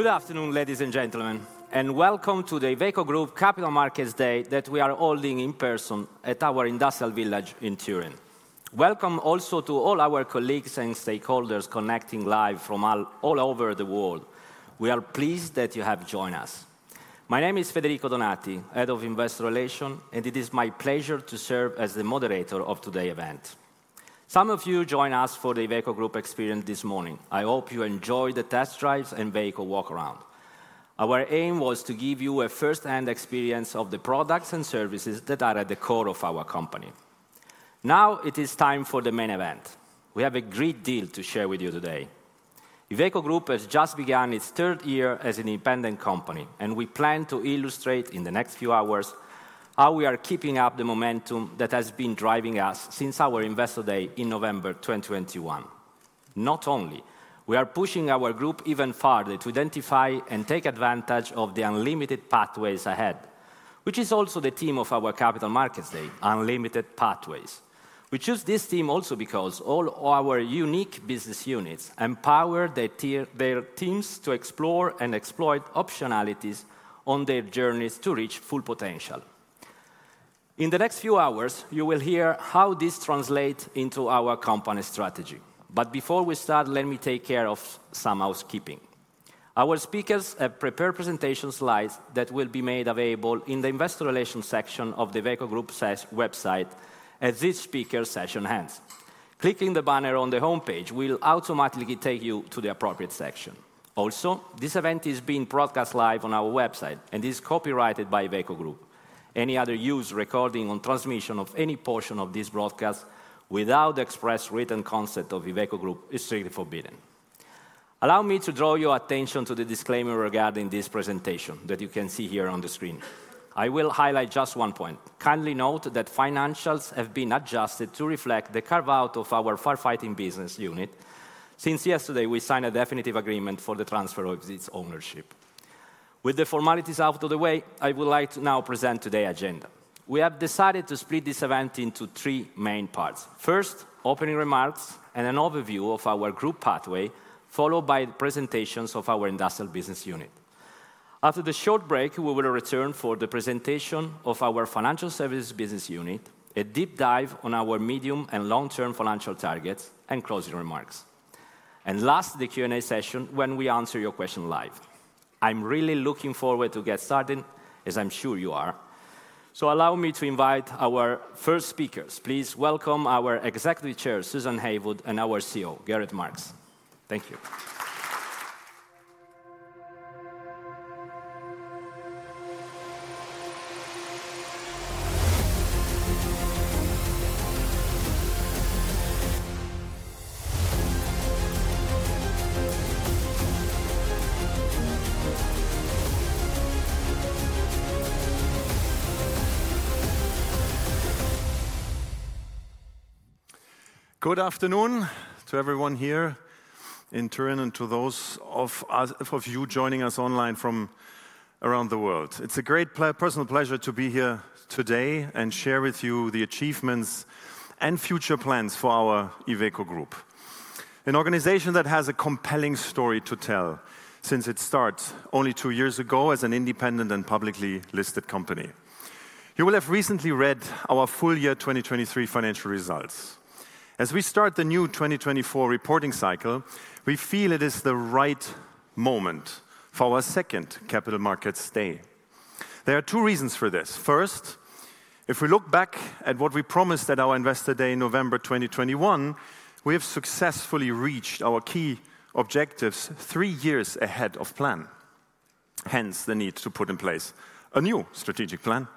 Good afternoon, ladies and gentlemen. Welcome to the Iveco Group Capital Markets Day that we are holding in person at our Industrial Village in Turin. Welcome also to all our colleagues and stakeholders connecting live from all over the world. We are pleased that you have joined us. My name is Federico Donati, Head of Investor Relations, and it is my pleasure to serve as the moderator of today's event. Some of you joined us for the Iveco Group experience this morning. I hope you enjoyed the test drives and vehicle walkaround. Our aim was to give you a firsthand experience of the products and services that are at the core of our company. Now it is time for the main event. We have a great deal to share with you today. Iveco Group has just begun its third year as an independent company, and we plan to illustrate in the next few hours how we are keeping up the momentum that has been driving us since our Investor Day in November 2021. Not only, we are pushing our group even farther to identify and take advantage of the Unlimited Pathways ahead, which is also the theme of our Capital Markets Day: Unlimited Pathways. We choose this theme also because all our unique business units empower their teams to explore and exploit optionalities on their journeys to reach full potential. In the next few hours, you will hear how this translates into our company strategy. But before we start, let me take care of some housekeeping. Our speakers have prepared presentation slides that will be made available in the Investor Relations section of the Iveco Group's website as this speaker session ends. Clicking the banner on the home page will automatically take you to the appropriate section. Also, this event is being broadcast live on our website, and it is copyrighted by Iveco Group. Any other use, recording, or transmission of any portion of this broadcast without the express written consent of Iveco Group is strictly forbidden. Allow me to draw your attention to the disclaimer regarding this presentation that you can see here on the screen. I will highlight just one point. Kindly note that financials have been adjusted to reflect the carve-out of our firefighting business unit since yesterday, we signed a definitive agreement for the transfer of its ownership. With the formalities out of the way, I would like to now present today's agenda. We have decided to split this event into three main parts: first, opening remarks, and an overview of our group pathway, followed by presentations of our industrial business unit. After the short break, we will return for the presentation of our Financial Services business unit, a deep dive on our medium and long-term financial targets, and closing remarks. And last, the Q&A session when we answer your questions live. I'm really looking forward to getting started, as I'm sure you are. So allow me to invite our first speakers. Please welcome our Executive Chair, Suzanne Heywood, and our CEO, Gerrit Marx. Thank you. Good afternoon to everyone here in Turin and to those of you joining us online from around the world. It's a great personal pleasure to be here today and share with you the achievements and future plans for our Iveco Group, an organization that has a compelling story to tell since it started only 2 years ago as an independent and publicly listed company. You will have recently read our full year 2023 financial results. As we start the new 2024 reporting cycle, we feel it is the right moment for our second Capital Markets Day. There are 2 reasons for this. First, if we look back at what we promised at our Investor Day in November 2021, we have successfully reached our key objectives 3 years ahead of plan, hence the need to put in place a new strategic plan.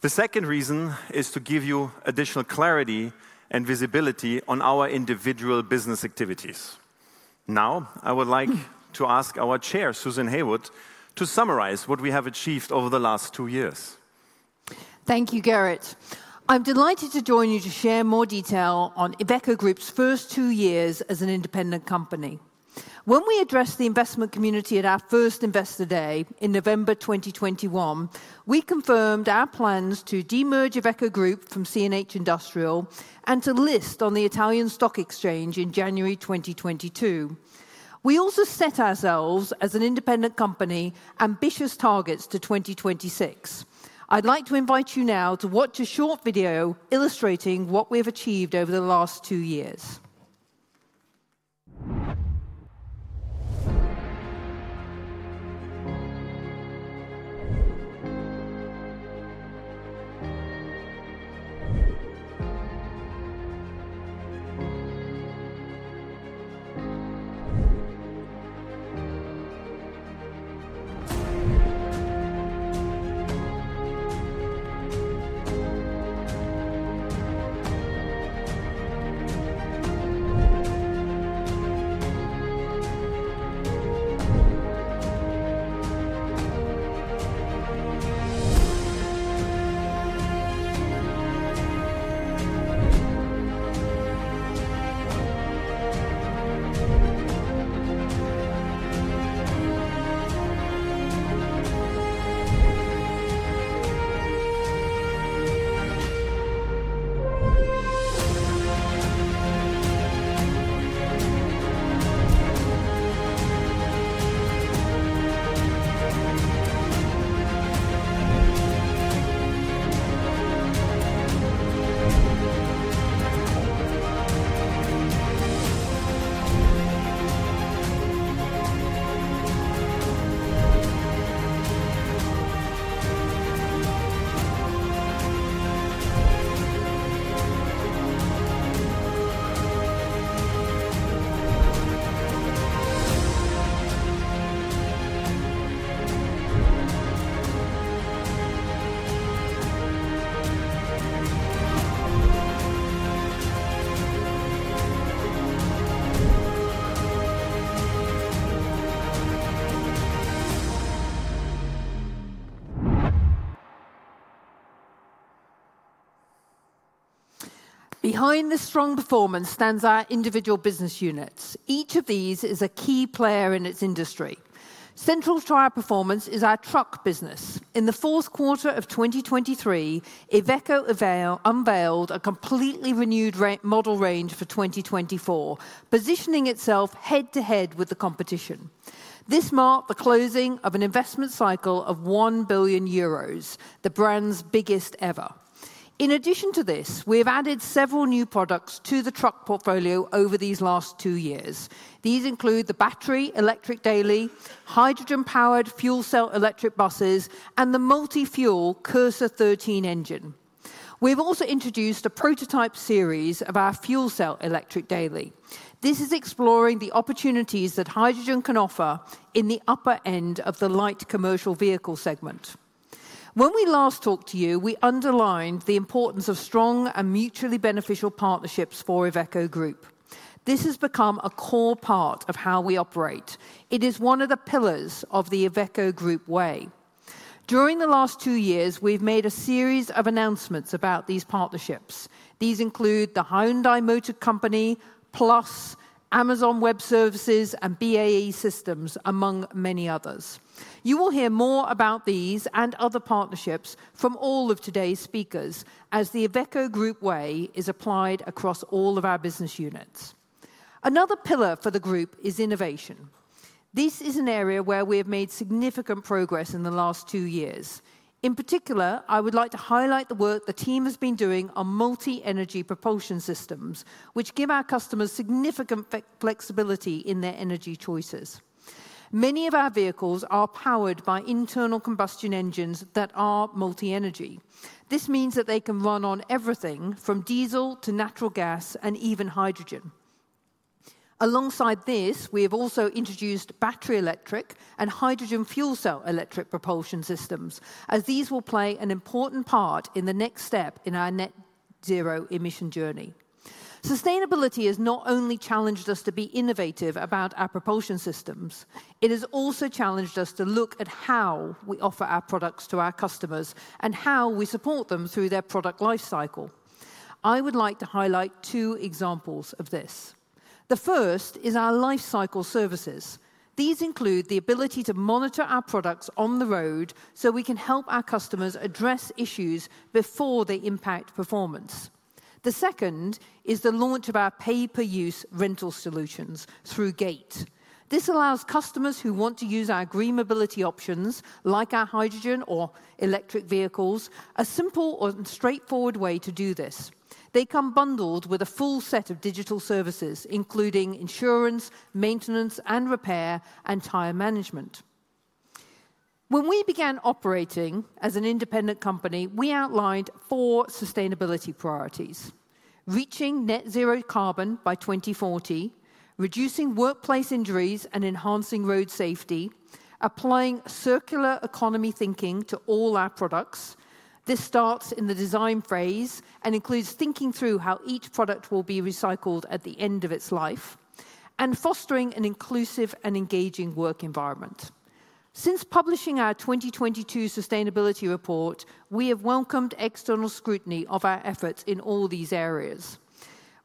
The second reason is to give you additional clarity and visibility on our individual business activities. Now I would like to ask our Chair, Suzanne Heywood, to summarize what we have achieved over the last two years. Thank you, Gerrit. I'm delighted to join you to share more detail on Iveco Group's first two years as an independent company. When we addressed the investment community at our first Investor Day in November 2021, we confirmed our plans to demerge Iveco Group from CNH Industrial and to list on the Italian Stock Exchange in January 2022. We also set ourselves, as an independent company, ambitious targets to 2026. I'd like to invite you now to watch a short video illustrating what we have achieved over the last two years. Behind this strong performance stands our individual business units. Each of these is a key player in its industry. Central to our performance is our truck business. In the fourth quarter of 2023, Iveco unveiled a completely renewed model range for 2024, positioning itself head-to-head with the competition. This marked the closing of an investment cycle of 1 billion euros, the brand's biggest ever. In addition to this, we have added several new products to the truck portfolio over these last two years. These include the battery electric Daily, hydrogen-powered fuel cell electric buses, and the multi-fuel Cursor 13 engine. We have also introduced a prototype series of our fuel cell electric Daily. This is exploring the opportunities that hydrogen can offer in the upper end of the light commercial vehicle segment. When we last talked to you, we underlined the importance of strong and mutually beneficial partnerships for Iveco Group. This has become a core part of how we operate. It is one of the pillars of the Iveco Group Way. During the last two years, we've made a series of announcements about these partnerships. These include the Hyundai Motor Company, Plus, Amazon Web Services, and BAE Systems, among many others. You will hear more about these and other partnerships from all of today's speakers as the Iveco Group Way is applied across all of our business units. Another pillar for the group is innovation. This is an area where we have made significant progress in the last two years. In particular, I would like to highlight the work the team has been doing on multi-energy propulsion systems, which give our customers significant flexibility in their energy choices. Many of our vehicles are powered by internal combustion engines that are multi-energy. This means that they can run on everything from diesel to natural gas and even hydrogen. Alongside this, we have also introduced battery electric and hydrogen fuel cell electric propulsion systems, as these will play an important part in the next step in our net-zero emission journey. Sustainability has not only challenged us to be innovative about our propulsion systems, it has also challenged us to look at how we offer our products to our customers and how we support them through their product lifecycle. I would like to highlight two examples of this. The first is our lifecycle services. These include the ability to monitor our products on the road so we can help our customers address issues before they impact performance. The second is the launch of our pay-per-use rental solutions through GATE. This allows customers who want to use our green mobility options, like our hydrogen or electric vehicles, a simple and straightforward way to do this. They come bundled with a full set of digital services, including insurance, maintenance and repair, and tire management. When we began operating as an independent company, we outlined four sustainability priorities: reaching net-zero carbon by 2040, reducing workplace injuries and enhancing road safety, applying circular economy thinking to all our products (this starts in the design phase and includes thinking through how each product will be recycled at the end of its life) and fostering an inclusive and engaging work environment. Since publishing our 2022 sustainability report, we have welcomed external scrutiny of our efforts in all these areas.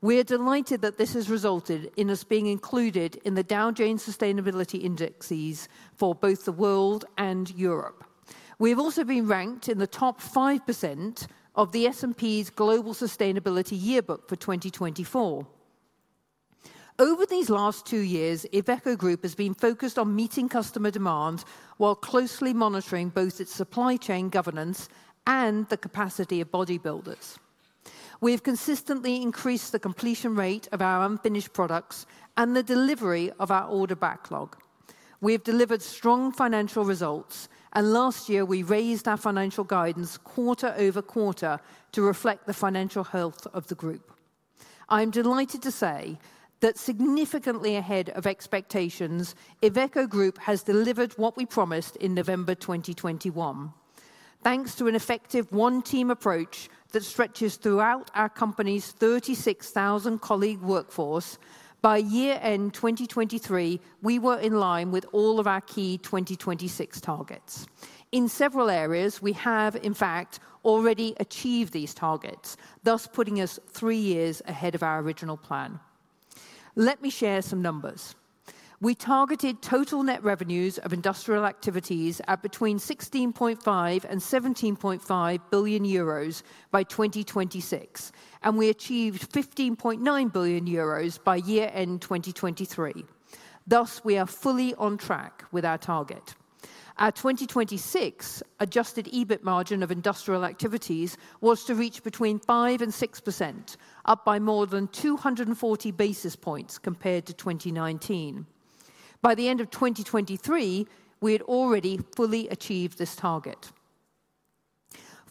We are delighted that this has resulted in us being included in the Dow Jones Sustainability Indices for both the world and Europe. We have also been ranked in the top 5% of the S&P's Global Sustainability Yearbook for 2024. Over these last two years, Iveco Group has been focused on meeting customer demands while closely monitoring both its supply chain governance and the capacity of bodybuilders. We have consistently increased the completion rate of our unfinished products and the delivery of our order backlog. We have delivered strong financial results, and last year we raised our financial guidance quarter-over-quarter to reflect the financial health of the group. I'm delighted to say that significantly ahead of expectations, Iveco Group has delivered what we promised in November 2021. Thanks to an effective one-team approach that stretches throughout our company's 36,000-colleague workforce, by year-end 2023 we were in line with all of our key 2026 targets. In several areas, we have, in fact, already achieved these targets, thus putting us three years ahead of our original plan. Let me share some numbers. We targeted total net revenues of industrial activities at between 16.5 billion and 17.5 billion euros by 2026, and we achieved 15.9 billion euros by year-end 2023. Thus, we are fully on track with our target. Our 2026 Adjusted EBIT margin of industrial activities was to reach between 5% and 6%, up by more than 240 basis points compared to 2019. By the end of 2023, we had already fully achieved this target.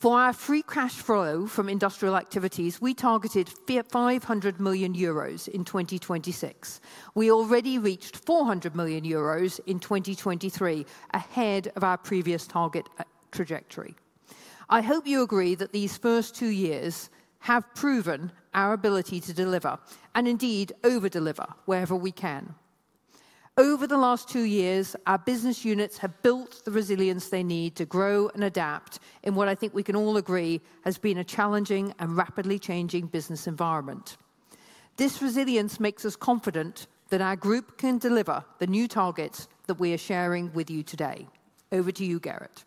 For our Free Cash Flow from industrial activities, we targeted 500 million euros in 2026. We already reached 400 million euros in 2023, ahead of our previous target trajectory. I hope you agree that these first two years have proven our ability to deliver, and indeed over-deliver, wherever we can. Over the last two years, our business units have built the resilience they need to grow and adapt in what I think we can all agree has been a challenging and rapidly changing business environment. This resilience makes us confident that our group can deliver the new targets that we are sharing with you today. Over to you, Gerrit.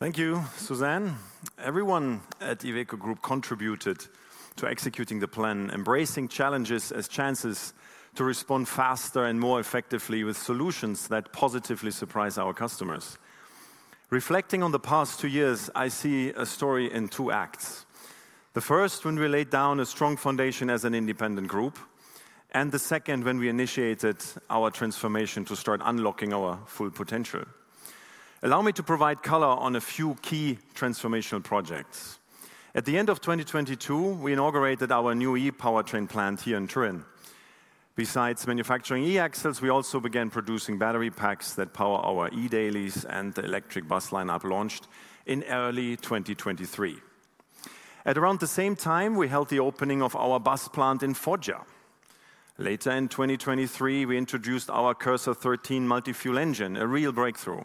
Thank you, Suzanne. Everyone at Iveco Group contributed to executing the plan, embracing challenges as chances to respond faster and more effectively with solutions that positively surprise our customers. Reflecting on the past two years, I see a story in two acts: the first when we laid down a strong foundation as an independent group, and the second when we initiated our transformation to start unlocking our full potential. Allow me to provide color on a few key transformational projects. At the end of 2022, we inaugurated our new e-powertrain plant here in Turin. Besides manufacturing e-axles, we also began producing battery packs that power our e-Dailies and the electric bus lineup launched in early 2023. At around the same time, we held the opening of our bus plant in Foggia. Later in 2023, we introduced our Cursor 13 multi-fuel engine, a real breakthrough.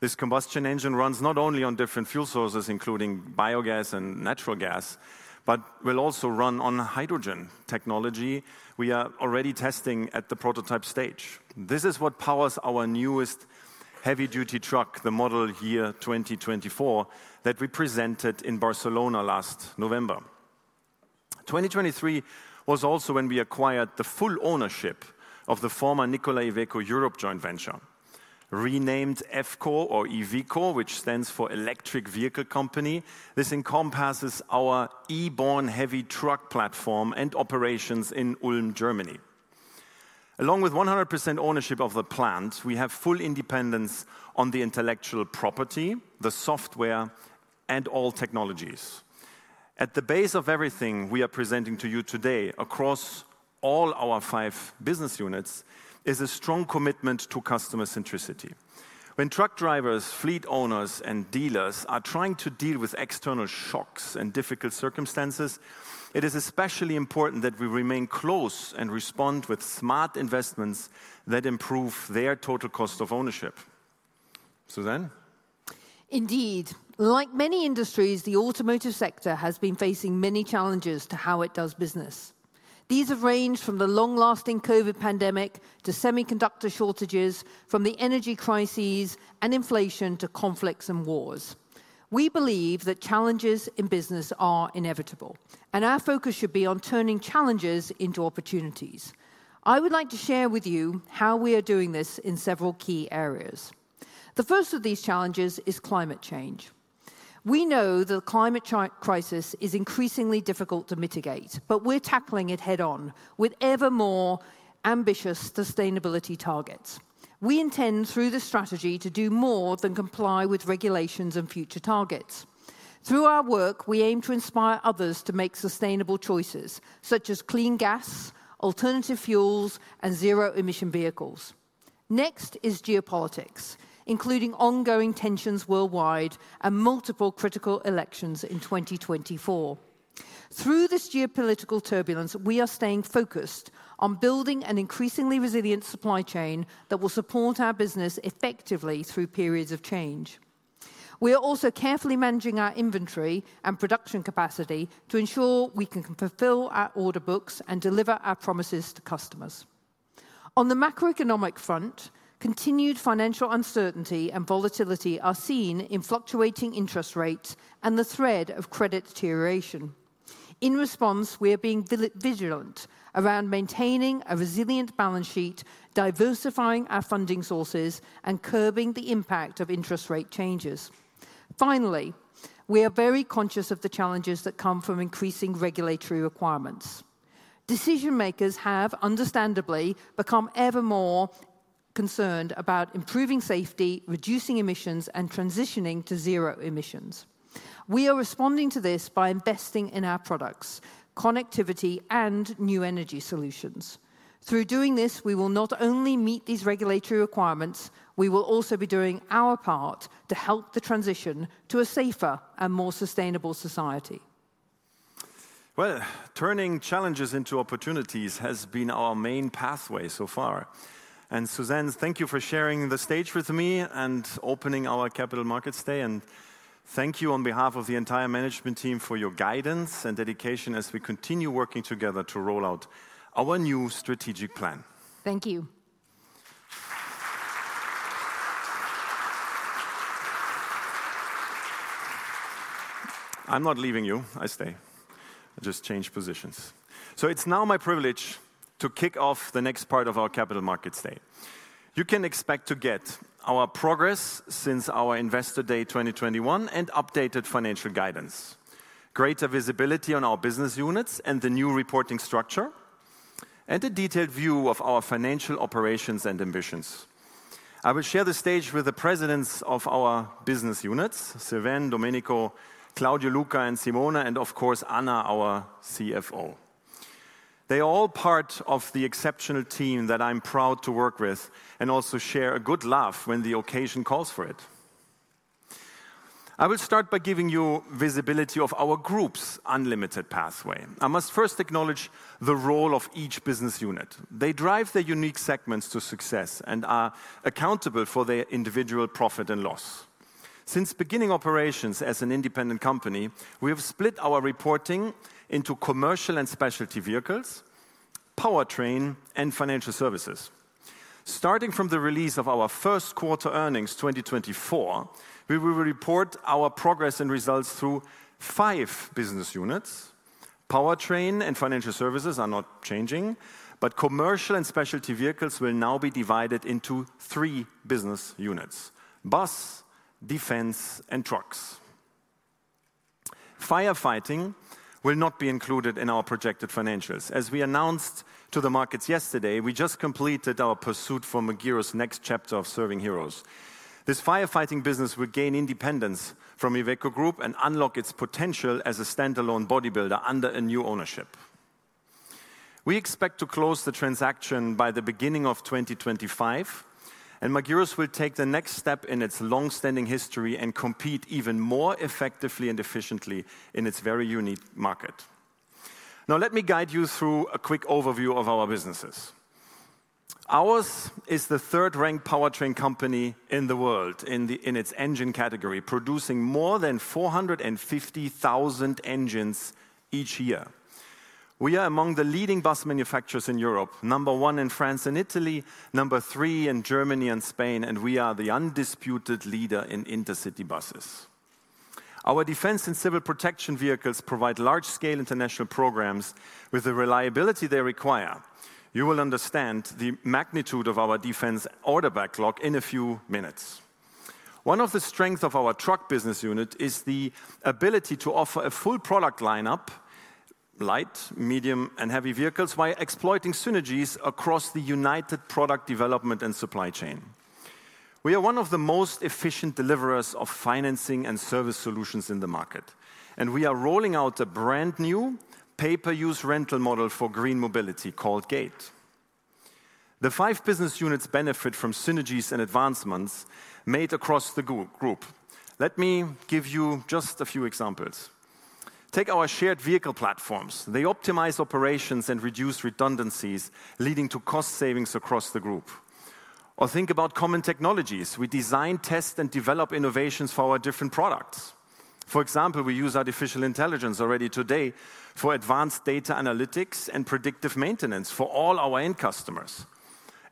This combustion engine runs not only on different fuel sources, including biogas and natural gas, but will also run on hydrogen technology we are already testing at the prototype stage. This is what powers our newest heavy-duty truck, the Model Year 2024, that we presented in Barcelona last November. 2023 was also when we acquired the full ownership of the former Nikola Iveco Europe joint venture. Renamed EVCO, which stands for Electric Vehicle Company, this encompasses our e-born heavy truck platform and operations in Ulm, Germany. Along with 100% ownership of the plant, we have full independence on the intellectual property, the software, and all technologies. At the base of everything we are presenting to you today across all our five business units is a strong commitment to customer centricity. When truck drivers, fleet owners, and dealers are trying to deal with external shocks and difficult circumstances, it is especially important that we remain close and respond with smart investments that improve their total cost of ownership. Suzanne? Indeed. Like many industries, the automotive sector has been facing many challenges to how it does business. These have ranged from the long-lasting COVID pandemic to semiconductor shortages, from the energy crises and inflation to conflicts and wars. We believe that challenges in business are inevitable, and our focus should be on turning challenges into opportunities. I would like to share with you how we are doing this in several key areas. The first of these challenges is climate change. We know the climate crisis is increasingly difficult to mitigate, but we're tackling it head-on with ever more ambitious sustainability targets. We intend, through this strategy, to do more than comply with regulations and future targets. Through our work, we aim to inspire others to make sustainable choices, such as clean gas, alternative fuels, and zero-emission vehicles. Next is geopolitics, including ongoing tensions worldwide and multiple critical elections in 2024. Through this geopolitical turbulence, we are staying focused on building an increasingly resilient supply chain that will support our business effectively through periods of change. We are also carefully managing our inventory and production capacity to ensure we can fulfill our order books and deliver our promises to customers. On the macroeconomic front, continued financial uncertainty and volatility are seen in fluctuating interest rates and the threat of credit deterioration. In response, we are being vigilant around maintaining a resilient balance sheet, diversifying our funding sources, and curbing the impact of interest rate changes. Finally, we are very conscious of the challenges that come from increasing regulatory requirements. Decision-makers have, understandably, become ever more concerned about improving safety, reducing emissions, and transitioning to zero emissions. We are responding to this by investing in our products, connectivity, and new energy solutions. Through doing this, we will not only meet these regulatory requirements, we will also be doing our part to help the transition to a safer and more sustainable society. Well, turning challenges into opportunities has been our main pathway so far. Suzanne, thank you for sharing the stage with me and opening our Capital Markets Day. Thank you on behalf of the entire management team for your guidance and dedication as we continue working together to roll out our new strategic plan. Thank you. I'm not leaving you. I stay. I just changed positions. It's now my privilege to kick off the next part of our Capital Markets Day. You can expect to get our progress since our Investor Day 2021 and updated financial guidance, greater visibility on our business units and the new reporting structure, and a detailed view of our financial operations and ambitions. I will share the stage with the presidents of our business units, Sylvain, Domenico, Claudio, Luca, and Simone, and of course Anna, our CFO. They are all part of the exceptional team that I'm proud to work with and also share a good laugh when the occasion calls for it. I will start by giving you visibility of our group's unlimited pathway. I must first acknowledge the role of each business unit. They drive their unique segments to success and are accountable for their individual profit and loss. Since beginning operations as an independent company, we have split our reporting into commercial and specialty vehicles, powertrain, and financial services. Starting from the release of our first quarter earnings 2024, we will report our progress and results through five business units. Powertrain and financial services are not changing, but commercial and specialty vehicles will now be divided into three business units: bus, defense, and trucks. Firefighting will not be included in our projected financials. As we announced to the markets yesterday, we just completed our pursuit for Magirus next chapter of Serving Heroes We expect to close the transaction by the beginning of 2025, and Magirus will take the next step in its longstanding history and compete even more effectively and efficiently in its very unique market. Now, let me guide you through a quick overview of our businesses. Ours is the third-ranked powertrain company in the world in its engine category, producing more than 450,000 engines each year. We are among the leading bus manufacturers in Europe, number 1 in France and Italy, number 3 in Germany and Spain, and we are the undisputed leader in intercity buses. Our defense and civil protection vehicles provide large-scale international programs with the reliability they require. You will understand the magnitude of our defense order backlog in a few minutes. One of the strengths of our Truck Business Unit is the ability to offer a full product lineup: light, medium, and heavy vehicles, while exploiting synergies across the unified product development and supply chain. We are one of the most efficient deliverers of financing and service solutions in the market, and we are rolling out a brand-new pay-per-use rental model for green mobility called GATE. The five business units benefit from synergies and advancements made across the group. Let me give you just a few examples. Take our shared vehicle platforms. They optimize operations and reduce redundancies, leading to cost savings across the group. Or think about common technologies. We design, test, and develop innovations for our different products. For example, we use artificial intelligence already today for advanced data analytics and predictive maintenance for all our end customers.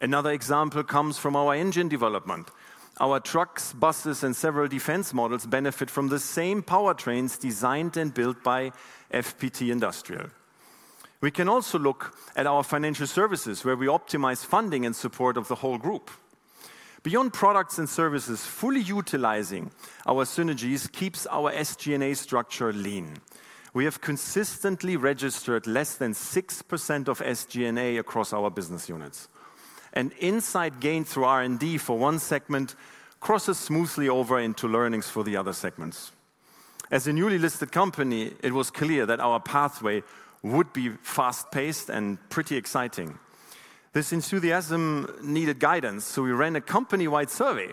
Another example comes from our engine development. Our trucks, buses, and several defense models benefit from the same powertrains designed and built by FPT Industrial. We can also look at our financial services, where we optimize funding and support of the whole group. Beyond products and services, fully utilizing our synergies keeps our SG&A structure lean. We have consistently registered less than 6% of SG&A across our business units. Insight gained through R&D for one segment crosses smoothly over into learnings for the other segments. As a newly listed company, it was clear that our pathway would be fast-paced and pretty exciting. This enthusiasm needed guidance, so we ran a company-wide survey,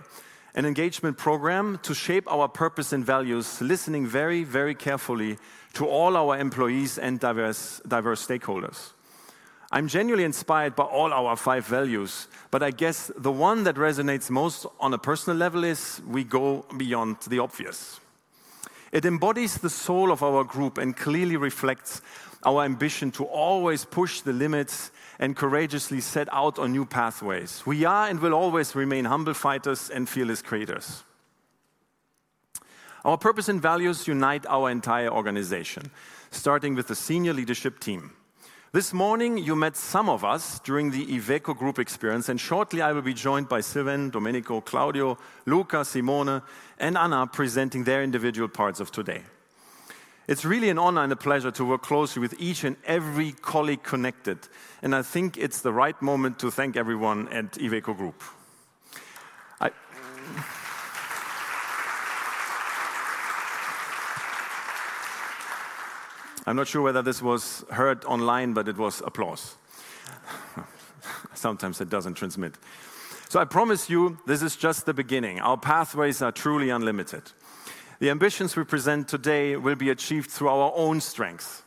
an engagement program to shape our purpose and values, listening very, very carefully to all our employees and diverse stakeholders. I'm genuinely inspired by all our five values, but I guess the one that resonates most on a personal level is we go beyond the obvious. It embodies the soul of our group and clearly reflects our ambition to always push the limits and courageously set out on new pathways. We are and will always remain humble fighters and fearless creators. Our purpose and values unite our entire organization, starting with the senior leadership team. This morning, you met some of us during the Iveco Group experience, and shortly, I will be joined by Sylvain, Domenico, Claudio, Luca, Simone, and Anna, presenting their individual parts of today. It's really an honor and a pleasure to work closely with each and every colleague connected, and I think it's the right moment to thank everyone at Iveco Group. I'm not sure whether this was heard online, but it was applause. Sometimes it doesn't transmit. So I promise you, this is just the beginning. Our pathways are truly unlimited. The ambitions we present today will be achieved through our own strengths.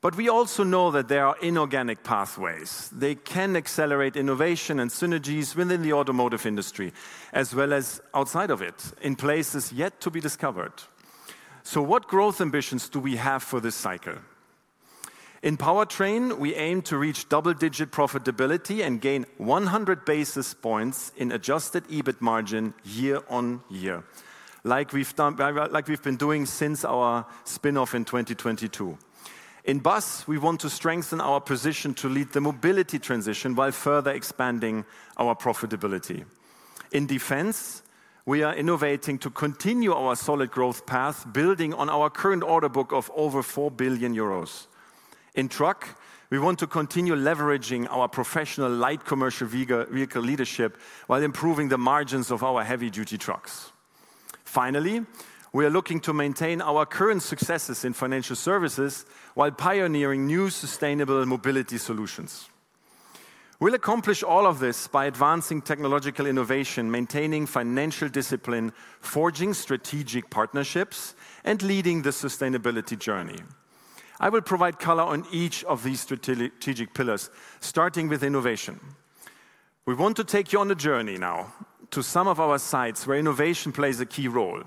But we also know that there are inorganic pathways. They can accelerate innovation and synergies within the automotive industry, as well as outside of it, in places yet to be discovered. So what growth ambitions do we have for this cycle? In powertrain, we aim to reach double-digit profitability and gain 100 basis points in adjusted EBIT margin year-on-year, like we've been doing since our spinoff in 2022. In bus, we want to strengthen our position to lead the mobility transition while further expanding our profitability. In defense, we are innovating to continue our solid growth path, building on our current order book of over 4 billion euros. In truck, we want to continue leveraging our professional light commercial vehicle leadership while improving the margins of our heavy-duty trucks. Finally, we are looking to maintain our current successes in financial services while pioneering new sustainable mobility solutions. We'll accomplish all of this by advancing technological innovation, maintaining financial discipline, forging strategic partnerships, and leading the sustainability journey. I will provide color on each of these strategic pillars, starting with innovation. We want to take you on a journey now to some of our sites where innovation plays a key role.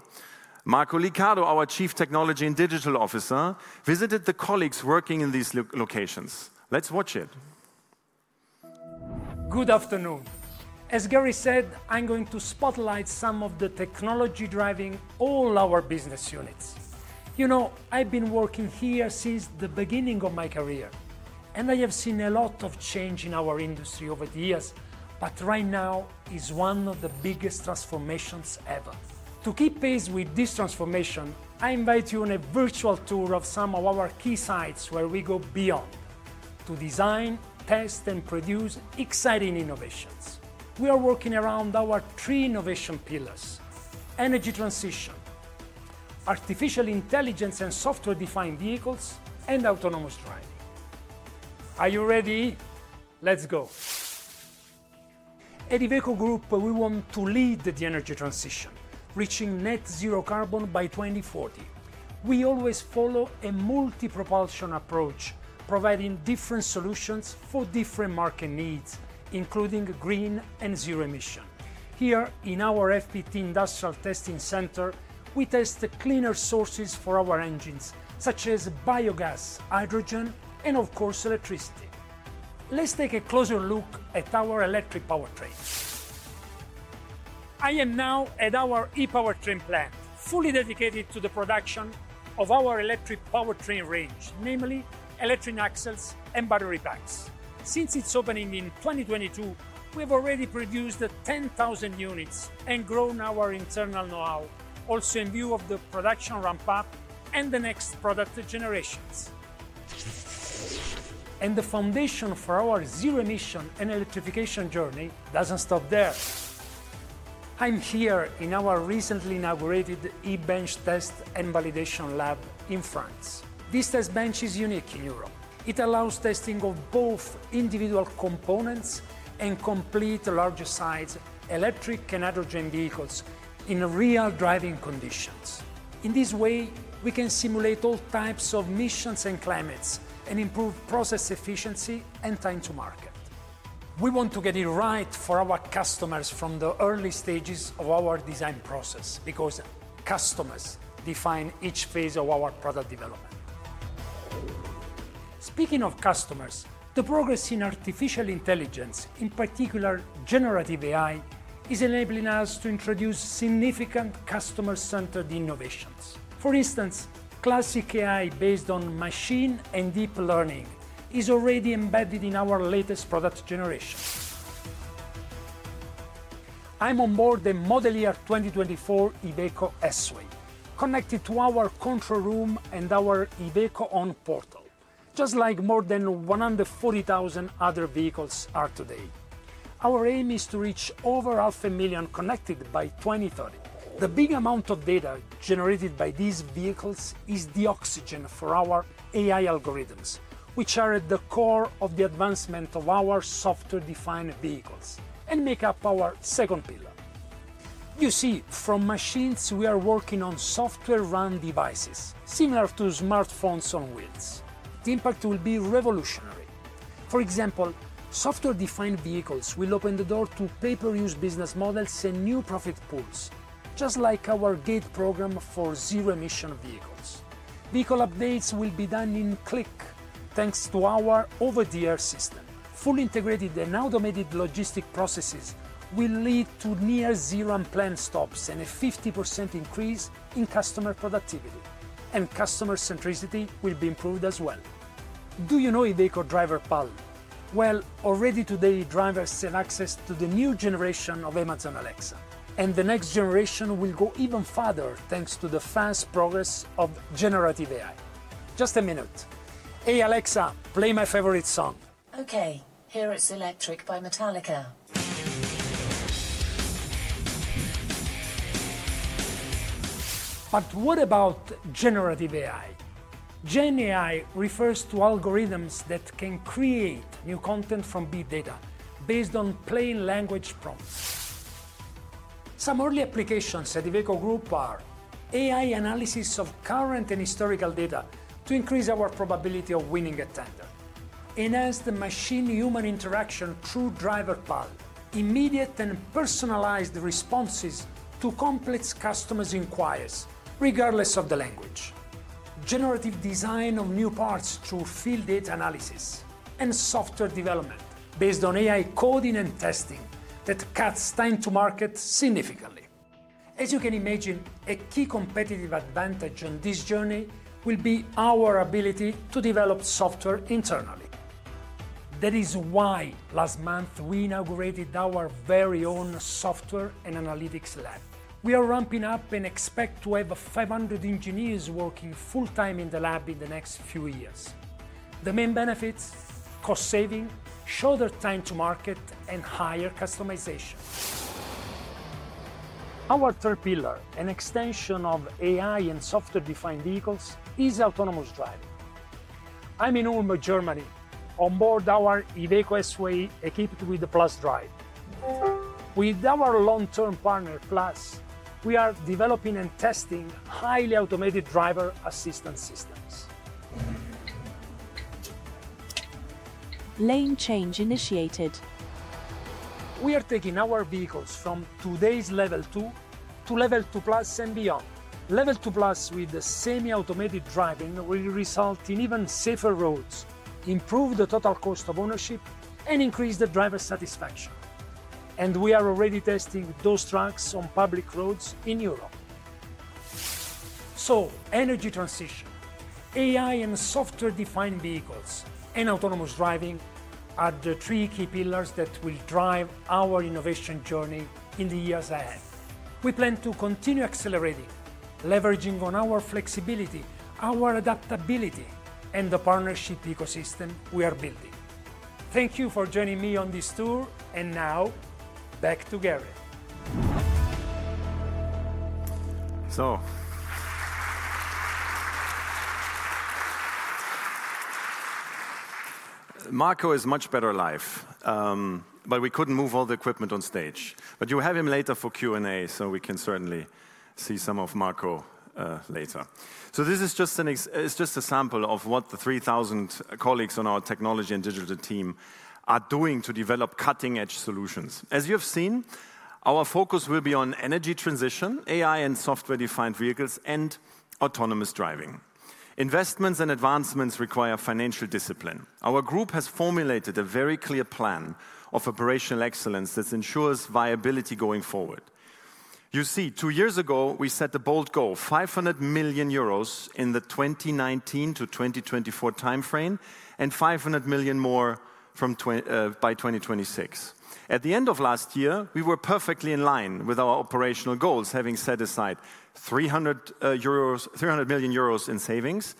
Marco Liccardo, our Chief Technology and Digital Officer, visited the colleagues working in these locations. Let's watch it. Good afternoon. As Gerrit said, I'm going to spotlight some of the technology driving all our business units. You know, I've been working here since the beginning of my career, and I have seen a lot of change in our industry over the years, but right now is one of the biggest transformations ever. To keep pace with this transformation, I invite you on a virtual tour of some of our key sites where we go beyond to design, test, and produce exciting innovations. We are working around our three innovation pillars: energy transition, artificial intelligence and software-defined vehicles, and autonomous driving. Are you ready? Let's go. At Iveco Group, we want to lead the energy transition, reaching net-zero carbon by 2040. We always follow a multi-propulsion approach, providing different solutions for different market needs, including green and zero emission. Here, in our FPT Industrial Testing Center, we test cleaner sources for our engines, such as biogas, hydrogen, and of course, electricity. Let's take a closer look at our electric powertrains. I am now at our e-Powertrain plant, fully dedicated to the production of our electric powertrain range, namely electric axles and battery packs. Since its opening in 2022, we have already produced 10,000 units and grown our internal know-how, also in view of the production ramp-up and the next product generations. The foundation for our zero-emission and electrification journey doesn't stop there. I'm here in our recently inaugurated e-bench test and validation lab in France. This test bench is unique in Europe. It allows testing of both individual components and complete, larger-sized electric and hydrogen vehicles in real driving conditions. In this way, we can simulate all types of missions and climates and improve process efficiency and time to market. We want to get it right for our customers from the early stages of our design process because customers define each phase of our product development. Speaking of customers, the progress in artificial intelligence, in particular generative AI, is enabling us to introduce significant customer-centered innovations. For instance, classic AI based on machine and deep learning is already embedded in our latest product generation. I'm on board the Model Year 2024 Iveco S-Way, connected to our control room and our Iveco ON portal, just like more than 140,000 other vehicles are today. Our aim is to reach over 500,000 connected by 2030. The big amount of data generated by these vehicles is the oxygen for our AI algorithms, which are at the core of the advancement of our software-defined vehicles and make up our second pillar. You see, from machines, we are working on software-defined devices, similar to smartphones on wheels. The impact will be revolutionary. For example, software-defined vehicles will open the door to pay-per-use business models and new profit pools, just like our GATE program for zero-emission vehicles. Vehicle updates will be done in a click, thanks to our over-the-air system. Fully integrated and automated logistic processes will lead to near-zero unplanned stops and a 50% increase in customer productivity, and customer centricity will be improved as well. Do you know Iveco Driver Pal? Well, already today, drivers have access to the new generation of Amazon Alexa, and the next generation will go even farther thanks to the fast progress of Generative AI. Just a minute. Hey, Alexa, play my favorite song. OK, here it's electric by Metallica. But what about generative AI? GenAI refers to algorithms that can create new content from big data based on plain language prompts. Some early applications at Iveco Group are AI analysis of current and historical data to increase our probability of winning a tender, enhanced machine-human interaction through Driver Pal, immediate and personalized responses to complex customers' inquiries, regardless of the language, generative design of new parts through field data analysis, and software development based on AI coding and testing that cuts time to market significantly. As you can imagine, a key competitive advantage on this journey will be our ability to develop software internally. That is why last month, we inaugurated our very own software and analytics lab. We are ramping up and expect to have 500 engineers working full-time in the lab in the next few years. The main benefits? Cost saving, shorter time to market, and higher customization. Our third pillar, an extension of AI and software-defined vehicles, is autonomous driving. I'm in Ulm, Germany, on board our Iveco S-Way equipped with the PlusDrive. With our long-term partner Plus, we are developing and testing highly automated driver assistance systems. Lane change initiated. We are taking our vehicles from today's Level 2 to Level 2+ and beyond. Level 2+, with the semi-automated driving, will result in even safer roads, improve the total cost of ownership, and increase the driver satisfaction. We are already testing those trucks on public roads in Europe. Energy transition, AI and software-defined vehicles, and autonomous driving are the three key pillars that will drive our innovation journey in the years ahead. We plan to continue accelerating, leveraging on our flexibility, our adaptability, and the partnership ecosystem we are building. Thank you for joining me on this tour, and now, back to Gerrit. Marco has a much better life, but we couldn't move all the equipment on stage. You'll have him later for Q&A, so we can certainly see some of Marco later. This is just a sample of what the 3,000 colleagues on our technology and digital team are doing to develop cutting-edge solutions. As you have seen, our focus will be on energy transition, AI and software-defined vehicles, and autonomous driving. Investments and advancements require financial discipline. Our group has formulated a very clear plan of operational excellence that ensures viability going forward. You see, two years ago, we set a bold goal: 500 million euros in the 2019 to 2024 time frame, and 500 million more by 2026. At the end of last year, we were perfectly in line with our operational goals, having set aside 300 million euros in savings.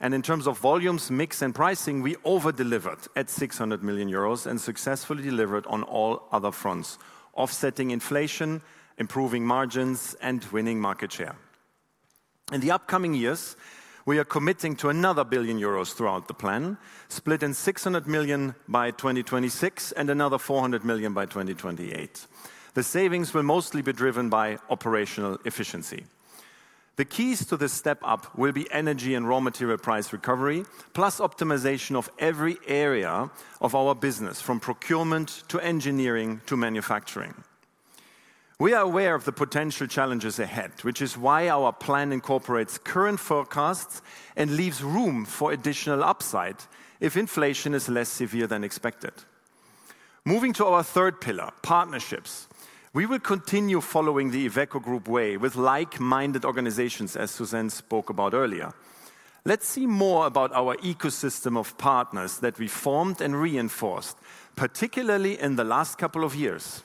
In terms of volumes, mix, and pricing, we overdelivered at 600 million euros and successfully delivered on all other fronts, offsetting inflation, improving margins, and winning market share. In the upcoming years, we are committing to another 1 billion euros throughout the plan, split in 600 million by 2026 and another 400 million by 2028. The savings will mostly be driven by operational efficiency. The keys to this step up will be energy and raw material price recovery, plus optimization of every area of our business, from procurement to engineering to manufacturing. We are aware of the potential challenges ahead, which is why our plan incorporates current forecasts and leaves room for additional upside if inflation is less severe than expected. Moving to our third pillar, partnerships, we will continue following the Iveco Group way with like-minded organizations, as Suzanne spoke about earlier. Let's see more about our ecosystem of partners that we formed and reinforced, particularly in the last couple of years.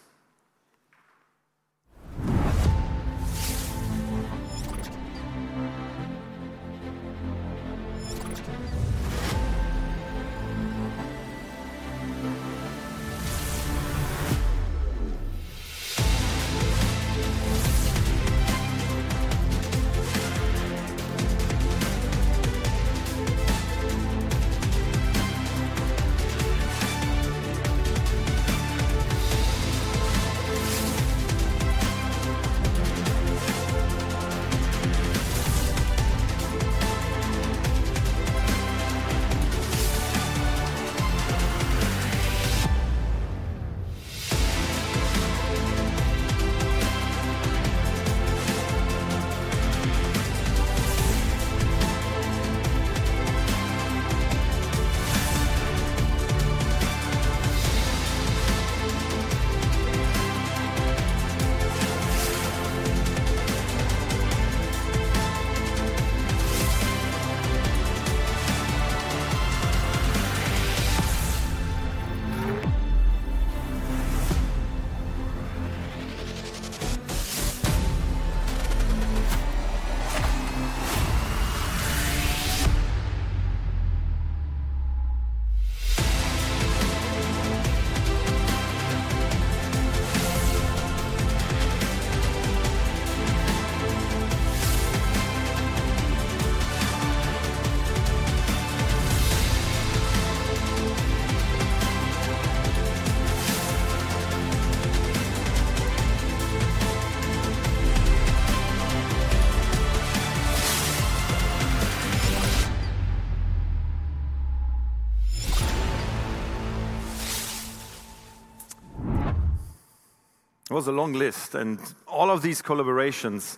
It was a long list, and all of these collaborations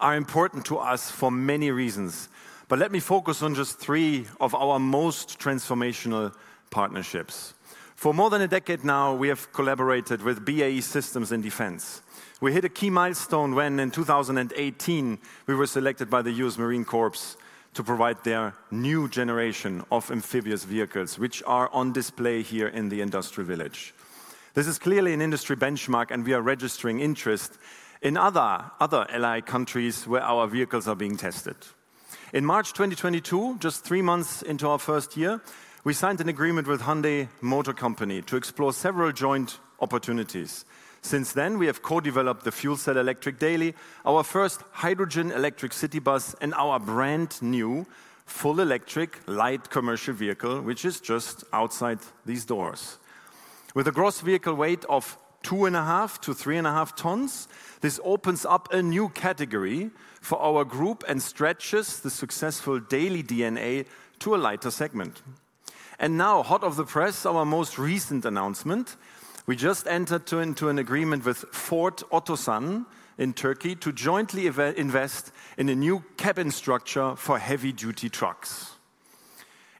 are important to us for many reasons. But let me focus on just 3 of our most transformational partnerships. For more than a decade now, we have collaborated with BAE Systems in Defense. We hit a key milestone when, in 2018, we were selected by the U.S. Marine Corps to provide their new generation of amphibious vehicles, which are on display here in the Industry Village. This is clearly an industry benchmark, and we are registering interest in other allied countries where our vehicles are being tested. In March 2022, just 3 months into our first year, we signed an agreement with Hyundai Motor Company to explore several joint opportunities. Since then, we have co-developed the Fuel Cell Electric Daily, our first hydrogen electric city bus, and our brand-new full-electric light commercial vehicle, which is just outside these doors. With a gross vehicle weight of 2.5-3.5 tons, this opens up a new category for our group and stretches the successful Daily DNA to a lighter segment. And now, hot off the press, our most recent announcement: we just entered into an agreement with Ford Otosan in Turkey to jointly invest in a new cabin structure for heavy-duty trucks.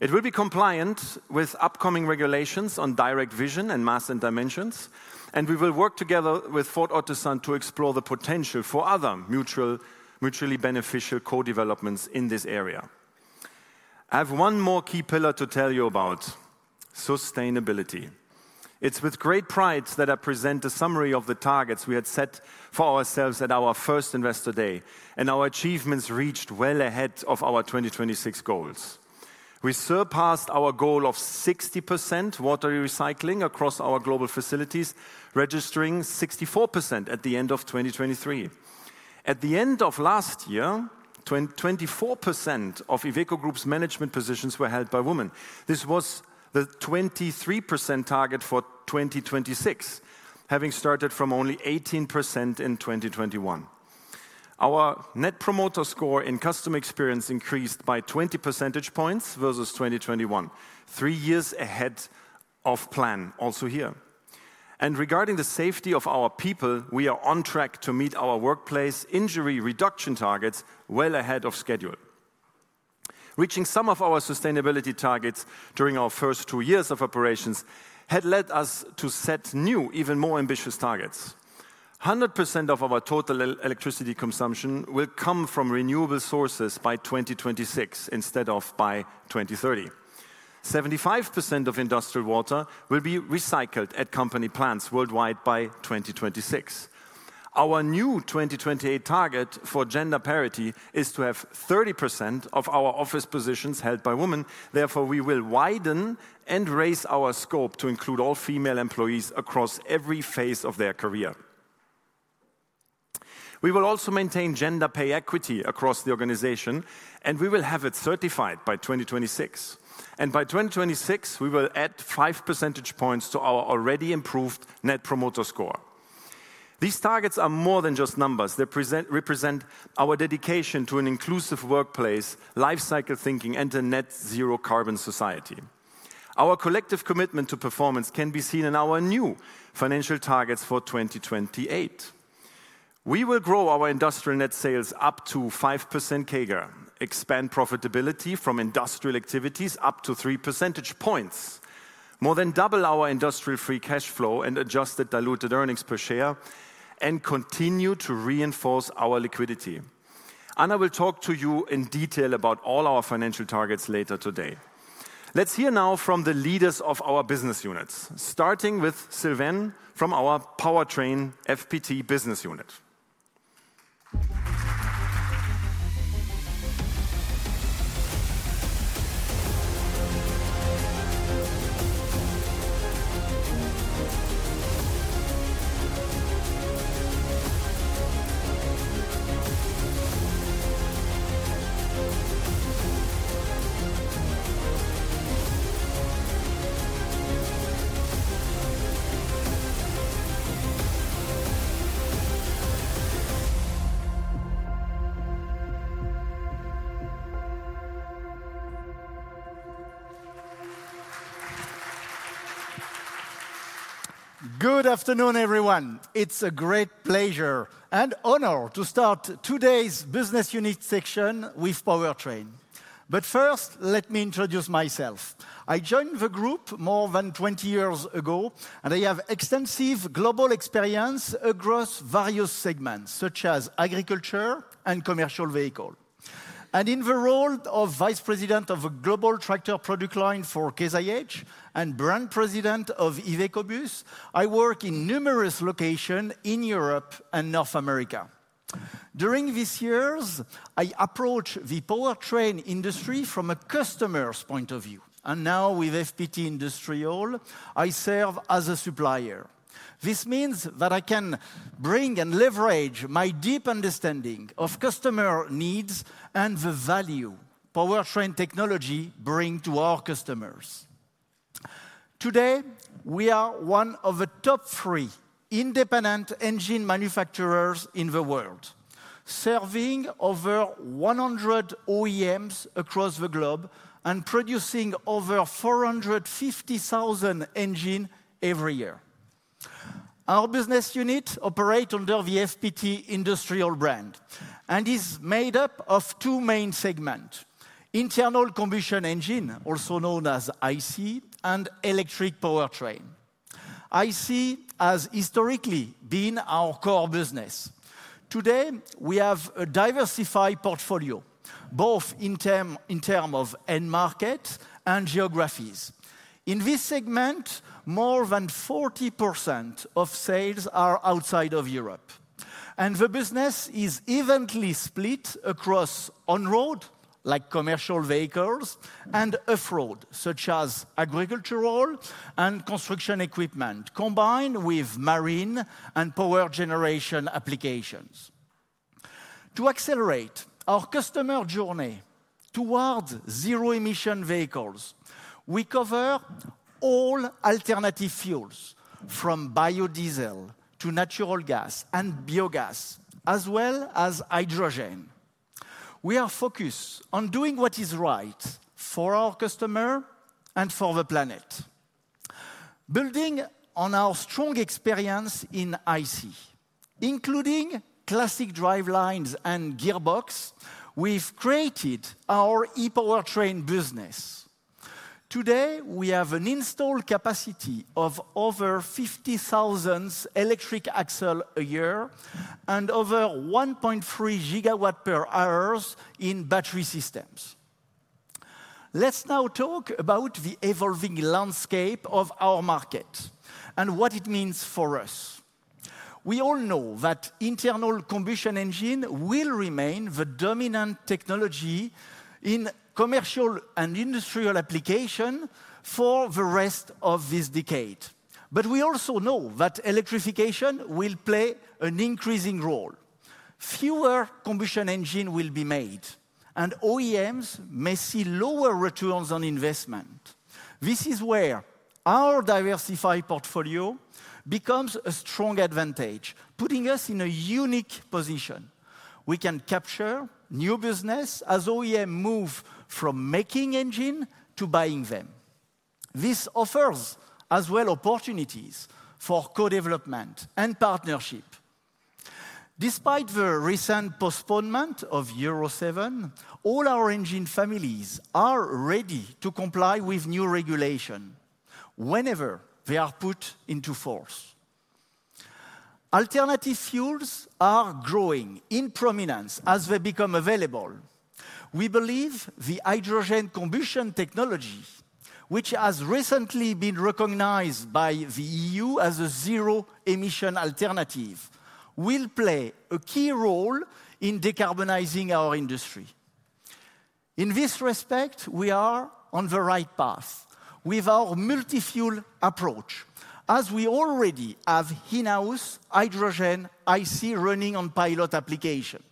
It will be compliant with upcoming regulations on direct vision and mass and dimensions, and we will work together with Ford Otosan to explore the potential for other mutually beneficial co-developments in this area. I have one more key pillar to tell you about: sustainability. It's with great pride that I present a summary of the targets we had set for ourselves at our first investor day, and our achievements reached well ahead of our 2026 goals. We surpassed our goal of 60% water recycling across our global facilities, registering 64% at the end of 2023. At the end of last year, 24% of Iveco Group's management positions were held by women. This was the 23% target for 2026, having started from only 18% in 2021. Our net promoter score in customer experience increased by 20 percentage points versus 2021, three years ahead of plan also here. Regarding the safety of our people, we are on track to meet our workplace injury reduction targets well ahead of schedule. Reaching some of our sustainability targets during our first two years of operations had led us to set new, even more ambitious targets. 100% of our total electricity consumption will come from renewable sources by 2026 instead of by 2030. 75% of industrial water will be recycled at company plants worldwide by 2026. Our new 2028 target for gender parity is to have 30% of our office positions held by women. Therefore, we will widen and raise our scope to include all female employees across every phase of their career. We will also maintain gender pay equity across the organization, and we will have it certified by 2026. And by 2026, we will add 5 percentage points to our already improved net promoter score. These targets are more than just numbers. They represent our dedication to an inclusive workplace, lifecycle thinking, and a net-zero carbon society. Our collective commitment to performance can be seen in our new financial targets for 2028. We will grow our industrial net sales up to 5% CAGR, expand profitability from industrial activities up to 3 percentage points, more than double our industrial free cash flow and adjusted diluted earnings per share, and continue to reinforce our liquidity. Anna will talk to you in detail about all our financial targets later today. Let's hear now from the leaders of our business units, starting with Sylvain from our Powertrain FPT business unit. Good afternoon, everyone. It's a great pleasure and honor to start today's business unit section with Powertrain. But first, let me introduce myself. I joined the group more than 20 years ago, and I have extensive global experience across various segments, such as agriculture and commercial vehicles. In the role of Vice President of the Global Tractor Product Line for Case IH and Brand President of Iveco Bus, I work in numerous locations in Europe and North America. During these years, I approached the Powertrain industry from a customer's point of view. Now, with FPT Industrial, I serve as a supplier. This means that I can bring and leverage my deep understanding of customer needs and the value Powertrain technology brings to our customers. Today, we are one of the top three independent engine manufacturers in the world, serving over 100 OEMs across the globe and producing over 450,000 engines every year. Our business unit operates under the FPT Industrial brand and is made up of two main segments: internal combustion engine, also known as IC, and electric Powertrain. IC has historically been our core business. Today, we have a diversified portfolio, both in terms of end markets and geographies. In this segment, more than 40% of sales are outside of Europe. The business is evenly split across on-road, like commercial vehicles, and off-road, such as agricultural and construction equipment, combined with marine and power generation applications. To accelerate our customer journey towards zero-emission vehicles, we cover all alternative fuels, from biodiesel to natural gas and biogas, as well as hydrogen. We are focused on doing what is right for our customer and for the planet. Building on our strong experience in IC, including classic drivelines and gearboxes, we've created our e-Powertrain business. Today, we have an installed capacity of over 50,000 electric axles a year and over 1.3 gigawatts per hour in battery systems. Let's now talk about the evolving landscape of our market and what it means for us. We all know that internal combustion engines will remain the dominant technology in commercial and industrial applications for the rest of this decade. But we also know that electrification will play an increasing role. Fewer combustion engines will be made, and OEMs may see lower returns on investment. This is where our diversified portfolio becomes a strong advantage, putting us in a unique position. We can capture new business as OEMs move from making engines to buying them. This offers as well opportunities for co-development and partnership. Despite the recent postponement of Euro 7, all our engine families are ready to comply with new regulations whenever they are put into force. Alternative fuels are growing in prominence as they become available. We believe the hydrogen combustion technology, which has recently been recognized by the EU as a zero-emission alternative, will play a key role in decarbonizing our industry. In this respect, we are on the right path with our multi-fuel approach, as we already have in-house hydrogen IC running on pilot applications.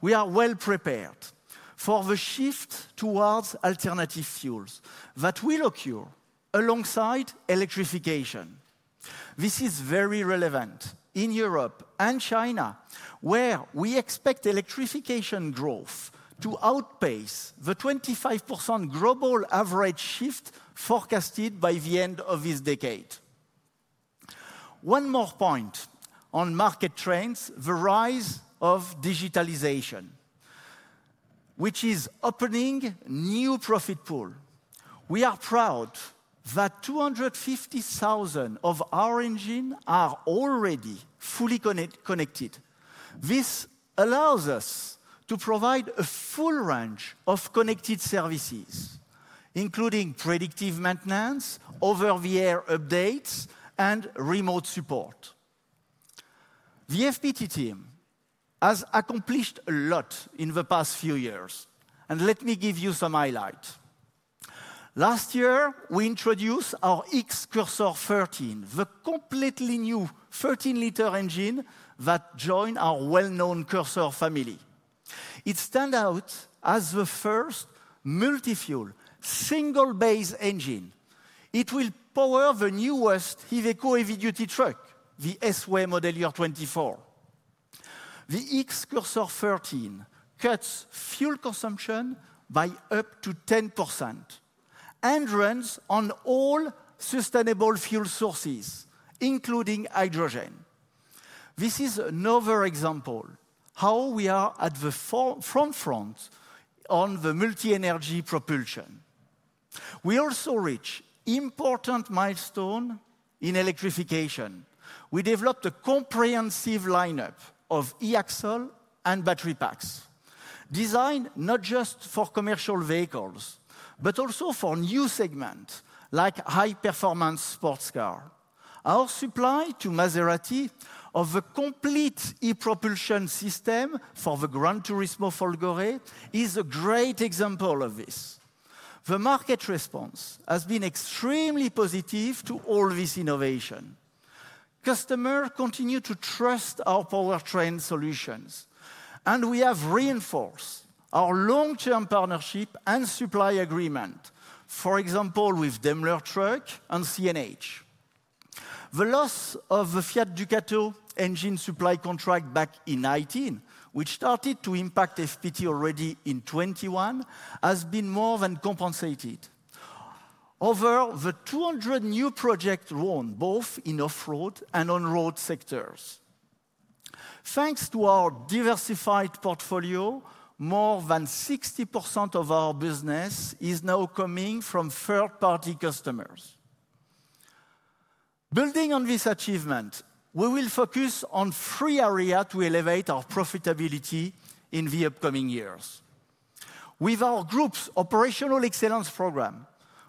We are well prepared for the shift towards alternative fuels that will occur alongside electrification. This is very relevant in Europe and China, where we expect electrification growth to outpace the 25% global average shift forecasted by the end of this decade. One more point on market trends: the rise of digitalization, which is opening a new profit pool. We are proud that 250,000 of our engines are already fully connected. This allows us to provide a full range of connected services, including predictive maintenance, over-the-air updates, and remote support. The FPT team has accomplished a lot in the past few years, and let me give you some highlights. Last year, we introduced our X-Cursor 13, the completely new 13-liter engine that joined our well-known Cursor family. It stands out as the first multi-fuel, single-based engine. It will power the newest Iveco heavy-duty truck, the S-Way model year 2024. The X-Cursor 13 cuts fuel consumption by up to 10% and runs on all sustainable fuel sources, including hydrogen. This is another example of how we are at the forefront on the multi-energy propulsion. We also reached an important milestone in electrification. We developed a comprehensive lineup of e-axles and battery packs, designed not just for commercial vehicles but also for new segments like high-performance sports cars. Our supply to Maserati of the complete e-propulsion system for the GranTurismo Folgore is a great example of this. The market response has been extremely positive to all this innovation. Customers continue to trust our Powertrain solutions, and we have reinforced our long-term partnership and supply agreement, for example, with Daimler Truck and CNH. The loss of the Fiat Ducato engine supply contract back in 2019, which started to impact FPT already in 2021, has been more than compensated. Over the 200 new projects run both in off-road and on-road sectors. Thanks to our diversified portfolio, more than 60% of our business is now coming from third-party customers. Building on this achievement, we will focus on three areas to elevate our profitability in the upcoming years. With our group's Operational Excellence Program,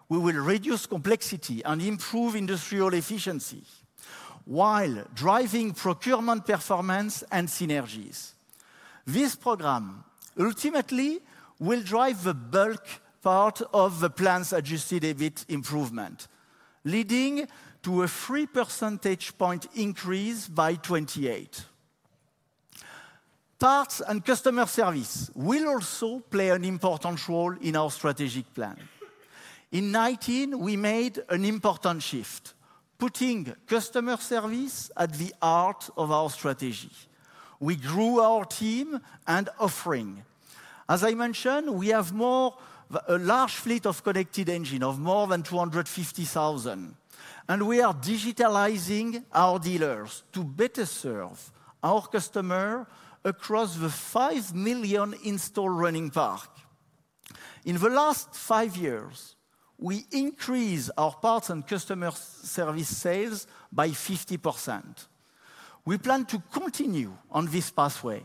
we will reduce complexity and improve industrial efficiency while driving procurement performance and synergies. This program ultimately will drive the bulk part of the plans' Adjusted EBIT improvement, leading to a 3 percentage point increase by 2028. Parts and customer service will also play an important role in our strategic plan. In 2019, we made an important shift, putting customer service at the heart of our strategy. We grew our team and offerings. As I mentioned, we have a large fleet of connected engines of more than 250,000, and we are digitalizing our dealers to better serve our customers across the 5 million installed running parks. In the last five years, we increased our parts and customer service sales by 50%. We plan to continue on this pathway,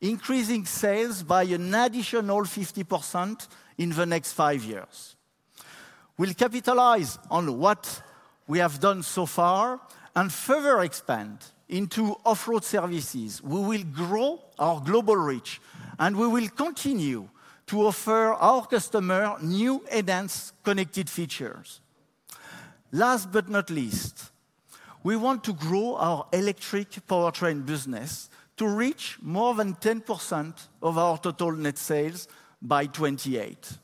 increasing sales by an additional 50% in the next five years. We'll capitalize on what we have done so far and further expand into off-road services. We will grow our global reach, and we will continue to offer our customers new advanced connected features. Last but not least, we want to grow our electric Powertrain business to reach more than 10% of our total net sales by 2028.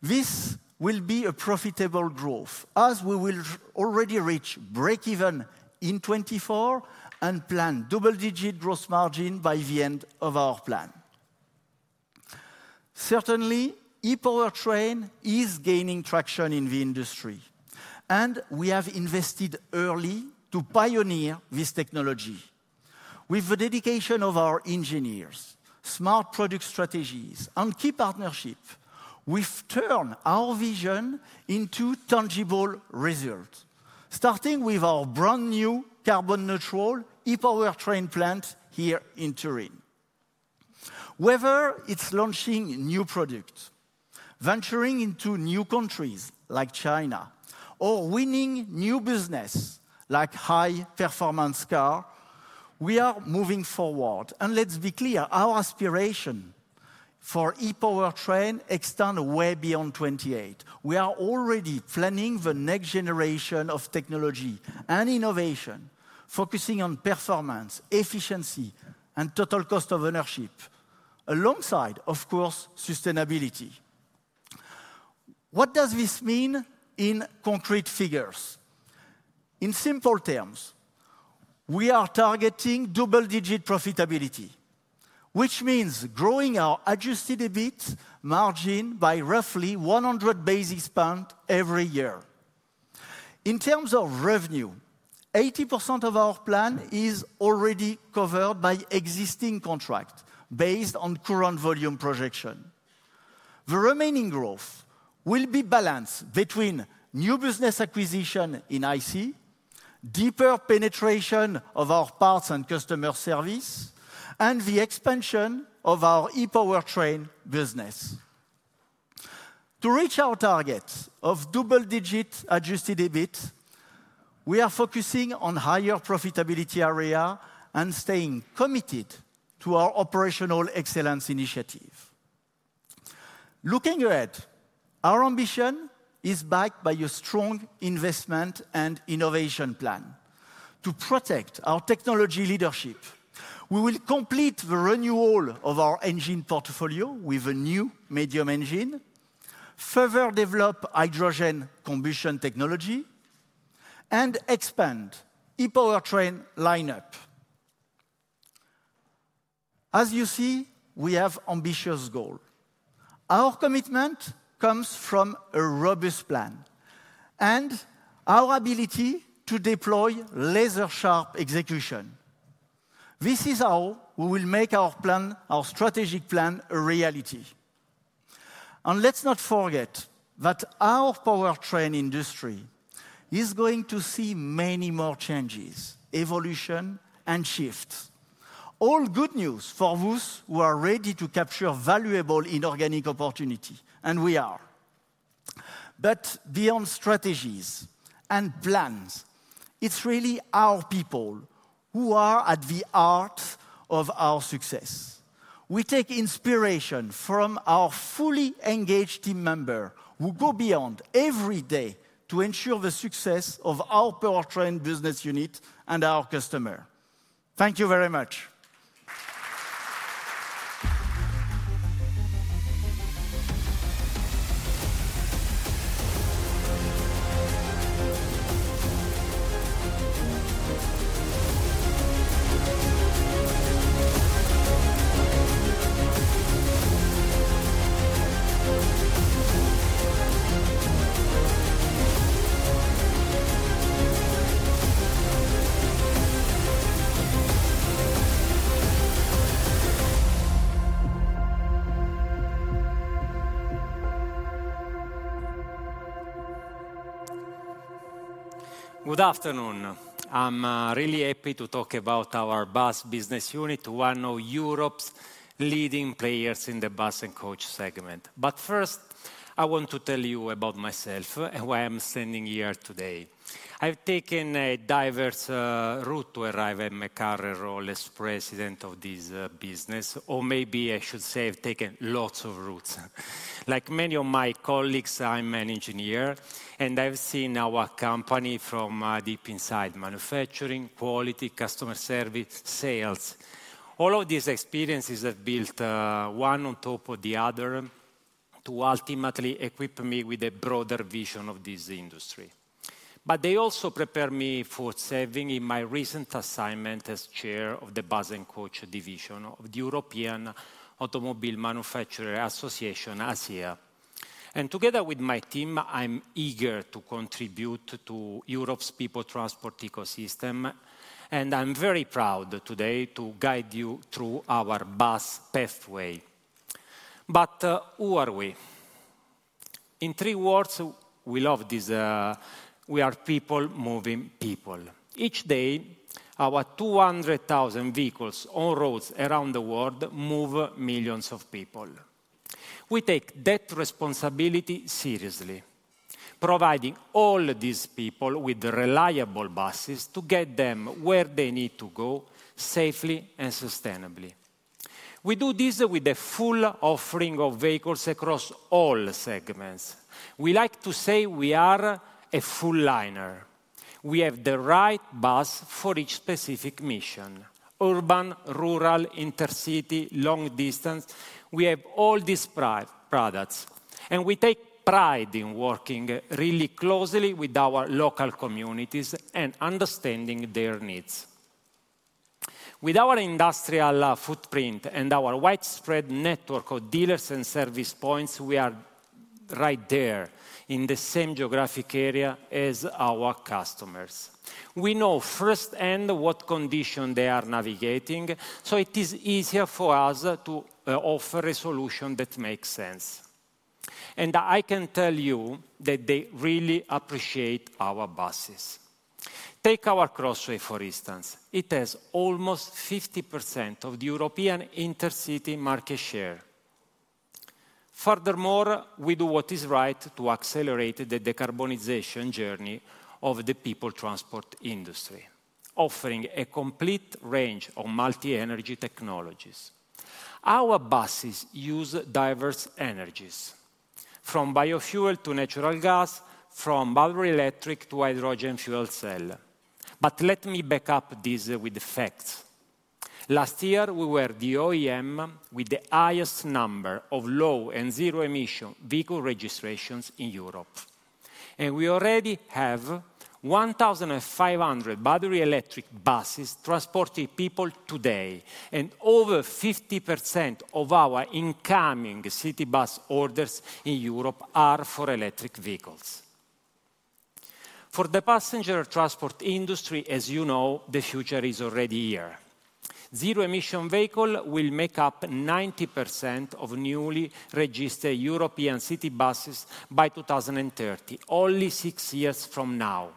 This will be a profitable growth, as we will already reach break-even in 2024 and plan a double-digit gross margin by the end of our plan. Certainly, e-Powertrain is gaining traction in the industry, and we have invested early to pioneer this technology. With the dedication of our engineers, smart product strategies, and key partnerships, we've turned our vision into tangible results, starting with our brand-new carbon-neutral e-Powertrain plant here in Turin. Whether it's launching new products, venturing into new countries like China, or winning new businesses like high-performance cars, we are moving forward. And let's be clear: our aspiration for e-Powertrain extends way beyond 2028. We are already planning the next generation of technology and innovation, focusing on performance, efficiency, and total cost of ownership, alongside, of course, sustainability. What does this mean in concrete figures? In simple terms, we are targeting double-digit profitability, which means growing our adjusted EBIT margin by roughly 100 basis points every year. In terms of revenue, 80% of our plan is already covered by existing contracts based on current volume projections. The remaining growth will be balanced between new business acquisitions in IC, deeper penetration of our parts and customer service, and the expansion of our e-Powertrain business. To reach our target of double-digit Adjusted EBIT, we are focusing on higher profitability areas and staying committed to our Operational Excellence initiative. Looking ahead, our ambition is backed by a strong investment and innovation plan. To protect our technology leadership, we will complete the renewal of our engine portfolio with a new medium engine, further develop hydrogen combustion technology, and expand the e-Powertrain lineup. As you see, we have an ambitious goal. Our commitment comes from a robust plan and our ability to deploy laser-sharp execution. This is how we will make our plan, our strategic plan, a reality. Let's not forget that our Powertrain industry is going to see many more changes, evolutions, and shifts. All good news for those who are ready to capture valuable inorganic opportunities, and we are. But beyond strategies and plans, it's really our people who are at the heart of our success. We take inspiration from our fully engaged team members who go beyond every day to ensure the success of our Powertrain business unit and our customers. Thank you very much. Good afternoon. I'm really happy to talk about our bus business unit, one of Europe's leading players in the bus and coach segment. But first, I want to tell you about myself and why I'm standing here today. I've taken a diverse route to arrive at my role as president of this business. Or maybe I should say I've taken lots of routes. Like many of my colleagues, I'm an engineer, and I've seen our company from deep inside: manufacturing, quality, customer service, sales. All of these experiences have built one on top of the other to ultimately equip me with a broader vision of this industry. But they also prepare me for serving in my recent assignment as chair of the Bus and Coach Division of the European Automobile Manufacturers Association, ACEA. Together with my team, I'm eager to contribute to Europe's people transport ecosystem. I'm very proud today to guide you through our bus pathway. But who are we? In three words, we love this: we are people moving people. Each day, our 200,000 vehicles on roads around the world move millions of people. We take that responsibility seriously, providing all these people with reliable buses to get them where they need to go safely and sustainably. We do this with a full offering of vehicles across all segments. We like to say we are a full liner. We have the right bus for each specific mission: urban, rural, intercity, long distance. We have all these products, and we take pride in working really closely with our local communities and understanding their needs. With our industrial footprint and our widespread network of dealers and service points, we are right there in the same geographic area as our customers. We know firsthand what conditions they are navigating, so it is easier for us to offer a solution that makes sense. I can tell you that they really appreciate our buses. Take our Crossway, for instance. It has almost 50% of the European intercity market share. Furthermore, we do what is right to accelerate the decarbonization journey of the people transport industry, offering a complete range of multi-energy technologies. Our buses use diverse energies, from biofuel to natural gas, from battery electric to hydrogen fuel cell. But let me back up this with facts. Last year, we were the OEM with the highest number of low and zero-emission vehicle registrations in Europe. We already have 1,500 battery electric buses transporting people today, and over 50% of our incoming city bus orders in Europe are for electric vehicles. For the passenger transport industry, as you know, the future is already here. Zero-emission vehicles will make up 90% of newly registered European city buses by 2030, only six years from now.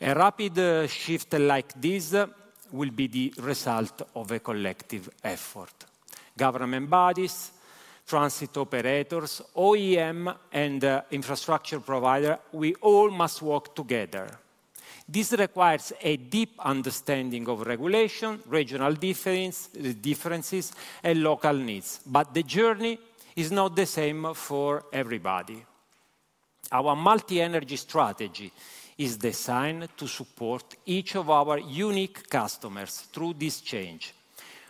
A rapid shift like this will be the result of a collective effort: government bodies, transit operators, OEMs, and infrastructure providers. We all must work together. This requires a deep understanding of regulations, regional differences, and local needs. But the journey is not the same for everybody. Our Multi-Energy strategy is designed to support each of our unique customers through this change.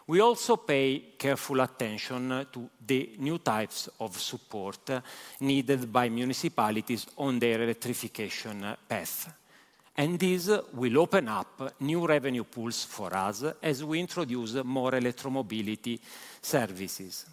We also pay careful attention to the new types of support needed by municipalities on their electrification path. And this will open up new revenue pools for us as we introduce more electromobility services.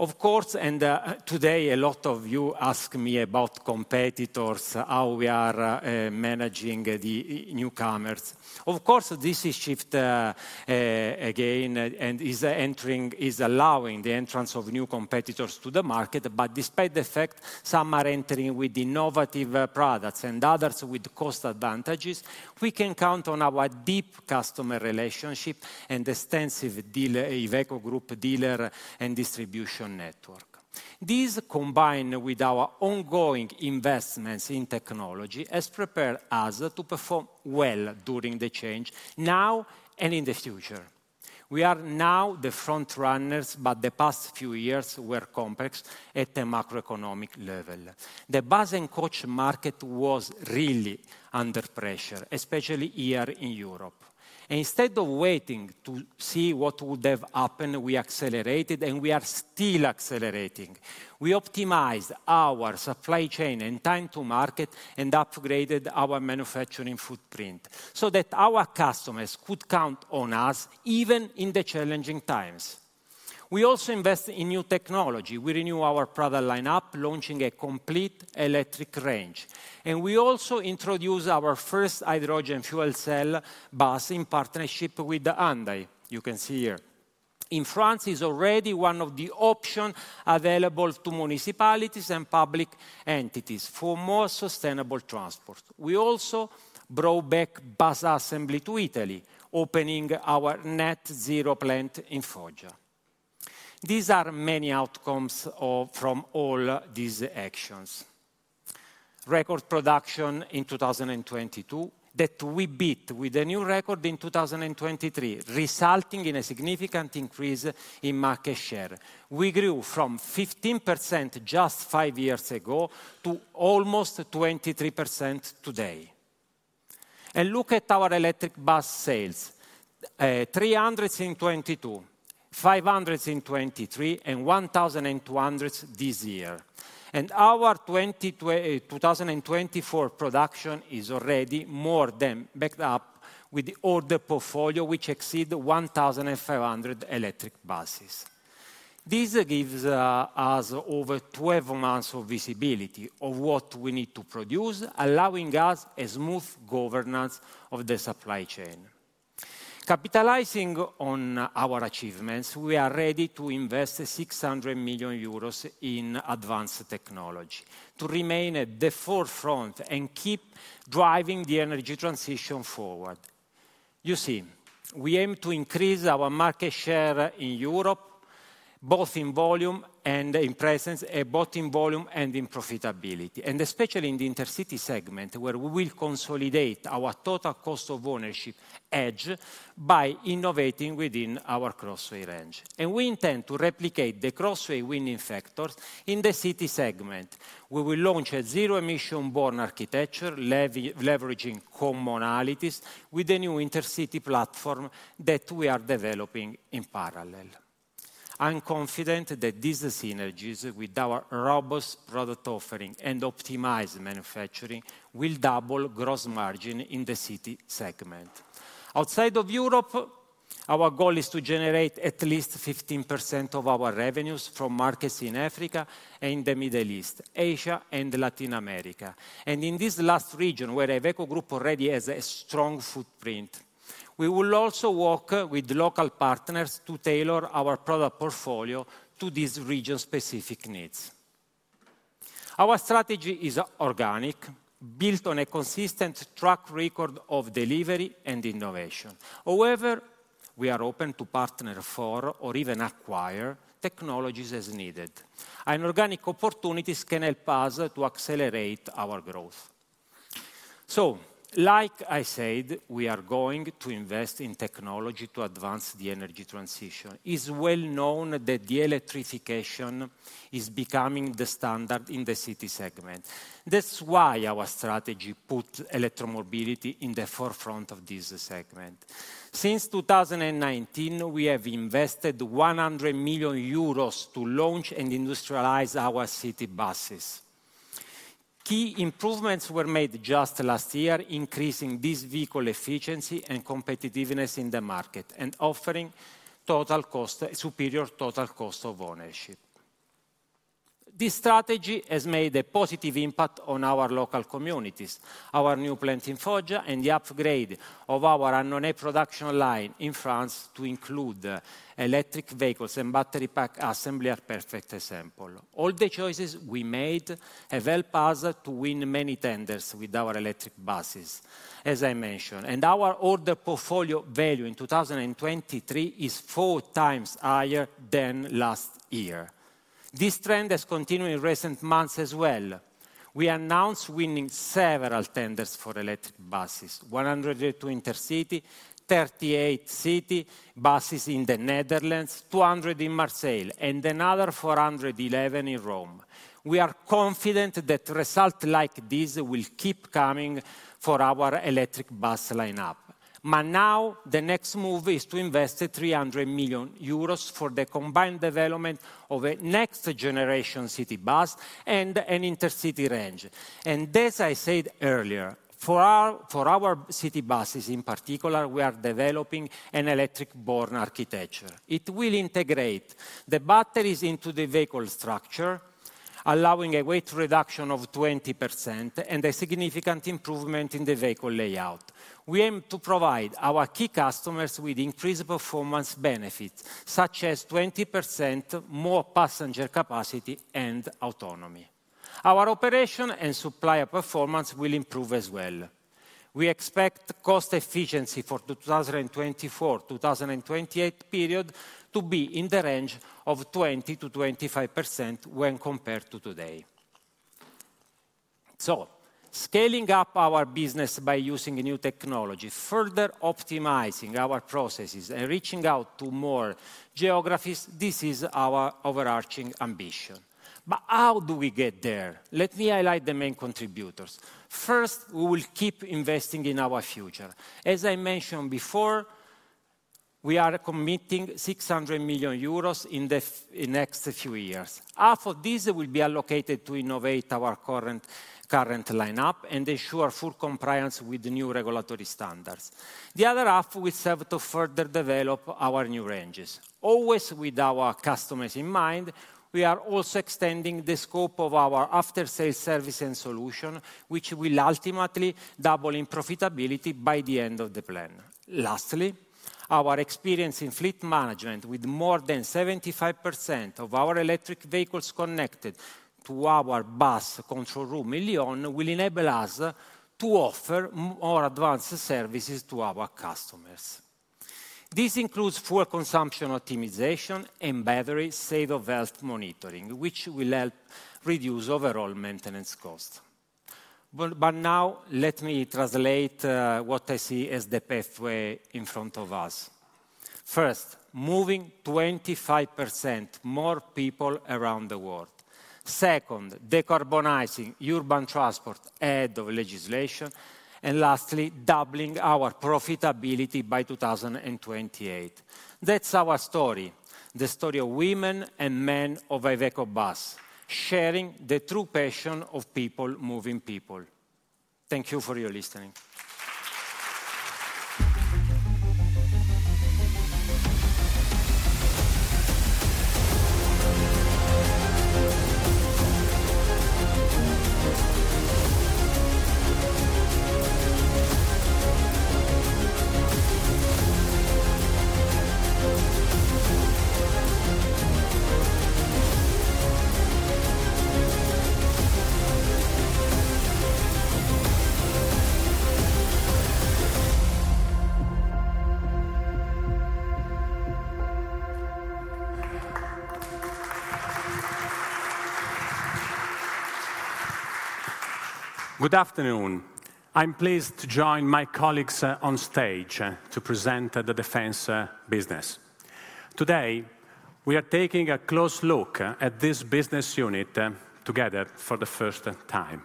Of course, and today a lot of you asked me about competitors, how we are managing the newcomers. Of course, this shift again is allowing the entrance of new competitors to the market. Despite the fact that some are entering with innovative products and others with cost advantages, we can count on our deep customer relationship and extensive Iveco Group dealer and distribution network. This, combined with our ongoing investments in technology, has prepared us to perform well during the change now and in the future. We are now the frontrunners, but the past few years were complex at a macroeconomic level. The bus and coach market was really under pressure, especially here in Europe. Instead of waiting to see what would have happened, we accelerated, and we are still accelerating. We optimized our supply chain and time to market and upgraded our manufacturing footprint so that our customers could count on us even in the challenging times. We also invested in new technology. We renewed our product lineup, launching a complete electric range. We also introduced our first hydrogen fuel cell bus in partnership with Hyundai, you can see here. In France, it is already one of the options available to municipalities and public entities for more sustainable transport. We also brought back bus assembly to Italy, opening our net zero plant in Foggia. These are many outcomes from all these actions: record production in 2022 that we beat with a new record in 2023, resulting in a significant increase in market share. We grew from 15% just five years ago to almost 23% today. Look at our electric bus sales: 300 in 2022, 500 in 2023, and 1,200 this year. Our 2024 production is already more than backed up with the old portfolio, which exceeds 1,500 electric buses. This gives us over 12 months of visibility of what we need to produce, allowing us a smooth governance of the supply chain. Capitalizing on our achievements, we are ready to invest 600 million euros in advanced technology to remain at the forefront and keep driving the energy transition forward. You see, we aim to increase our market share in Europe, both in volume and in presence, both in volume and in profitability, and especially in the intercity segment, where we will consolidate our total cost of ownership edge by innovating within our Crossway range. And we intend to replicate the Crossway winning factors in the city segment. We will launch a zero-emission born architecture, leveraging commonalities with the new intercity platform that we are developing in parallel. I'm confident that these synergies, with our robust product offering and optimized manufacturing, will double gross margin in the city segment. Outside of Europe, our goal is to generate at least 15% of our revenues from markets in Africa and the Middle East, Asia, and Latin America. In this last region, where Iveco Group already has a strong footprint, we will also work with local partners to tailor our product portfolio to these region-specific needs. Our strategy is organic, built on a consistent track record of delivery and innovation. However, we are open to partner for or even acquire technologies as needed. Organic opportunities can help us to accelerate our growth. Like I said, we are going to invest in technology to advance the energy transition. It is well known that the electrification is becoming the standard in the city segment. That's why our strategy puts electromobility in the forefront of this segment. Since 2019, we have invested 100 million euros to launch and industrialize our city buses. Key improvements were made just last year, increasing this vehicle efficiency and competitiveness in the market and offering total cost, a superior total cost of ownership. This strategy has made a positive impact on our local communities. Our new plant in Foggia and the upgrade of our Annonay production line in France to include electric vehicles and battery pack assembly are a perfect example. All the choices we made have helped us to win many tenders with our electric buses, as I mentioned. Our order portfolio value in 2023 is four times higher than last year. This trend has continued in recent months as well. We announced winning several tenders for electric buses: 102 intercity, 38 city buses in the Netherlands, 200 in Marseille, and another 411 in Rome. We are confident that results like these will keep coming for our electric bus lineup. Now the next move is to invest 300 million euros for the combined development of a next-generation city bus and an intercity range. As I said earlier, for our city buses in particular, we are developing an electric born architecture. It will integrate the batteries into the vehicle structure, allowing a weight reduction of 20% and a significant improvement in the vehicle layout. We aim to provide our key customers with increased performance benefits, such as 20% more passenger capacity and autonomy. Our operation and supplier performance will improve as well. We expect cost efficiency for the 2024-2028 period to be in the range of 20%-25% when compared to today. Scaling up our business by using new technology, further optimizing our processes, and reaching out to more geographies, this is our overarching ambition. How do we get there? Let me highlight the main contributors. First, we will keep investing in our future. As I mentioned before, we are committing 600 million euros in the next few years. Half of this will be allocated to innovate our current lineup and ensure full compliance with the new regulatory standards. The other half will serve to further develop our new ranges, always with our customers in mind. We are also extending the scope of our after-sales service and solution, which will ultimately double in profitability by the end of the plan. Lastly, our experience in fleet management, with more than 75% of our electric vehicles connected to our bus control room in Lyon, will enable us to offer more advanced services to our customers. This includes fuel consumption optimization and battery state-of-the-art monitoring, which will help reduce overall maintenance costs. But now let me translate what I see as the pathway in front of us. First, moving 25% more people around the world. Second, decarbonizing urban transport ahead of legislation. And lastly, doubling our profitability by 2028. That's our story, the story of women and men of Iveco Bus, sharing the true passion of people moving people. Thank you for your listening. Good afternoon. I'm pleased to join my colleagues on stage to present the Defense business. Today, we are taking a close look at this business unit together for the first time.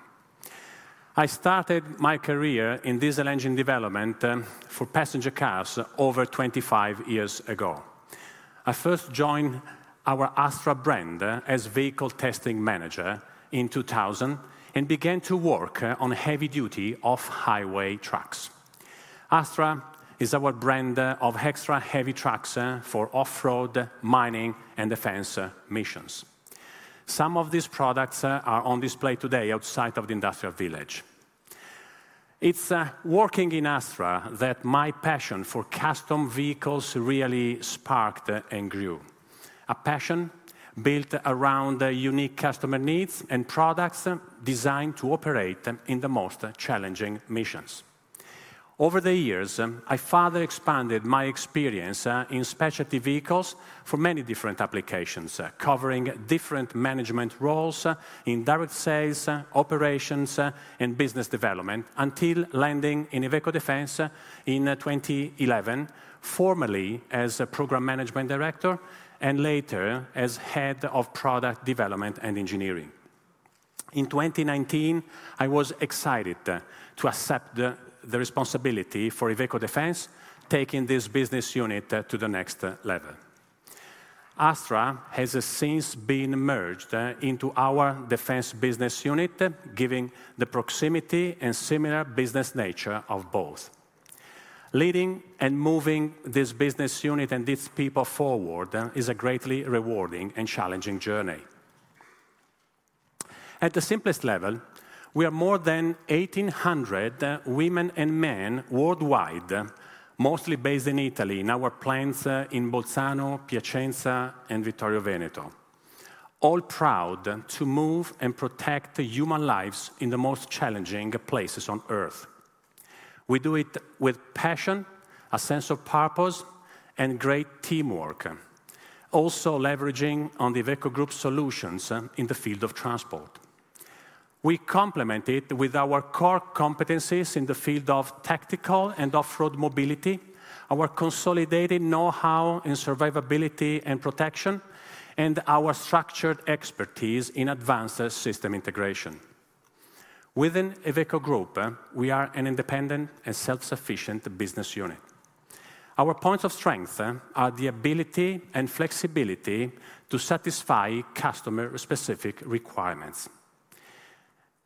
I started my career in diesel engine development for passenger cars over 25 years ago. I first joined our Astra brand as vehicle testing manager in 2000 and began to work on heavy duty off-highway trucks. Astra is our brand of extra heavy trucks for off-road, mining, and defense missions. Some of these products are on display today outside of the Industrial Village. It's working in Astra that my passion for custom vehicles really sparked and grew, a passion built around unique customer needs and products designed to operate in the most challenging missions. Over the years, I further expanded my experience in specialty vehicles for many different applications, covering different management roles in direct sales, operations, and business development until landing in Iveco Defence in 2011, formerly as a program management director and later as head of product development and engineering. In 2019, I was excited to accept the responsibility for Iveco Defence, taking this business unit to the next level. Astra has since been merged into our Defense business unit, giving the proximity and similar business nature of both. Leading and moving this business unit and its people forward is a greatly rewarding and challenging journey. At the simplest level, we are more than 1,800 women and men worldwide, mostly based in Italy, in our plants in Bolzano, Piacenza, and Vittorio Veneto, all proud to move and protect human lives in the most challenging places on Earth. We do it with passion, a sense of purpose, and great teamwork, also leveraging Iveco Group solutions in the field of transport. We complement it with our core competencies in the field of tactical and off-road mobility, our consolidated know-how in survivability and protection, and our structured expertise in advanced system integration. Within Iveco Group, we are an independent and self-sufficient business unit. Our points of strength are the ability and flexibility to satisfy customer-specific requirements.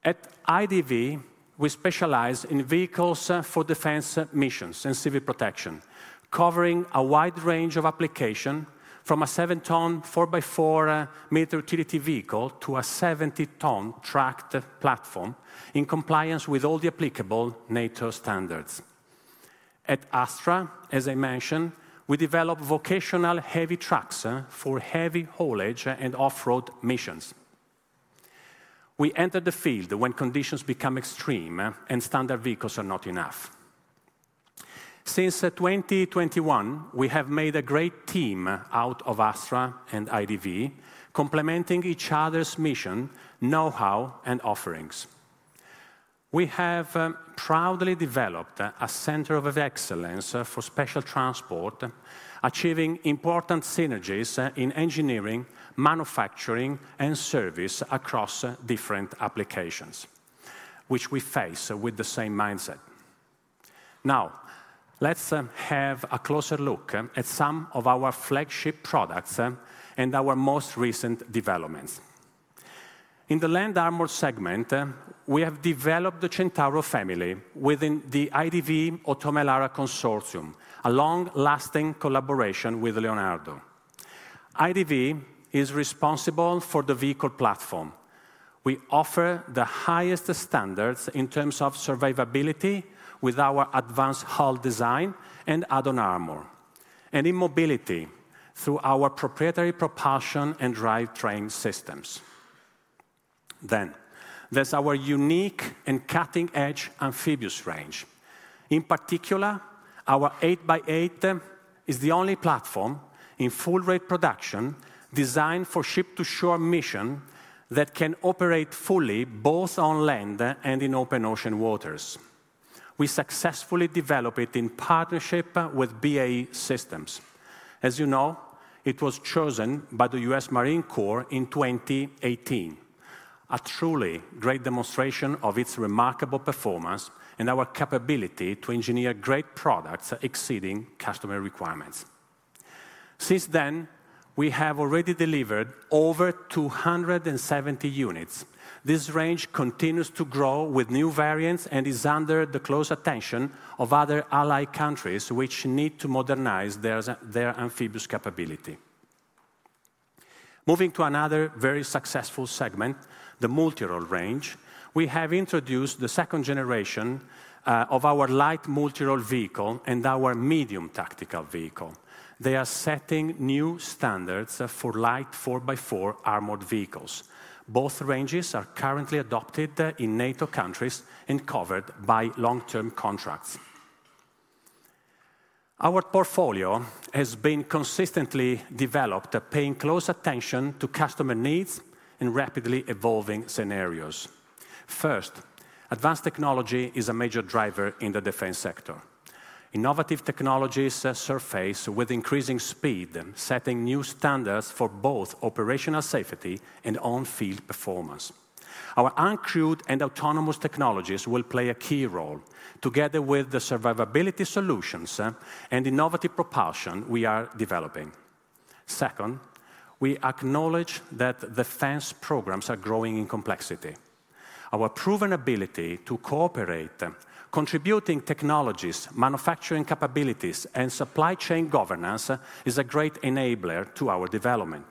At IDV, we specialize in vehicles for defense missions and civil protection, covering a wide range of applications, from a 7-ton 4-by-4-meter utility vehicle to a 70-ton tracked platform in compliance with all the applicable NATO standards. At Astra, as I mentioned, we develop vocational heavy trucks for heavy haulage and off-road missions. We enter the field when conditions become extreme and standard vehicles are not enough. Since 2021, we have made a great team out of Astra and IDV, complementing each other's mission, know-how, and offerings. We have proudly developed a center of excellence for special transport, achieving important synergies in engineering, manufacturing, and service across different applications, which we face with the same mindset. Now, let's have a closer look at some of our flagship products and our most recent developments. In the Land Armor segment, we have developed the Centauro family within the IDV Oto Melara Consortium, a long-lasting collaboration with Leonardo. IDV is responsible for the vehicle platform. We offer the highest standards in terms of survivability with our advanced hull design and add-on armor, and in mobility through our proprietary propulsion and drivetrain systems. Then, there's our unique and cutting-edge amphibious range. In particular, our eight-by-eight is the only platform in full-rate production designed for ship-to-shore mission that can operate fully both on land and in open ocean waters. We successfully developed it in partnership with BAE Systems. As you know, it was chosen by the U.S. Marine Corps in 2018, a truly great demonstration of its remarkable performance and our capability to engineer great products exceeding customer requirements. Since then, we have already delivered over 270 units. This range continues to grow with new variants and is under the close attention of other ally countries, which need to modernize their amphibious capability. Moving to another very successful segment, the Multirole range, we have introduced the second generation of our light Multirole vehicle and our medium tactical vehicle. They are setting new standards for light four-by-four armored vehicles. Both ranges are currently adopted in NATO countries and covered by long-term contracts. Our portfolio has been consistently developed, paying close attention to customer needs and rapidly evolving scenarios. First, advanced technology is a major driver in the defense sector. Innovative technologies surface with increasing speed, setting new standards for both operational safety and on-field performance. Our uncrewed and autonomous technologies will play a key role, together with the survivability solutions and innovative propulsion we are developing. Second, we acknowledge that defense programs are growing in complexity. Our proven ability to cooperate, contributing technologies, manufacturing capabilities, and supply chain governance is a great enabler to our development.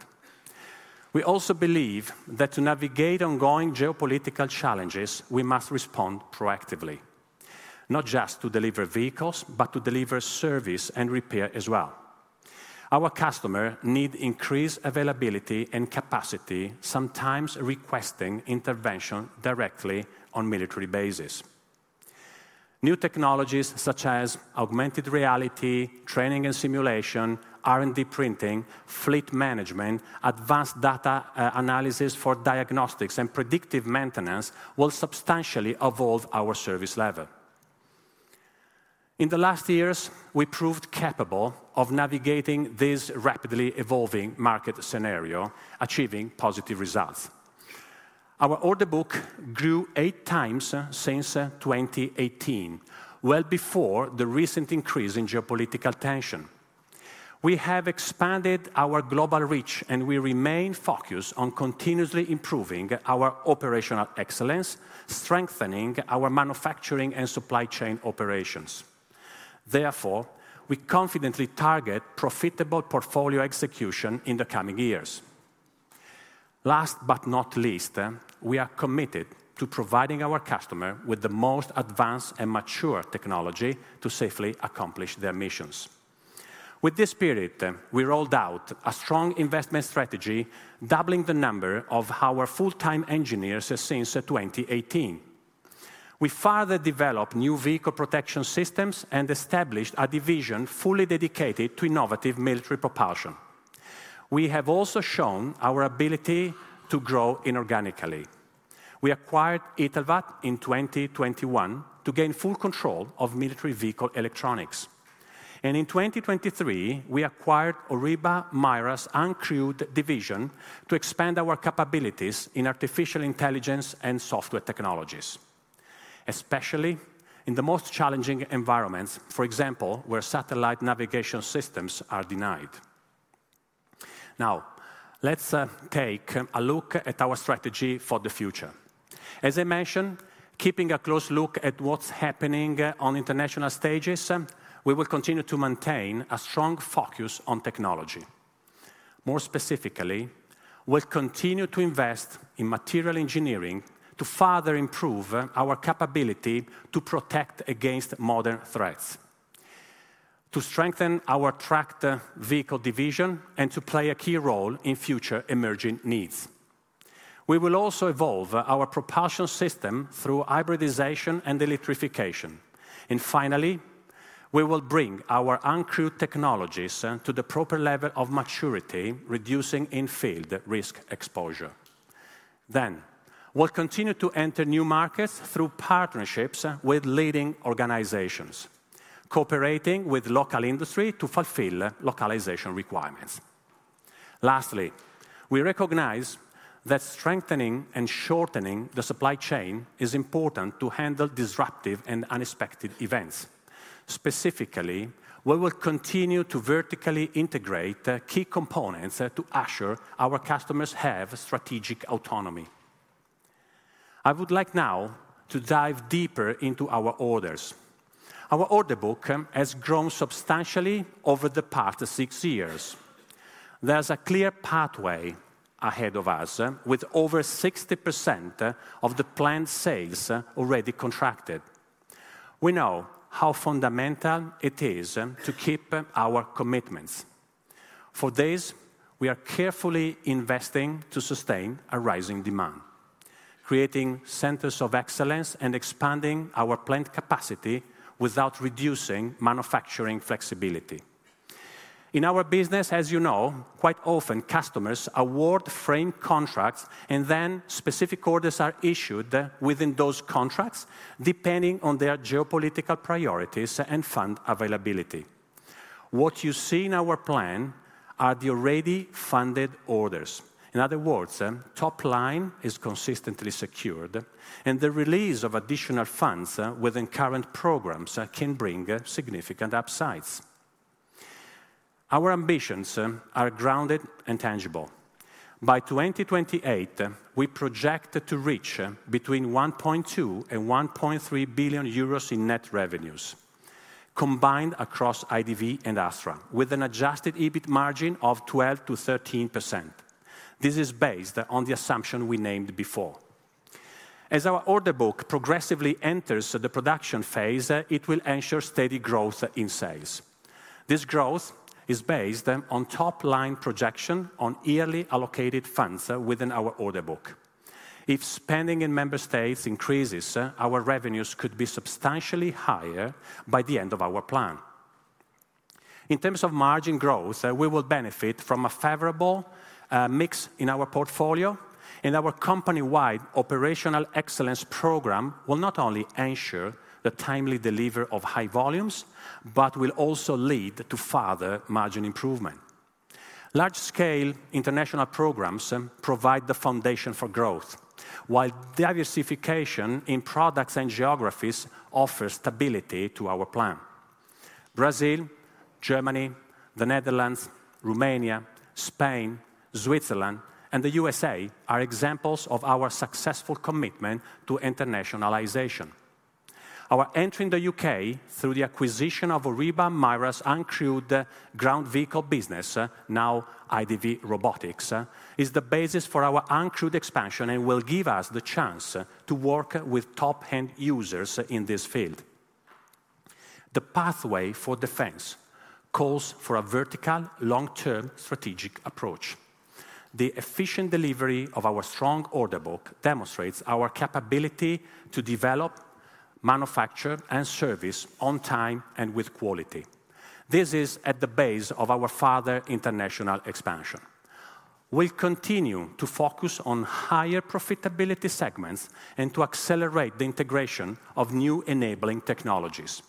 We also believe that to navigate ongoing geopolitical challenges, we must respond proactively, not just to deliver vehicles, but to deliver service and repair as well. Our customers need increased availability and capacity, sometimes requesting intervention directly on military bases. New technologies such as augmented reality, training and simulation, 3D printing, fleet management, advanced data analysis for diagnostics and predictive maintenance will substantially evolve our service level. In the last years, we proved capable of navigating this rapidly evolving market scenario, achieving positive results. Our order book grew eight times since 2018, well before the recent increase in geopolitical tension. We have expanded our global reach, and we remain focused on continuously improving our operational excellence, strengthening our manufacturing and supply chain operations. Therefore, we confidently target profitable portfolio execution in the coming years. Last but not least, we are committed to providing our customers with the most advanced and mature technology to safely accomplish their missions. With this spirit, we rolled out a strong investment strategy, doubling the number of our full-time engineers since 2018. We further developed new vehicle protection systems and established a division fully dedicated to innovative military propulsion. We have also shown our ability to grow inorganically. We acquired Italvat in 2021 to gain full control of military vehicle electronics. And in 2023, we acquired HORIBA MIRA's uncrewed division to expand our capabilities in artificial intelligence and software technologies, especially in the most challenging environments, for example, where satellite navigation systems are denied. Now, let's take a look at our strategy for the future. As I mentioned, keeping a close look at what's happening on international stages, we will continue to maintain a strong focus on technology. More specifically, we'll continue to invest in material engineering to further improve our capability to protect against modern threats, to strengthen our tracked vehicle division, and to play a key role in future emerging needs. We will also evolve our propulsion system through hybridization and electrification. Finally, we will bring our uncrewed technologies to the proper level of maturity, reducing in-field risk exposure. We'll continue to enter new markets through partnerships with leading organizations, cooperating with local industry to fulfill localization requirements. Lastly, we recognize that strengthening and shortening the supply chain is important to handle disruptive and unexpected events. Specifically, we will continue to vertically integrate key components to assure our customers have strategic autonomy. I would like now to dive deeper into our orders. Our order book has grown substantially over the past six years. There's a clear pathway ahead of us with over 60% of the planned sales already contracted. We know how fundamental it is to keep our commitments. For this, we are carefully investing to sustain a rising demand, creating centers of excellence, and expanding our plant capacity without reducing manufacturing flexibility. In our business, as you know, quite often, customers award frame contracts, and then specific orders are issued within those contracts, depending on their geopolitical priorities and fund availability. What you see in our plan are the already funded orders. In other words, top line is consistently secured, and the release of additional funds within current programs can bring significant upsides. Our ambitions are grounded and tangible. By 2028, we project to reach between 1.2 billion and 1.3 billion euros in net revenues combined across IDV and Astra, with an adjusted EBIT margin of 12%-13%. This is based on the assumption we named before. As our order book progressively enters the production phase, it will ensure steady growth in sales. This growth is based on top line projection on yearly allocated funds within our order book. If spending in member states increases, our revenues could be substantially higher by the end of our plan. In terms of margin growth, we will benefit from a favorable mix in our portfolio, and our company-wide operational excellence program will not only ensure the timely delivery of high volumes but will also lead to further margin improvement. Large-scale international programs provide the foundation for growth, while diversification in products and geographies offers stability to our plan. Brazil, Germany, the Netherlands, Romania, Spain, Switzerland, and the USA are examples of our successful commitment to internationalization. Our entry in the UK through the acquisition of Horiba Mira's uncrewed ground vehicle business, now IDV Robotics, is the basis for our uncrewed expansion and will give us the chance to work with top-end users in this field. The pathway for defense calls for a vertical, long-term strategic approach. The efficient delivery of our strong order book demonstrates our capability to develop, manufacture, and service on time and with quality. This is at the base of our further international expansion. We'll continue to focus on higher profitability segments and to accelerate the integration of new enabling technologies.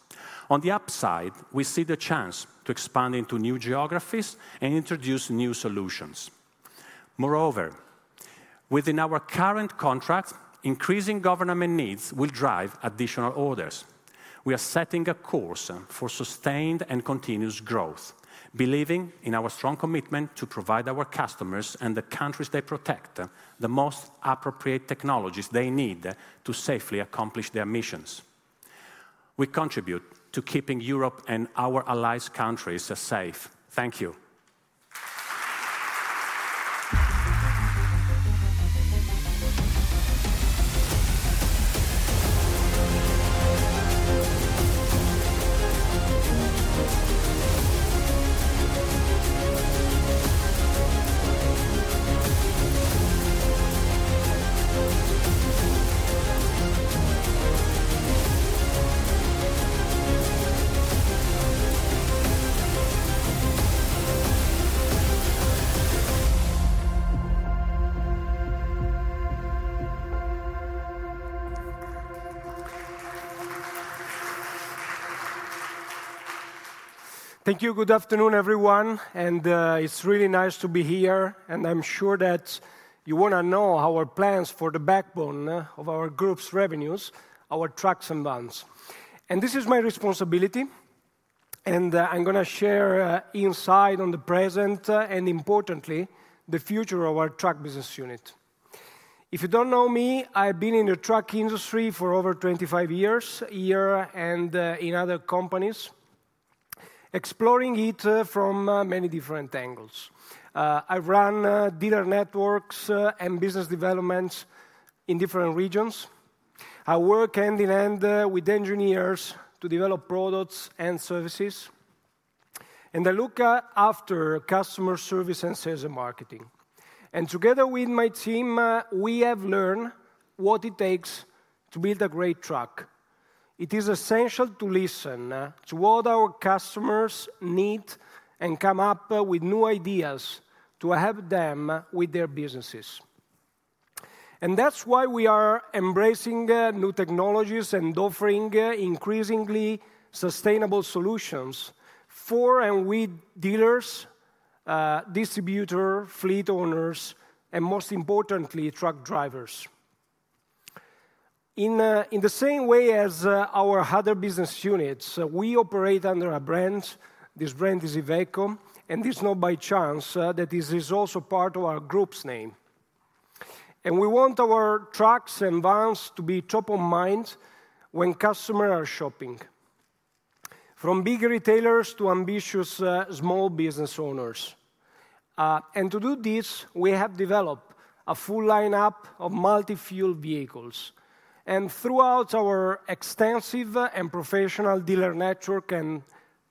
On the upside, we see the chance to expand into new geographies and introduce new solutions. Moreover, within our current contracts, increasing government needs will drive additional orders. We are setting a course for sustained and continuous growth, believing in our strong commitment to provide our customers and the countries they protect the most appropriate technologies they need to safely accomplish their missions. We contribute to keeping Europe and our allied countries safe. Thank you. Thank you. Good afternoon, everyone. It's really nice to be here. I'm sure that you want to know our plans for the backbone of our group's revenues, our trucks and vans. This is my responsibility. I'm going to share insight on the present and, importantly, the future of our truck business unit. If you don't know me, I've been in the truck industry for over 25 years here and in other companies, exploring it from many different angles. I run dealer networks and business developments in different regions. I work end to end with engineers to develop products and services. I look after customer service and sales and marketing. Together with my team, we have learned what it takes to build a great truck. It is essential to listen to what our customers need and come up with new ideas to help them with their businesses. That's why we are embracing new technologies and offering increasingly sustainable solutions for and with dealers, distributors, fleet owners, and most importantly, truck drivers. In the same way as our other business units, we operate under a brand. This brand is Iveco. It's not by chance that this is also part of our group's name. We want our trucks and vans to be top of mind when customers are shopping, from big retailers to ambitious small business owners. To do this, we have developed a full lineup of multi-fuel vehicles. Throughout our extensive and professional dealer network and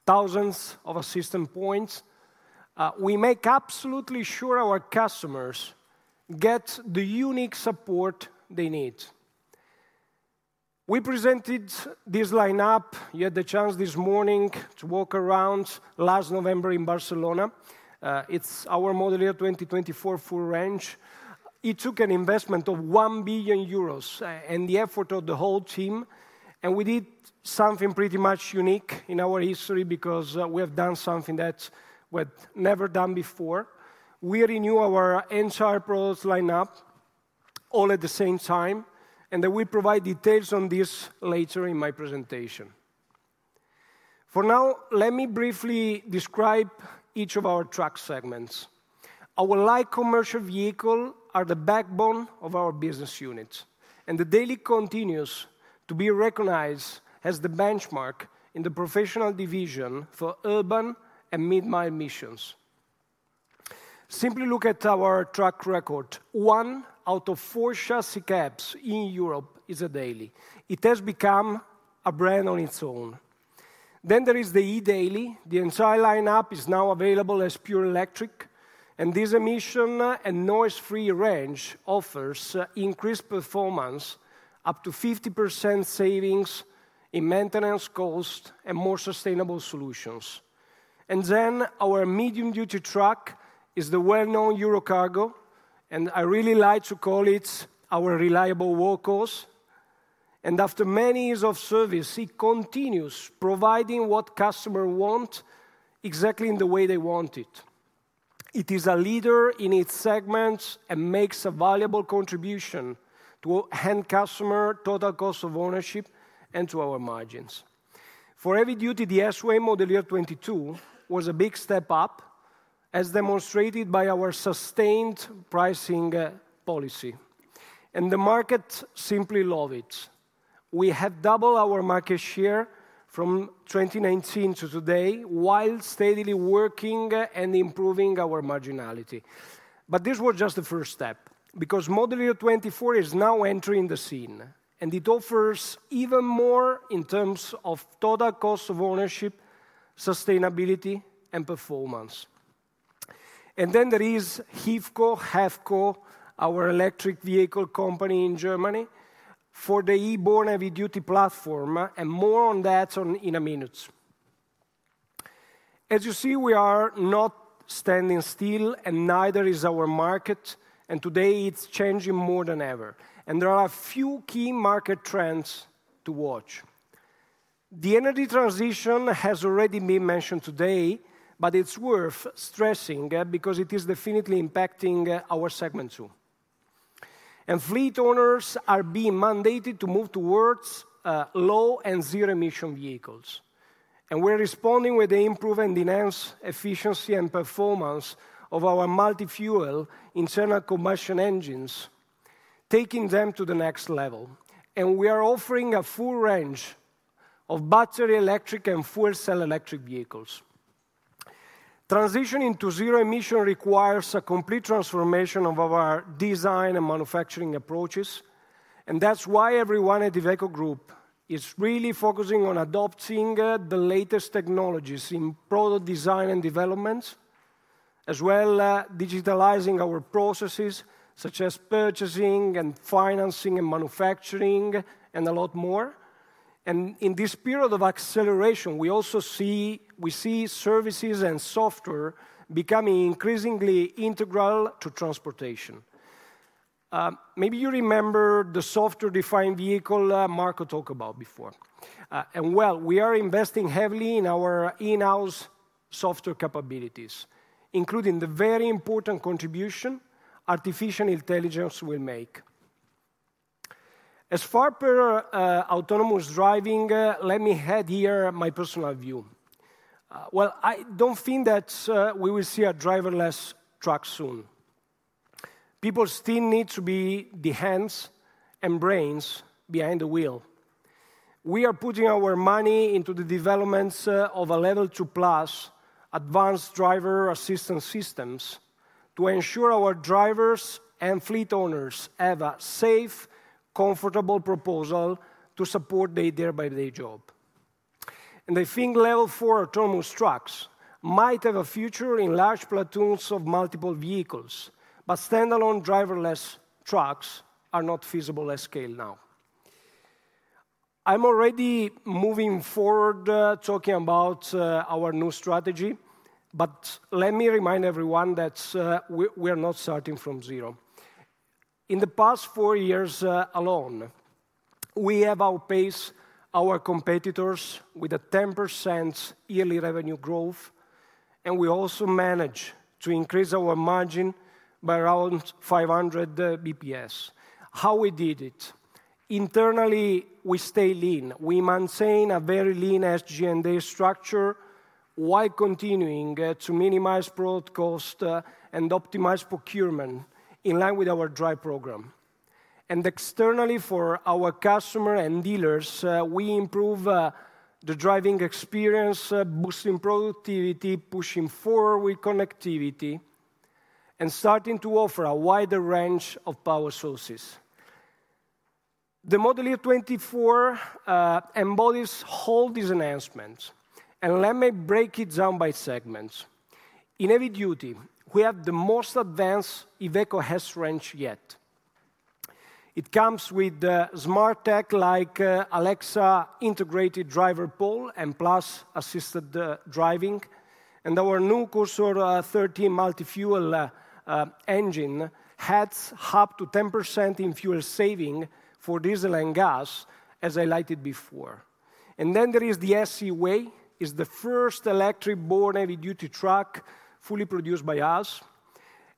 thousands of assistance points, we make absolutely sure our customers get the unique support they need. We presented this lineup. You had the chance this morning to walk around last November in Barcelona. It's our Model Year 2024 full range. It took an investment of 1 billion euros and the effort of the whole team. We did something pretty much unique in our history because we have done something that we had never done before. We renew our entire product lineup all at the same time. Then we provide details on this later in my presentation. For now, let me briefly describe each of our truck segments. Our light commercial vehicles are the backbone of our business unit and the Daily continues to be recognized as the benchmark in the professional division for urban and mid-mile missions. Simply look at our track record. One out of four chassis cabs in Europe is a Daily. It has become a brand on its own. Then there is the eDaily. The entire lineup is now available as pure electric. This emission and noise-free range offers increased performance, up to 50% savings in maintenance costs, and more sustainable solutions. Then our medium-duty truck is the well-known Eurocargo. I really like to call it our reliable workhorse. After many years of service, it continues providing what customers want exactly in the way they want it. It is a leader in its segments and makes a valuable contribution to end customer total cost of ownership and to our margins. For heavy duty, the S-Way Model Year 2022 was a big step up, as demonstrated by our sustained pricing policy. The market simply loved it. We have doubled our market share from 2019 to today while steadily working and improving our marginality. This was just the first step because Model Year 2024 is now entering the scene. And it offers even more in terms of total cost of ownership, sustainability, and performance. Then there is Iveco, EVCO, our electric vehicle company in Germany for the electric-born heavy-duty platform. More on that in a minute. As you see, we are not standing still, and neither is our market. Today, it's changing more than ever. There are a few key market trends to watch. The energy transition has already been mentioned today, but it's worth stressing because it is definitely impacting our segment too. Fleet owners are being mandated to move towards low and zero-emission vehicles. We're responding with the improvement in enhanced efficiency and performance of our multi-fuel internal combustion engines, taking them to the next level. We are offering a full range of battery electric and fuel cell electric vehicles. Transitioning to zero-emission requires a complete transformation of our design and manufacturing approaches. That's why everyone at Iveco Group is really focusing on adopting the latest technologies in product design and development, as well as digitalizing our processes, such as purchasing and financing and manufacturing and a lot more. In this period of acceleration, we see services and software becoming increasingly integral to transportation. Maybe you remember the software-defined vehicle Marco talked about before. Well, we are investing heavily in our in-house software capabilities, including the very important contribution artificial intelligence will make. As far as autonomous driving, let me add here my personal view. Well, I don't think that we will see a driverless truck soon. People still need to be the hands and brains behind the wheel. We are putting our money into the developments of a Level 2+ advanced driver assistance systems to ensure our drivers and fleet owners have a safe, comfortable proposal to support their day-by-day job. I think Level 4 autonomous trucks might have a future in large platoons of multiple vehicles. Standalone driverless trucks are not feasible at scale now. I'm already moving forward talking about our new strategy. Let me remind everyone that we are not starting from zero. In the past four years alone, we have outpaced our competitors with a 10% yearly revenue growth. We also managed to increase our margin by around 500 BPS. How we did it? Internally, we stay lean. We maintain a very lean SG&A structure while continuing to minimize product cost and optimize procurement in line with our Drive program. Externally, for our customers and dealers, we improve the driving experience, boosting productivity, pushing forward with connectivity, and starting to offer a wider range of power sources. The Model Year 2024 embodies all these enhancements. Let me break it down by segments. In heavy-duty, we have the most advanced Iveco S-Way yet. It comes with smart tech like Alexa integrated Driver Pal and Plus assisted driving. And our new Cursor 13 multi-fuel engine has up to 10% in fuel saving for diesel and gas, as I highlighted before. And then there is the S-Way. It's the first electric borne heavy-duty truck fully produced by us.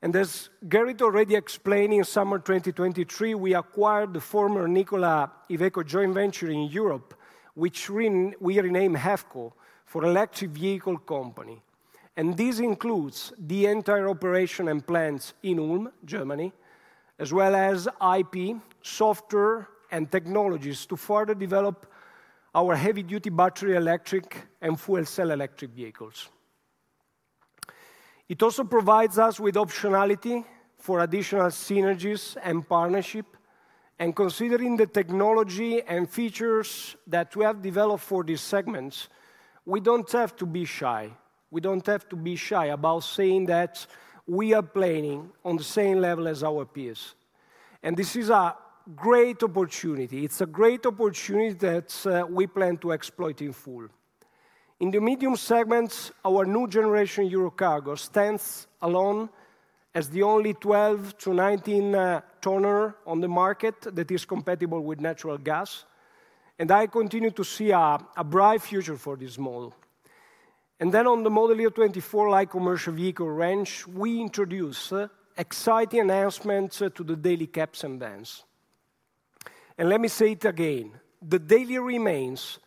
And as Gerrit already explained, in summer 2023, we acquired the former Nikola Iveco joint venture in Europe, which we renamed EVCO for electric vehicle company. This includes the entire operation and plants in Ulm, Germany, as well as IP, software, and technologies to further develop our heavy-duty battery electric and fuel cell electric vehicles. It also provides us with optionality for additional synergies and partnership. Considering the technology and features that we have developed for these segments, we don't have to be shy. We don't have to be shy about saying that we are planning on the same level as our peers. This is a great opportunity. It's a great opportunity that we plan to exploit in full. In the medium segments, our new generation EuroCargo stands alone as the only 12-19-tonner on the market that is compatible with natural gas. I continue to see a bright future for this model. Then on the Model Year 2024 light commercial vehicle range, we introduce exciting enhancements to the Daily cabs and vans. And let me say it again. The Daily remains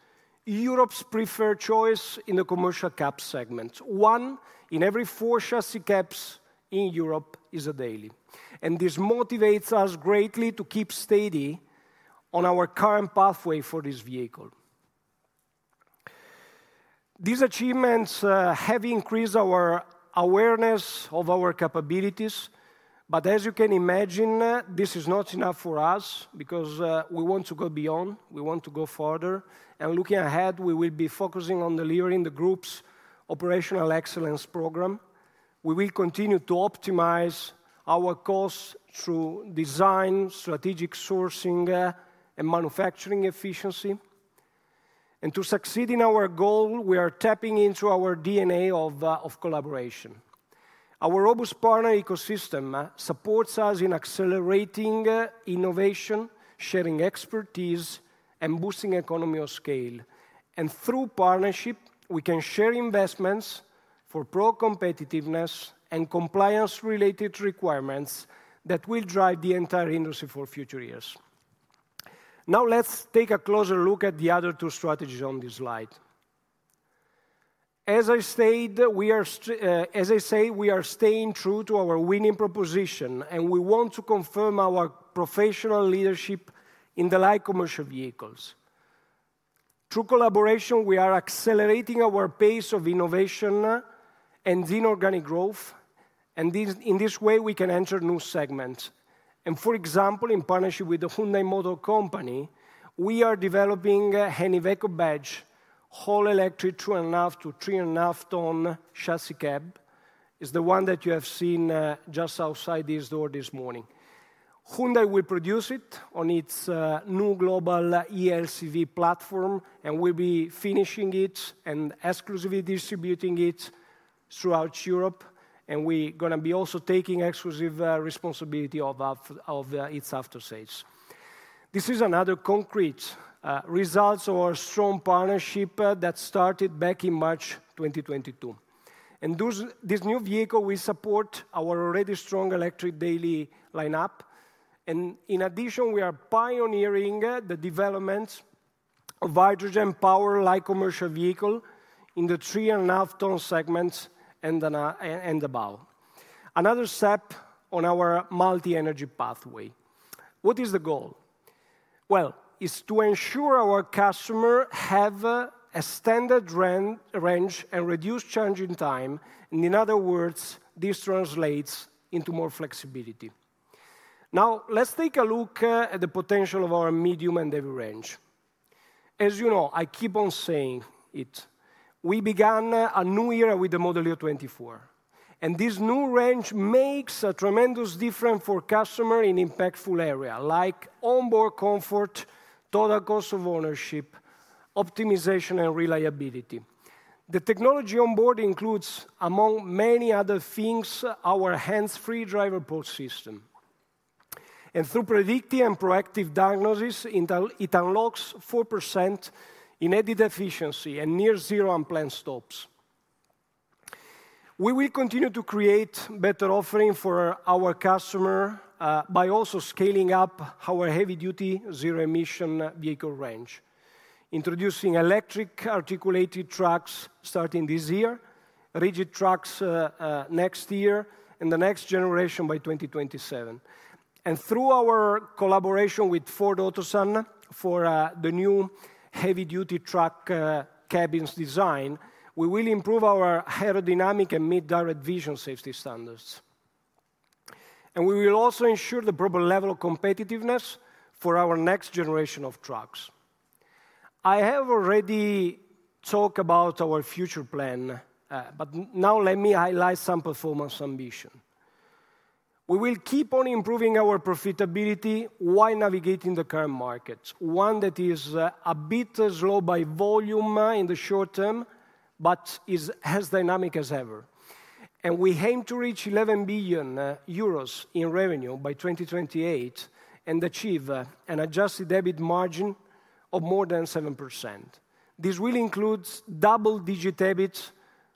Europe's preferred choice in the commercial cab segment. One in every four chassis cabs in Europe is a Daily. And this motivates us greatly to keep steady on our current pathway for this vehicle. These achievements have increased our awareness of our capabilities. But as you can imagine, this is not enough for us because we want to go beyond. We want to go further. And looking ahead, we will be focusing on delivering the group's operational excellence program. We will continue to optimize our costs through design, strategic sourcing, and manufacturing efficiency. And to succeed in our goal, we are tapping into our DNA of collaboration. Our robust partner ecosystem supports us in accelerating innovation, sharing expertise, and boosting economy of scale. Through partnership, we can share investments for pro-competitiveness and compliance-related requirements that will drive the entire industry for future years. Now, let's take a closer look at the other two strategies on this slide. As I say, we are staying true to our winning proposition. We want to confirm our professional leadership in the light commercial vehicles. Through collaboration, we are accelerating our pace of innovation and inorganic growth. In this way, we can enter new segments. For example, in partnership with the Hyundai Motor Company, we are developing an Iveco badge, wholly electric 2.5-3.5-ton chassis cab. It's the one that you have seen just outside this door this morning. Hyundai will produce it on its new global eLCV platform. We'll be finishing it and exclusively distributing it throughout Europe. We're going to be also taking exclusive responsibility of its after-sales. This is another concrete result of our strong partnership that started back in March 2022. This new vehicle, we support our already strong electric Daily lineup. In addition, we are pioneering the development of hydrogen power light commercial vehicle in the 3.5-ton segments and above. Another step on our multi-energy pathway. What is the goal? Well, it's to ensure our customers have a standard range and reduce change in time. In other words, this translates into more flexibility. Now, let's take a look at the potential of our medium and heavy range. As you know, I keep on saying it. We began a new era with the Model Year 2024. This new range makes a tremendous difference for customers in impactful areas like onboard comfort, total cost of ownership, optimization, and reliability. The technology onboard includes, among many other things, our hands-free Driver Pal system. And through predictive and proactive diagnosis, it unlocks 4% in added efficiency and near-zero unplanned stops. We will continue to create better offerings for our customers by also scaling up our heavy-duty zero-emission vehicle range, introducing electric articulated trucks starting this year, rigid trucks next year, and the next generation by 2027. And through our collaboration with Ford Otosan for the new heavy-duty truck cabins design, we will improve our aerodynamic and direct vision safety standards. And we will also ensure the proper level of competitiveness for our next generation of trucks. I have already talked about our future plan. But now, let me highlight some performance ambition. We will keep on improving our profitability while navigating the current market, one that is a bit slow by volume in the short term but is as dynamic as ever. We aim to reach 11 billion euros in revenue by 2028 and achieve an adjusted EBIT margin of more than 7%. This will include double-digit EBIT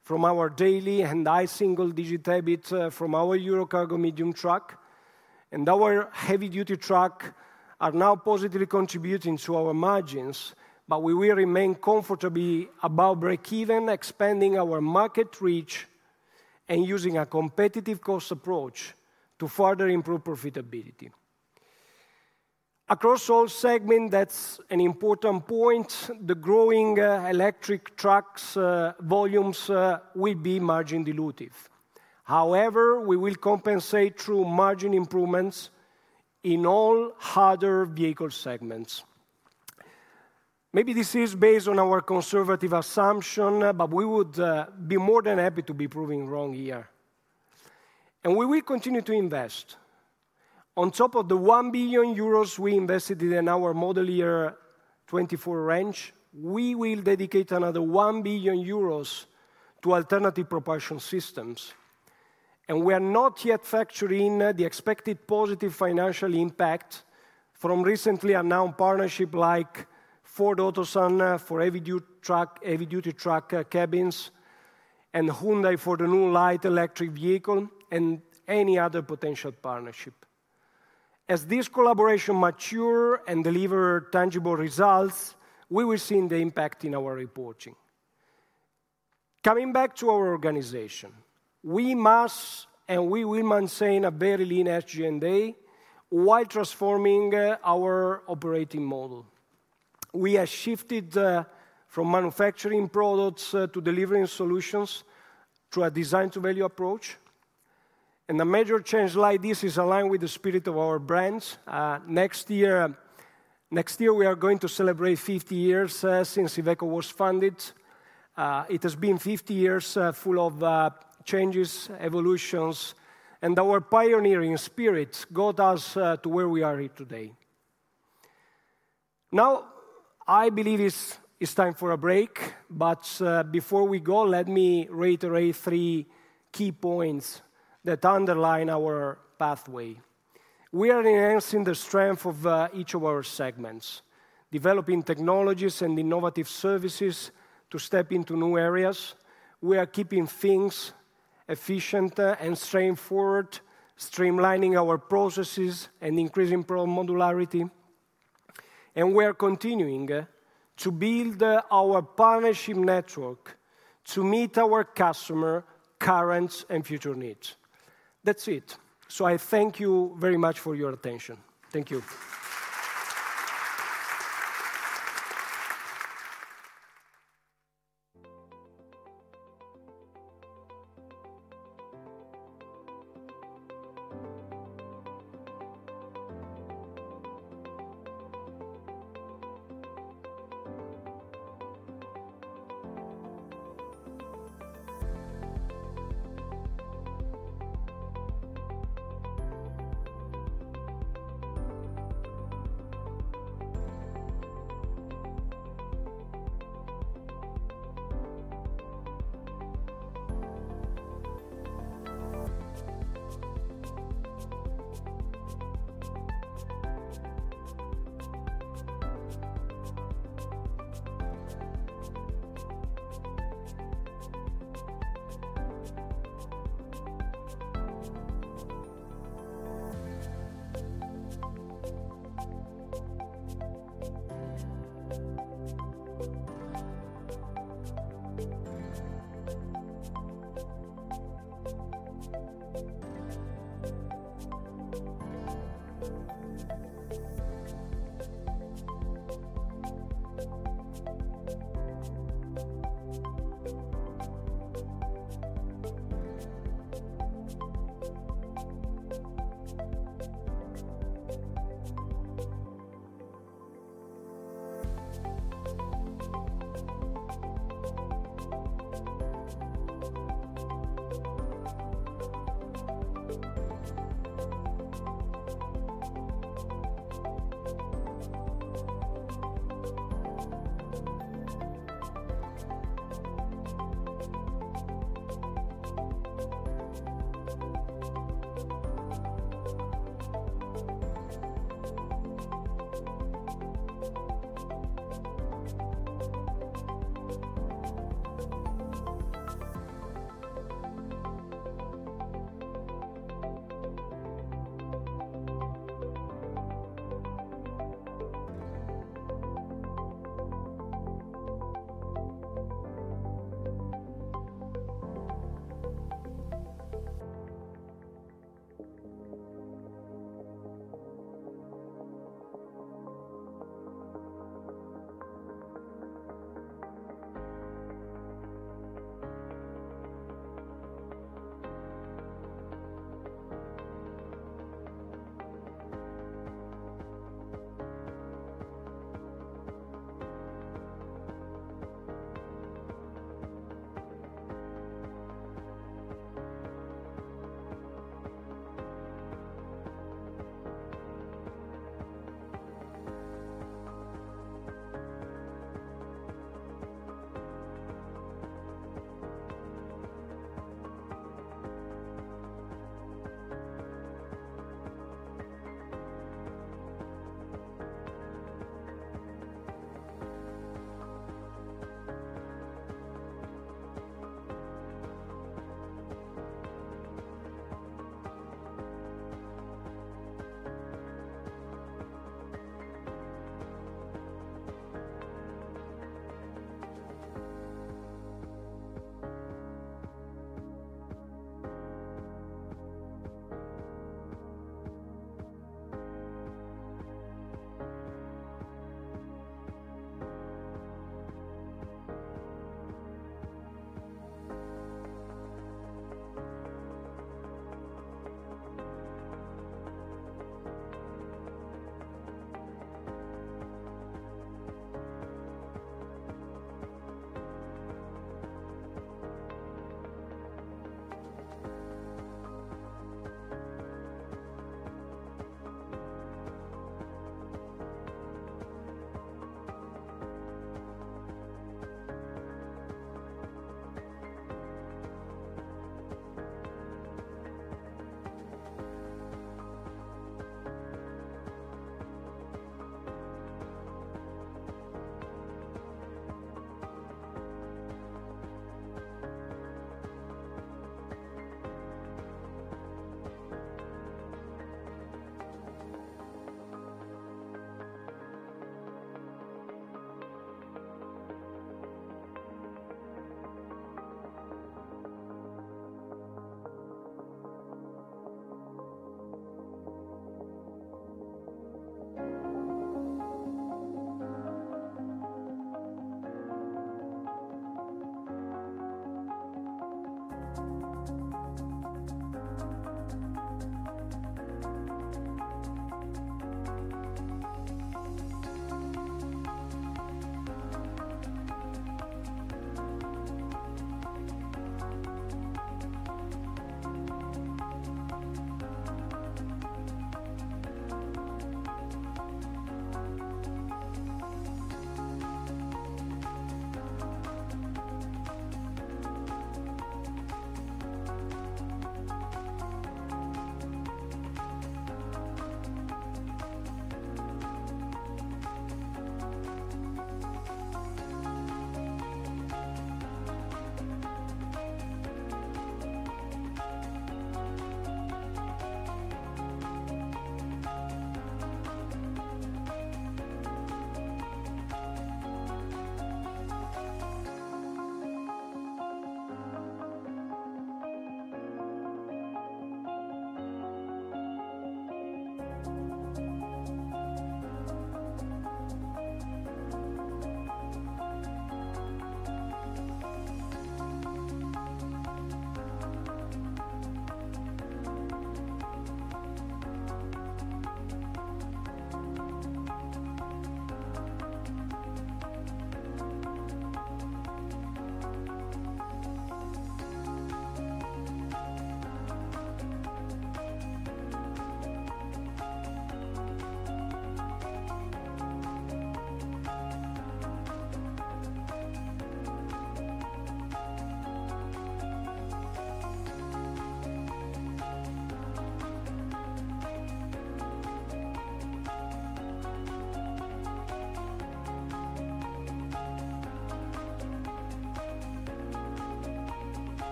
from our Daily and single-digit EBIT from our EuroCargo medium truck. Our heavy-duty trucks are now positively contributing to our margins. We will remain comfortably above break-even, expanding our market reach, and using a competitive cost approach to further improve profitability. Across all segments, that's an important point. The growing electric trucks volumes will be margin dilutive. However, we will compensate through margin improvements in all other vehicle segments. Maybe this is based on our conservative assumption. We would be more than happy to be proving wrong here. We will continue to invest. On top of the 1 billion euros we invested in our Model Year 2024 range, we will dedicate another 1 billion euros to alternative propulsion systems. We are not yet factoring in the expected positive financial impact from recently announced partnerships like Ford Otosan for heavy duty truck cabins and Hyundai for the new light electric vehicle and any other potential partnership. As this collaboration matures and delivers tangible results, we will see the impact in our reporting. Coming back to our organization, we must and we will maintain a very lean SG&A while transforming our operating model. We have shifted from manufacturing products to delivering solutions through a Design-to-Value approach. A major change like this is aligned with the spirit of our brands. Next year, we are going to celebrate 50 years since Iveco was founded. It has been 50 years full of changes, evolutions. Our pioneering spirit got us to where we are here today. Now, I believe it's time for a break. Before we go, let me reiterate three key points that underline our pathway. We are enhancing the strength of each of our segments, developing technologies and innovative services to step into new areas. We are keeping things efficient and straightforward, streamlining our processes and increasing modularity. We are continuing to build our partnership network to meet our customers' current and future needs. That's it. I thank you very much for your attention. Thank you.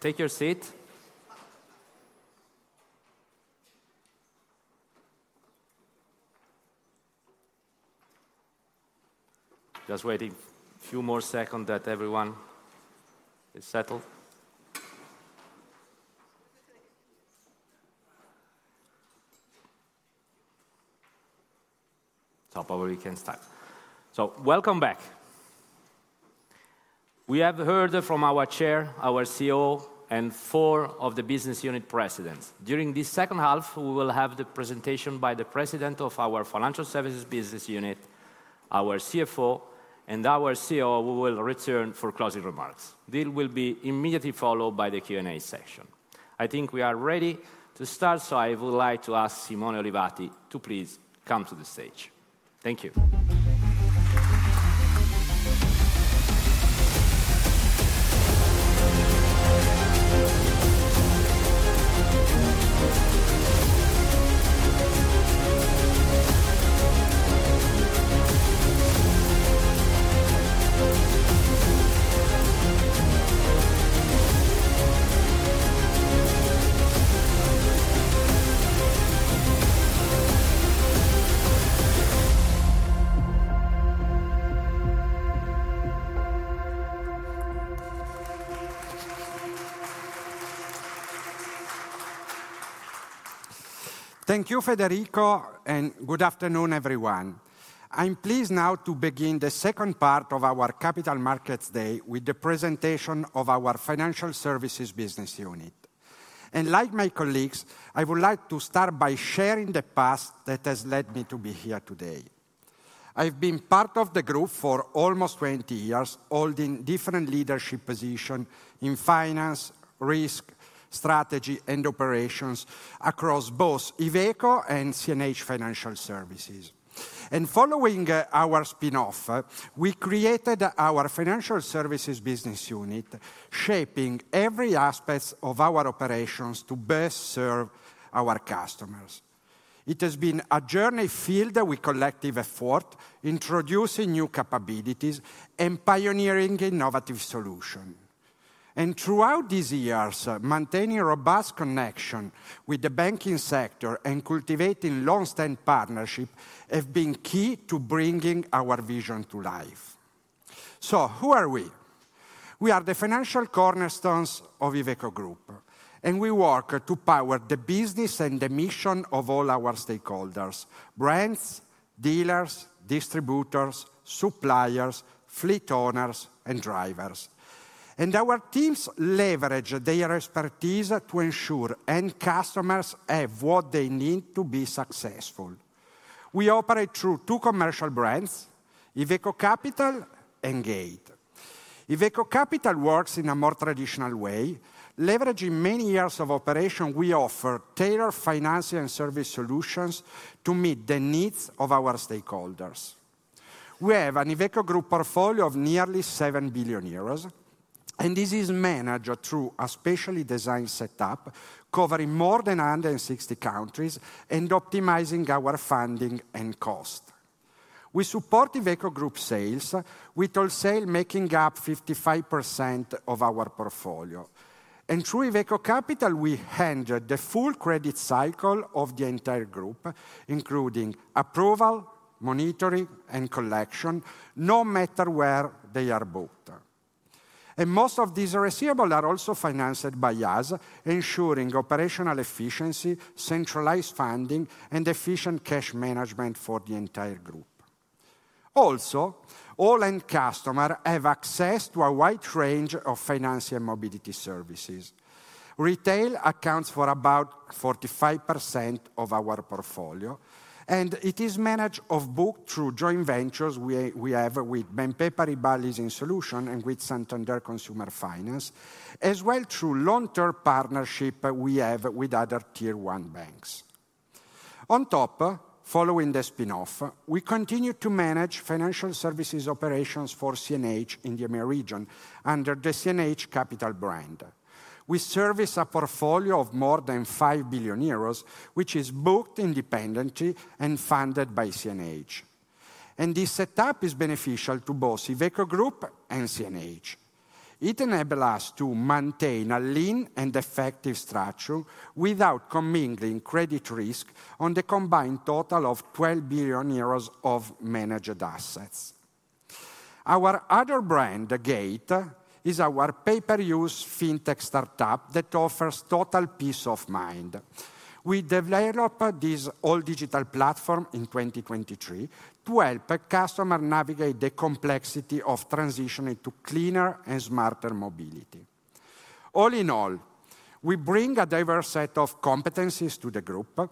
Please take your seat. Just waiting a few more seconds that everyone is settled. Top of your hands time. Welcome back. We have heard from our Chair, our COO, and four of the business unit presidents. During this second half, we will have the presentation by the president of our financial services business unit, our CFO, and our COO will return for closing remarks. This will be immediately followed by the Q&A section. I think we are ready to start, so I would like to ask Simone Olivati to please come to the stage. Thank you. Thank you, Federico, and good afternoon, everyone. I'm pleased now to begin the second part of our Capital Markets Day with the presentation of our financial services business unit. Like my colleagues, I would like to start by sharing the past that has led me to be here today. I've been part of the group for almost 20 years, holding different leadership positions in finance, risk, strategy, and operations across both Iveco and CNH Financial Services. Following our spin-off, we created our financial services business unit, shaping every aspect of our operations to best serve our customers. It has been a journey filled with collective effort, introducing new capabilities, and pioneering innovative solutions. Throughout these years, maintaining a robust connection with the banking sector and cultivating long-standing partnerships have been key to bringing our vision to life. So who are we? We are the financial cornerstones of Iveco Group. We work to power the business and the mission of all our stakeholders: brands, dealers, distributors, suppliers, fleet owners, and drivers. Our teams leverage their expertise to ensure end customers have what they need to be successful. We operate through two commercial brands: Iveco Capital and GATE. Iveco Capital works in a more traditional way. Leveraging many years of operation, we offer tailored financing and service solutions to meet the needs of our stakeholders. We have an Iveco Group portfolio of nearly 7 billion euros. This is managed through a specially designed setup covering more than 160 countries and optimizing our funding and cost. We support Iveco Group sales with wholesale making up 55% of our portfolio. Through Iveco Capital, we handle the full credit cycle of the entire group, including approval, monitoring, and collection, no matter where they are booked. Most of these receivables are also financed by us, ensuring operational efficiency, centralized funding, and efficient cash management for the entire group. All end customers have access to a wide range of financing and mobility services. Retail accounts for about 45% of our portfolio. It is managed off book through joint ventures we have with BNP Paribas Leasing Solutions and with Santander Consumer Finance, as well through long-term partnerships we have with other tier-one banks. On top, following the spin-off, we continue to manage financial services operations for CNH in the Emerging Region under the CNH Capital brand. We service a portfolio of more than 5 billion euros, which is booked independently and funded by CNH. This setup is beneficial to both Iveco Group and CNH. It enables us to maintain a lean and effective structure without commingling credit risk on the combined total of 12 billion euros of managed assets. Our other brand, Gate, is our pay-per-use fintech startup that offers total peace of mind. We developed this all-digital platform in 2023 to help customers navigate the complexity of transitioning to cleaner and smarter mobility. All in all, we bring a diverse set of competencies to the group.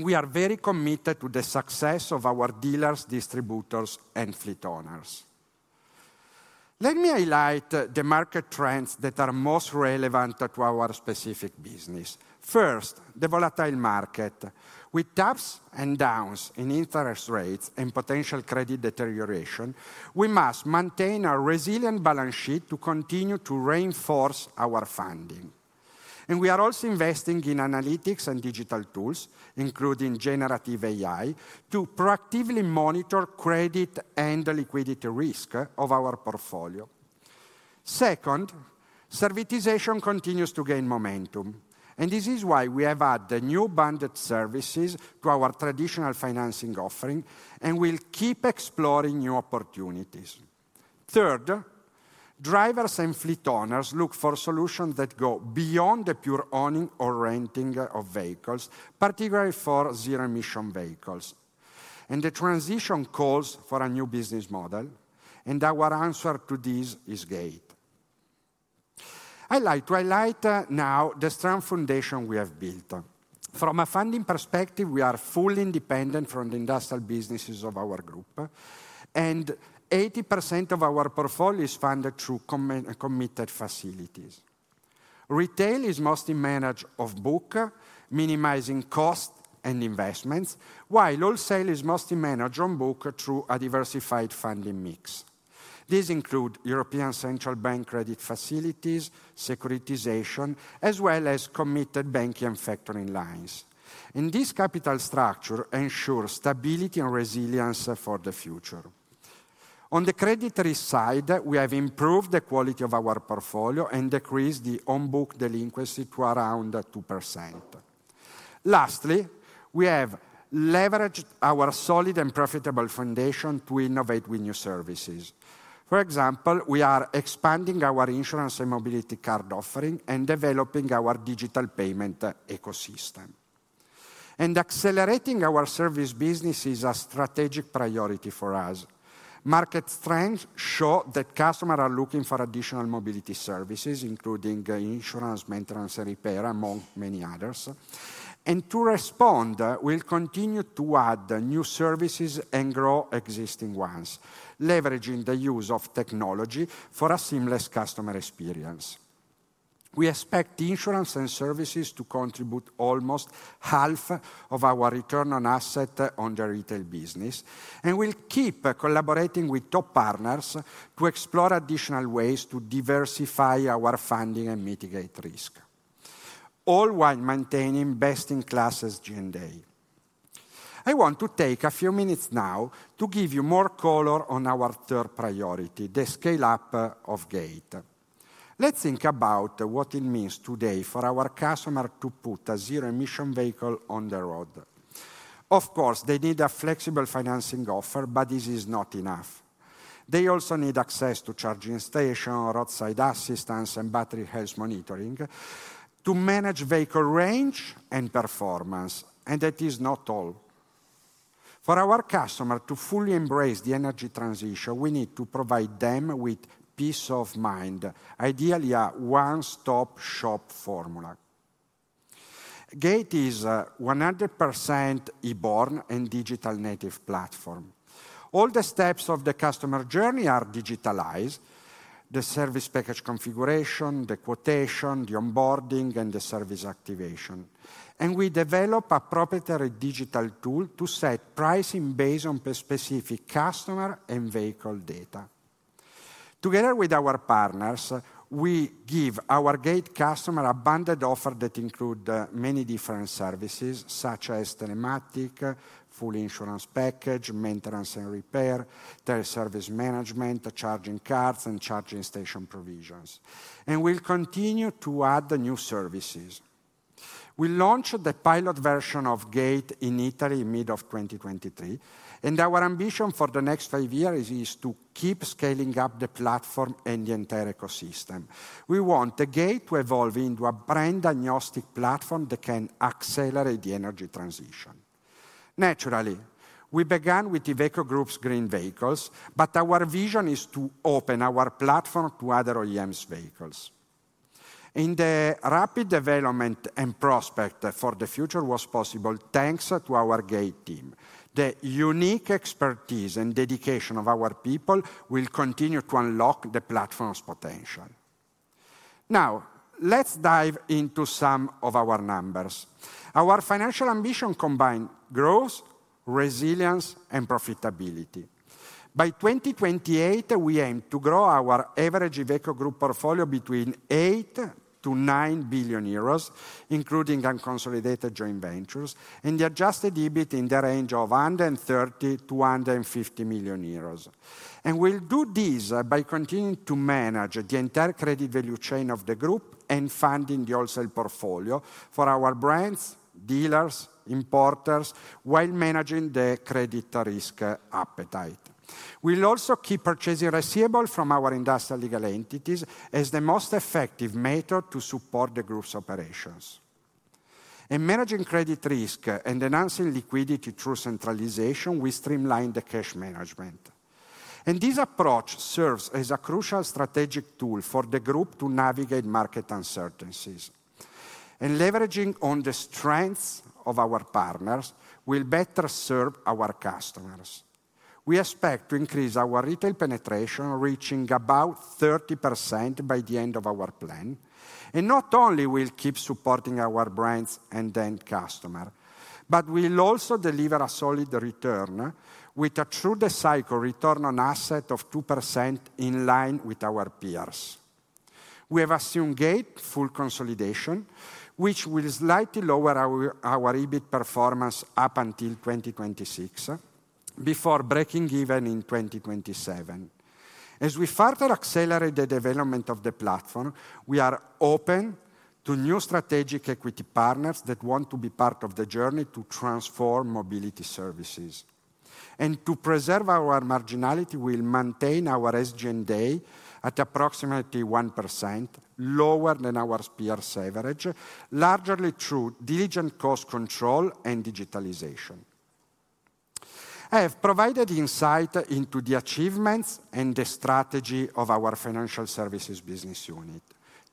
We are very committed to the success of our dealers, distributors, and fleet owners. Let me highlight the market trends that are most relevant to our specific business. First, the volatile market. With ups and downs in interest rates and potential credit deterioration, we must maintain a resilient balance sheet to continue to reinforce our funding. We are also investing in analytics and digital tools, including generative AI, to proactively monitor credit and liquidity risk of our portfolio. Second, servitization continues to gain momentum. This is why we have added new bonded services to our traditional financing offering and will keep exploring new opportunities. Third, drivers and fleet owners look for solutions that go beyond the pure owning or renting of vehicles, particularly for zero-emission vehicles. The transition calls for a new business model. Our answer to this is Gate. I'd like to highlight now the strong foundation we have built. From a funding perspective, we are fully independent from the industrial businesses of our group. 80% of our portfolio is funded through committed facilities. Retail is mostly managed off book, minimizing costs and investments, while wholesale is mostly managed on book through a diversified funding mix. This includes European Central Bank credit facilities, securitization, as well as committed banking and factoring lines. This capital structure ensures stability and resilience for the future. On the credit side, we have improved the quality of our portfolio and decreased the on-book delinquency to around 2%. Lastly, we have leveraged our solid and profitable foundation to innovate with new services. For example, we are expanding our insurance and mobility card offering and developing our digital payment ecosystem. Accelerating our service business is a strategic priority for us. Market trends show that customers are looking for additional mobility services, including insurance, maintenance, and repair, among many others. To respond, we'll continue to add new services and grow existing ones, leveraging the use of technology for a seamless customer experience. We expect insurance and services to contribute almost half of our return on assets on the retail business. We'll keep collaborating with top partners to explore additional ways to diversify our funding and mitigate risk, all while maintaining best-in-class SG&A. I want to take a few minutes now to give you more color on our third priority, the scale-up of GATE. Let's think about what it means today for our customers to put a zero-emission vehicle on the road. Of course, they need a flexible financing offer, but this is not enough. They also need access to charging stations, roadside assistance, and battery health monitoring to manage vehicle range and performance. And that is not all. For our customers to fully embrace the energy transition, we need to provide them with peace of mind, ideally a one-stop shop formula. GATE is a 100% e-born and digital-native platform. All the steps of the customer journey are digitalized: the service package configuration, the quotation, the onboarding, and the service activation. And we develop a proprietary digital tool to set pricing based on specific customer and vehicle data. Together with our partners, we give our GATE customers a bonded offer that includes many different services, such as telematics, full insurance package, maintenance and repair, teleservice management, charging carts, and charging station provisions. We'll continue to add new services. We launched the pilot version of GATE in Italy in mid-2023. Our ambition for the next five years is to keep scaling up the platform and the entire ecosystem. We want the GATE to evolve into a brand-agnostic platform that can accelerate the energy transition. Naturally, we began with Iveco Group's green vehicles. But our vision is to open our platform to other OEMs' vehicles. The rapid development and prospect for the future was possible thanks to our GATE team. The unique expertise and dedication of our people will continue to unlock the platform's potential. Now, let's dive into some of our numbers. Our financial ambition combines growth, resilience, and profitability. By 2028, we aim to grow our average Iveco Group portfolio between 8 billion to 9 billion euros, including unconsolidated joint ventures, and the Adjusted EBIT in the range of 130 million euros to 150 million euros. We'll do this by continuing to manage the entire credit value chain of the group and funding the wholesale portfolio for our brands, dealers, importers, while managing the credit risk appetite. We'll also keep purchasing receivables from our industrial legal entities as the most effective method to support the group's operations. Managing credit risk and enhancing liquidity through centralization, we streamline the cash management. This approach serves as a crucial strategic tool for the group to navigate market uncertainties. Leveraging on the strengths of our partners, we'll better serve our customers. We expect to increase our retail penetration, reaching about 30% by the end of our plan. Not only will we keep supporting our brands and end customers, but we'll also deliver a solid return with a through-the-cycle return on assets of 2% in line with our peers. We have assumed GATE full consolidation, which will slightly lower our EBIT performance up until 2026 before breaking even in 2027. As we further accelerate the development of the platform, we are open to new strategic equity partners that want to be part of the journey to transform mobility services. And to preserve our marginality, we'll maintain our SG&A at approximately 1%, lower than our peers' average, largely through diligent cost control and digitalization. I have provided insight into the achievements and the strategy of our financial services business unit.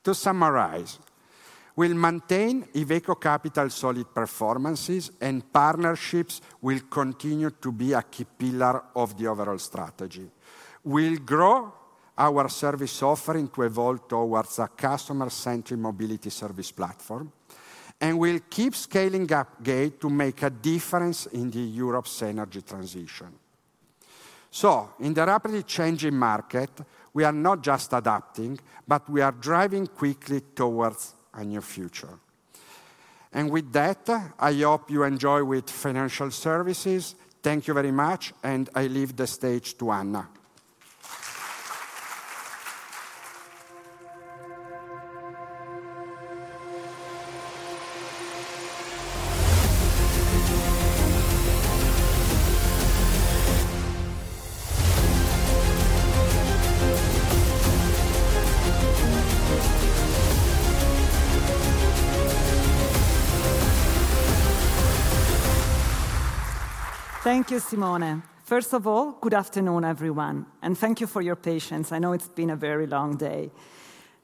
To summarize: we'll maintain Iveco Capital's solid performances. Partnerships will continue to be a key pillar of the overall strategy. We'll grow our service offering to evolve towards a customer-centered mobility service platform. We'll keep scaling up GATE to make a difference in Europe's energy transition. In the rapidly changing market, we are not just adapting, but we are driving quickly towards a new future. With that, I hope you enjoyed financial services. Thank you very much. I leave the stage to Anna. Thank you, Simone. First of all, good afternoon, everyone. Thank you for your patience. I know it's been a very long day.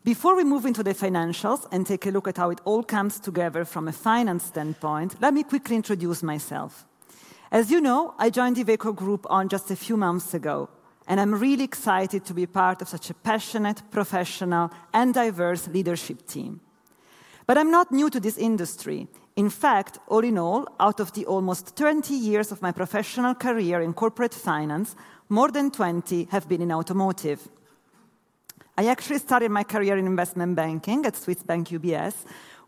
Before we move into the financials and take a look at how it all comes together from a finance standpoint, let me quickly introduce myself. As you know, I joined Iveco Group just a few months ago. I'm really excited to be part of such a passionate, professional, and diverse leadership team. I'm not new to this industry. In fact, all in all, out of the almost 20 years of my professional career in corporate finance, more than 20 have been in automotive. I actually started my career in investment banking at Swiss Bank UBS,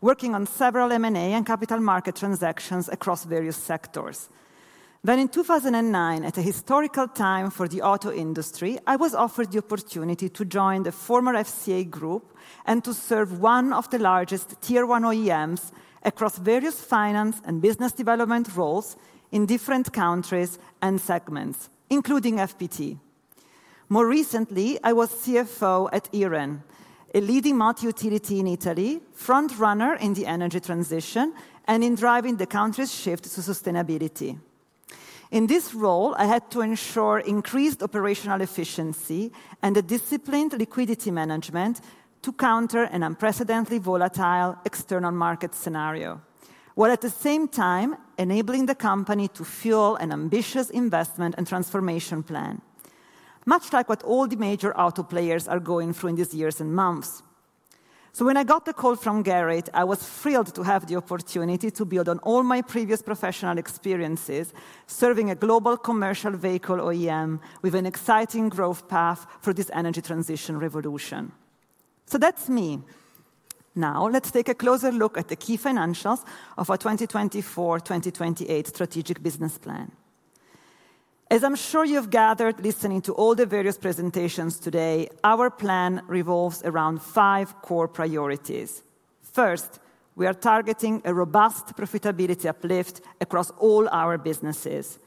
working on several M&A and capital market transactions across various sectors. Then in 2009, at a historical time for the auto industry, I was offered the opportunity to join the former FCA Group and to serve one of the largest tier-one OEMs across various finance and business development roles in different countries and segments, including FPT. More recently, I was CFO at IREN, a leading multi-utility in Italy, front-runner in the energy transition and in driving the country's shift to sustainability. In this role, I had to ensure increased operational efficiency and disciplined liquidity management to counter an unprecedentedly volatile external market scenario, while at the same time enabling the company to fuel an ambitious investment and transformation plan, much like what all the major auto players are going through in these years and months. So when I got the call from Gerrit, I was thrilled to have the opportunity to build on all my previous professional experiences serving a global commercial vehicle OEM with an exciting growth path for this energy transition revolution. So that's me. Now, let's take a closer look at the key financials of our 2024-2028 strategic business plan. As I'm sure you've gathered listening to all the various presentations today, our plan revolves around five core priorities. First, we are targeting a robust profitability uplift across all our businesses,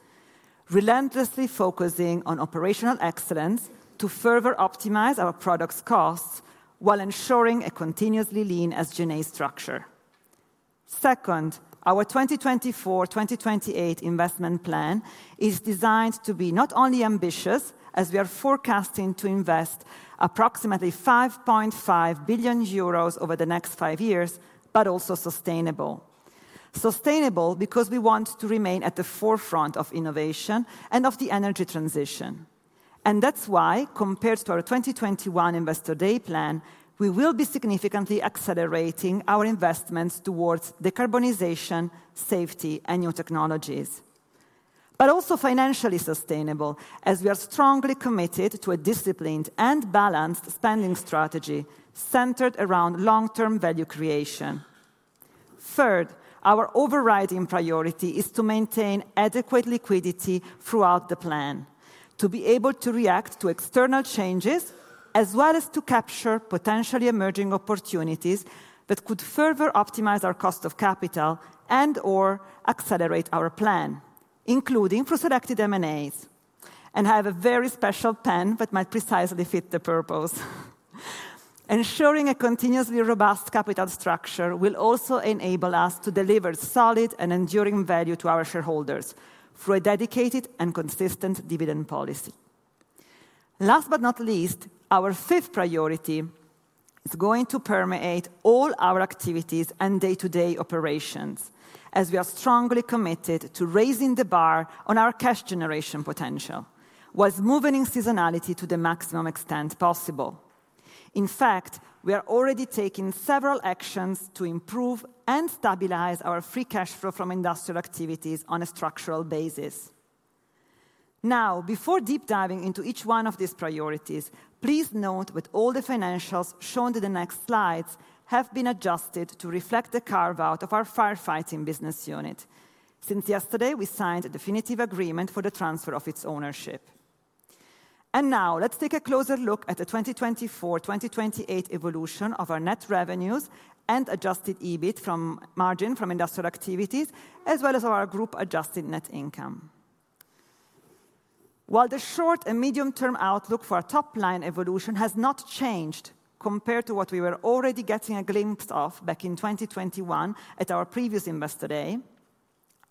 relentlessly focusing on operational excellence to further optimize our product's costs while ensuring a continuously lean SG&A structure. Second, our 2024-2028 investment plan is designed to be not only ambitious, as we are forecasting to invest approximately 5.5 billion euros over the next five years, but also sustainable. Sustainable because we want to remain at the forefront of innovation and of the energy transition. And that's why, compared to our 2021 Investor Day plan, we will be significantly accelerating our investments towards decarbonization, safety, and new technologies. But also financially sustainable, as we are strongly committed to a disciplined and balanced spending strategy centered around long-term value creation. Third, our overriding priority is to maintain adequate liquidity throughout the plan, to be able to react to external changes as well as to capture potentially emerging opportunities that could further optimize our cost of capital and/or accelerate our plan, including through selected M&As. And I have a very special pen that might precisely fit the purpose. Ensuring a continuously robust capital structure will also enable us to deliver solid and enduring value to our shareholders through a dedicated and consistent dividend policy. Last but not least, our fifth priority is going to permeate all our activities and day-to-day operations, as we are strongly committed to raising the bar on our cash generation potential, while moving seasonality to the maximum extent possible. In fact, we are already taking several actions to improve and stabilize our free cash flow from industrial activities on a structural basis. Now, before deep-diving into each one of these priorities, please note that all the financials shown in the next slides have been adjusted to reflect the carve-out of our firefighting business unit, since yesterday we signed a definitive agreement for the transfer of its ownership. Now, let's take a closer look at the 2024-2028 evolution of our net revenues and adjusted EBIT margin from industrial activities, as well as our group-adjusted net income. While the short and medium-term outlook for our top-line evolution has not changed compared to what we were already getting a glimpse of back in 2021 at our previous Investor Day,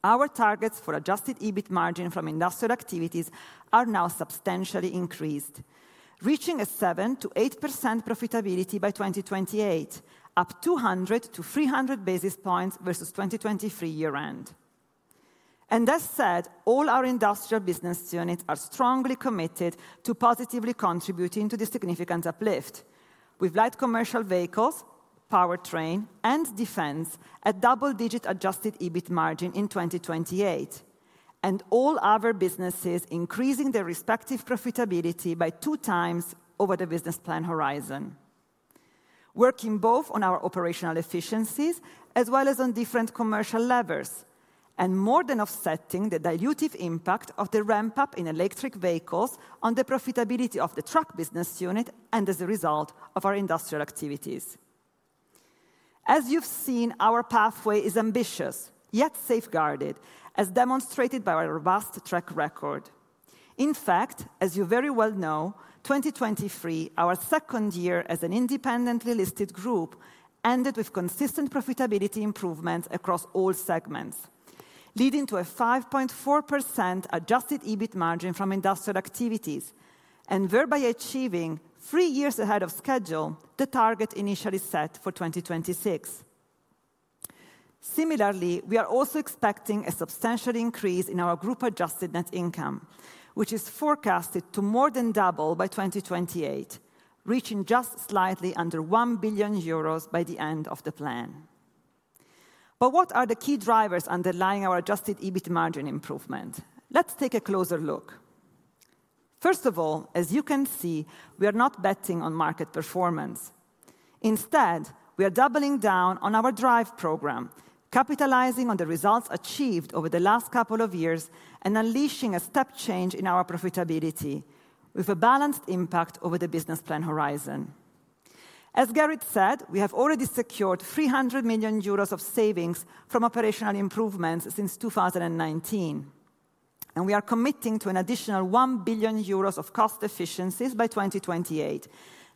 our targets for adjusted EBIT margin from industrial activities are now substantially increased, reaching a 7%-8% profitability by 2028, up 200-300 basis points versus 2023 year-end. And that said, all our industrial business units are strongly committed to positively contributing to this significant uplift, with light commercial vehicles, powertrain, and defense at double-digit Adjusted EBIT margin in 2028, and all other businesses increasing their respective profitability by two times over the business plan horizon, working both on our operational efficiencies as well as on different commercial levers, and more than offsetting the dilutive impact of the ramp-up in electric vehicles on the profitability of the truck business unit and as a result of our industrial activities. As you've seen, our pathway is ambitious yet safeguarded, as demonstrated by our robust track record. In fact, as you very well know, 2023, our second year as an independently listed group, ended with consistent profitability improvements across all segments, leading to a 5.4% adjusted EBIT margin from industrial activities, and thereby achieving, three years ahead of schedule, the target initially set for 2026. Similarly, we are also expecting a substantial increase in our group-adjusted net income, which is forecasted to more than double by 2028, reaching just slightly under 1 billion euros by the end of the plan. But what are the key drivers underlying our adjusted EBIT margin improvement? Let's take a closer look. First of all, as you can see, we are not betting on market performance. Instead, we are doubling down on our drive program, capitalizing on the results achieved over the last couple of years and unleashing a step change in our profitability, with a balanced impact over the business plan horizon. As Gerrit said, we have already secured 300 million euros of savings from operational improvements since 2019. We are committing to an additional 1 billion euros of cost efficiencies by 2028,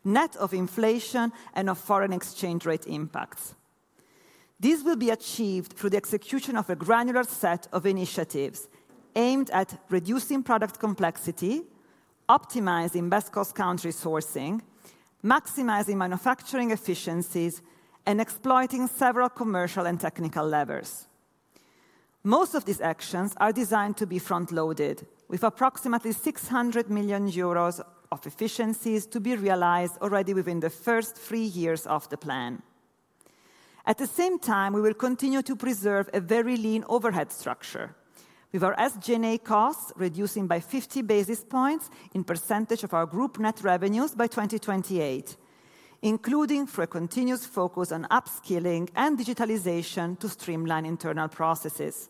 net of inflation and of foreign exchange rate impacts. This will be achieved through the execution of a granular set of initiatives aimed at reducing product complexity, optimizing best-cost country sourcing, maximizing manufacturing efficiencies, and exploiting several commercial and technical levers. Most of these actions are designed to be front-loaded, with approximately 600 million euros of efficiencies to be realized already within the first three years of the plan. At the same time, we will continue to preserve a very lean overhead structure, with our SG&A costs reducing by 50 basis points in percentage of our group net revenues by 2028, including through a continuous focus on upskilling and digitalization to streamline internal processes.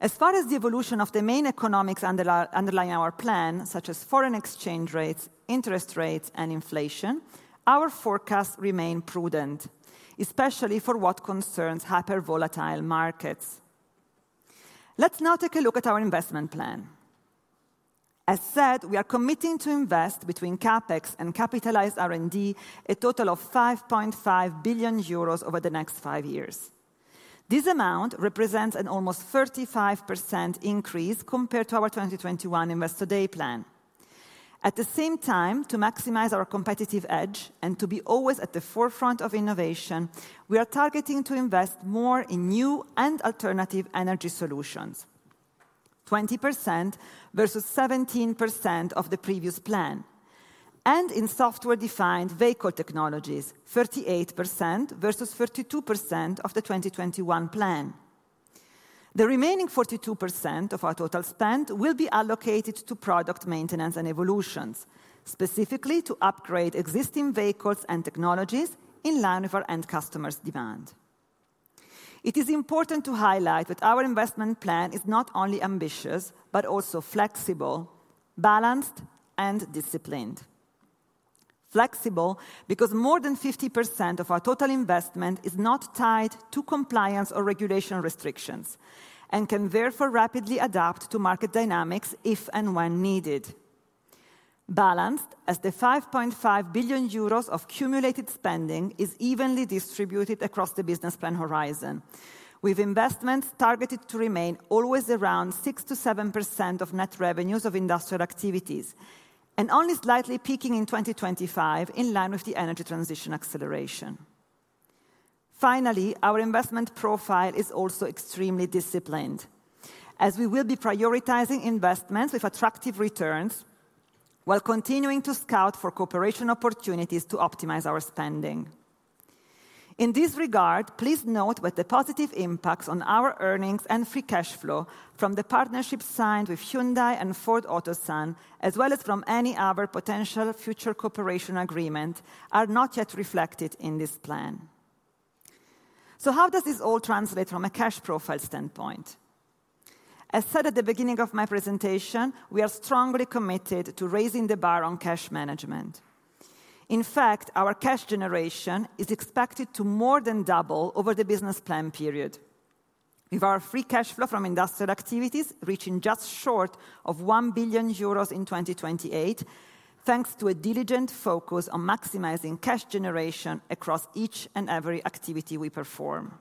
As far as the evolution of the main economics underlying our plan, such as foreign exchange rates, interest rates, and inflation, our forecasts remain prudent, especially for what concerns hyper-volatile markets. Let's now take a look at our investment plan. As said, we are committing to invest, between CapEx and capitalized R&D, a total of 5.5 billion euros over the next five years. This amount represents an almost 35% increase compared to our 2021 Investor Day plan. At the same time, to maximize our competitive edge and to be always at the forefront of innovation, we are targeting to invest more in new and alternative energy solutions: 20% versus 17% of the previous plan; and in software-defined vehicle technologies: 38% versus 32% of the 2021 plan. The remaining 42% of our total spend will be allocated to product maintenance and evolutions, specifically to upgrade existing vehicles and technologies in line with our end customers' demand. It is important to highlight that our investment plan is not only ambitious but also flexible, balanced, and disciplined. Flexible because more than 50% of our total investment is not tied to compliance or regulation restrictions and can therefore rapidly adapt to market dynamics if and when needed. Balanced, as the 5.5 billion euros of cumulated spending is evenly distributed across the business plan horizon, with investments targeted to remain always around 6%-7% of net revenues of industrial activities, and only slightly peaking in 2025 in line with the energy transition acceleration. Finally, our investment profile is also extremely disciplined, as we will be prioritizing investments with attractive returns while continuing to scout for cooperation opportunities to optimize our spending. In this regard, please note that the positive impacts on our earnings and free cash flow from the partnership signed with Hyundai and Ford Otosan, as well as from any other potential future cooperation agreement, are not yet reflected in this plan. So how does this all translate from a cash profile standpoint? As said at the beginning of my presentation, we are strongly committed to raising the bar on cash management. In fact, our cash generation is expected to more than double over the business plan period, with our free cash flow from industrial activities reaching just short of 1 billion euros in 2028, thanks to a diligent focus on maximizing cash generation across each and every activity we perform.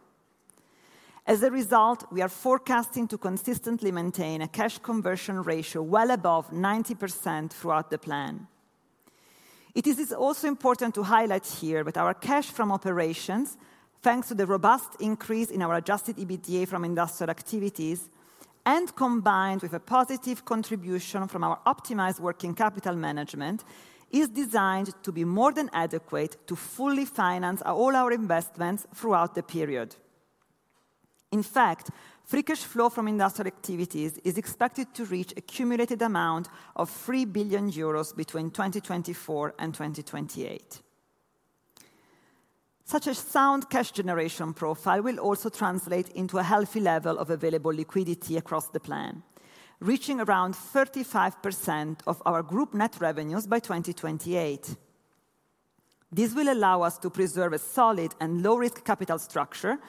As a result, we are forecasting to consistently maintain a cash conversion ratio well above 90% throughout the plan. It is also important to highlight here that our cash from operations, thanks to the robust increase in our adjusted EBITDA from industrial activities and combined with a positive contribution from our optimized working capital management, is designed to be more than adequate to fully finance all our investments throughout the period. In fact, free cash flow from industrial activities is expected to reach a cumulated amount of 3 billion euros between 2024 and 2028. Such a sound cash generation profile will also translate into a healthy level of available liquidity across the plan, reaching around 35% of our group net revenues by 2028. This will allow us to preserve a solid and low-risk capital structure,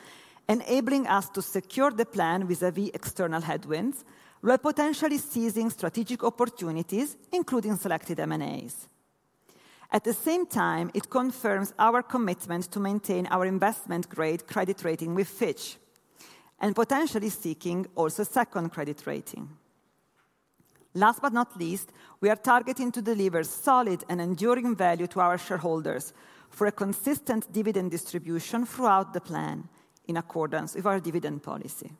enabling us to secure the plan vis-à-vis external headwinds, while potentially seizing strategic opportunities, including selected M&As. At the same time, it confirms our commitment to maintain our investment-grade credit rating with Fitch and potentially seeking also second credit rating. Last but not least, we are targeting to deliver solid and enduring value to our shareholders for a consistent dividend distribution throughout the plan, in accordance with our dividend policy.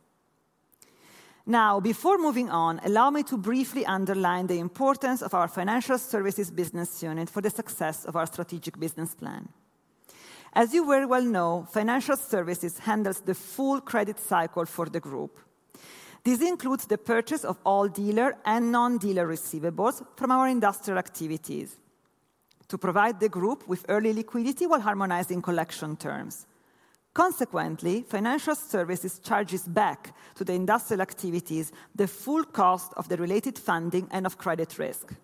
Now, before moving on, allow me to briefly underline the importance of our financial services business unit for the success of our strategic business plan. As you very well know, financial services handles the full credit cycle for the group. This includes the purchase of all dealer and non-dealer receivables from our industrial activities, to provide the group with early liquidity while harmonizing collection terms. Consequently, financial services charges back to the industrial activities the full cost of the related funding and of credit risk.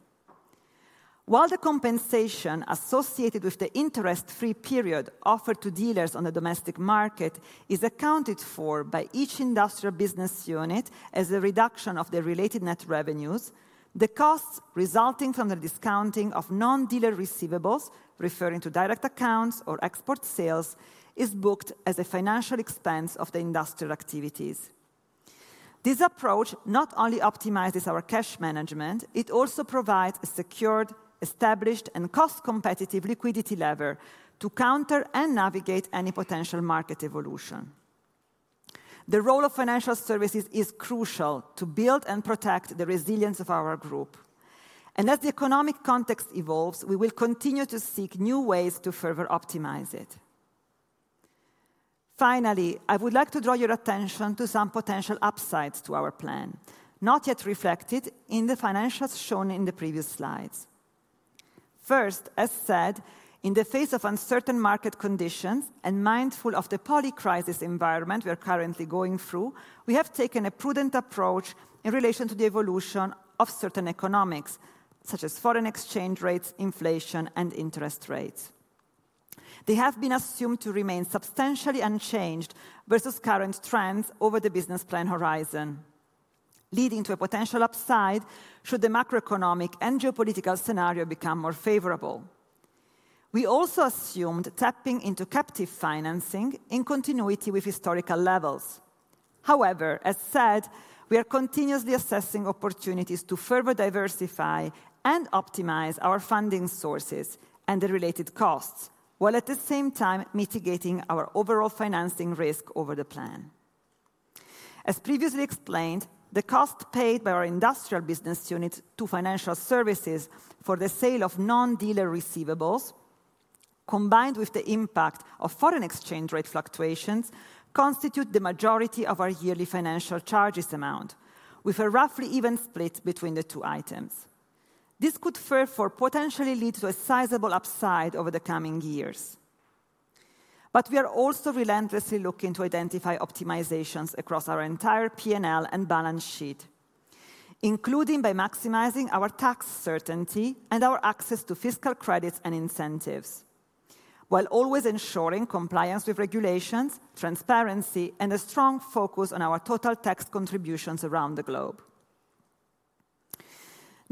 While the compensation associated with the interest-free period offered to dealers on the domestic market is accounted for by each industrial business unit as a reduction of their related net revenues, the costs resulting from the discounting of non-dealer receivables referring to direct accounts or export sales is booked as a financial expense of the industrial activities. This approach not only optimizes our cash management, it also provides a secured, established, and cost-competitive liquidity lever to counter and navigate any potential market evolution. The role of financial services is crucial to build and protect the resilience of our group. As the economic context evolves, we will continue to seek new ways to further optimize it. Finally, I would like to draw your attention to some potential upsides to our plan, not yet reflected in the financials shown in the previous slides. First, as said, in the face of uncertain market conditions and mindful of the polycrisis environment we are currently going through, we have taken a prudent approach in relation to the evolution of certain economics, such as foreign exchange rates, inflation, and interest rates. They have been assumed to remain substantially unchanged versus current trends over the business plan horizon, leading to a potential upside should the macroeconomic and geopolitical scenario become more favorable. We also assumed tapping into captive financing in continuity with historical levels. However, as said, we are continuously assessing opportunities to further diversify and optimize our funding sources and the related costs, while at the same time mitigating our overall financing risk over the plan. As previously explained, the cost paid by our industrial business unit to financial services for the sale of non-dealer receivables, combined with the impact of foreign exchange rate fluctuations, constitutes the majority of our yearly financial charges amount, with a roughly even split between the two items. This could therefore potentially lead to a sizable upside over the coming years. But we are also relentlessly looking to identify optimizations across our entire P&L and balance sheet, including by maximizing our tax certainty and our access to fiscal credits and incentives, while always ensuring compliance with regulations, transparency, and a strong focus on our total tax contributions around the globe.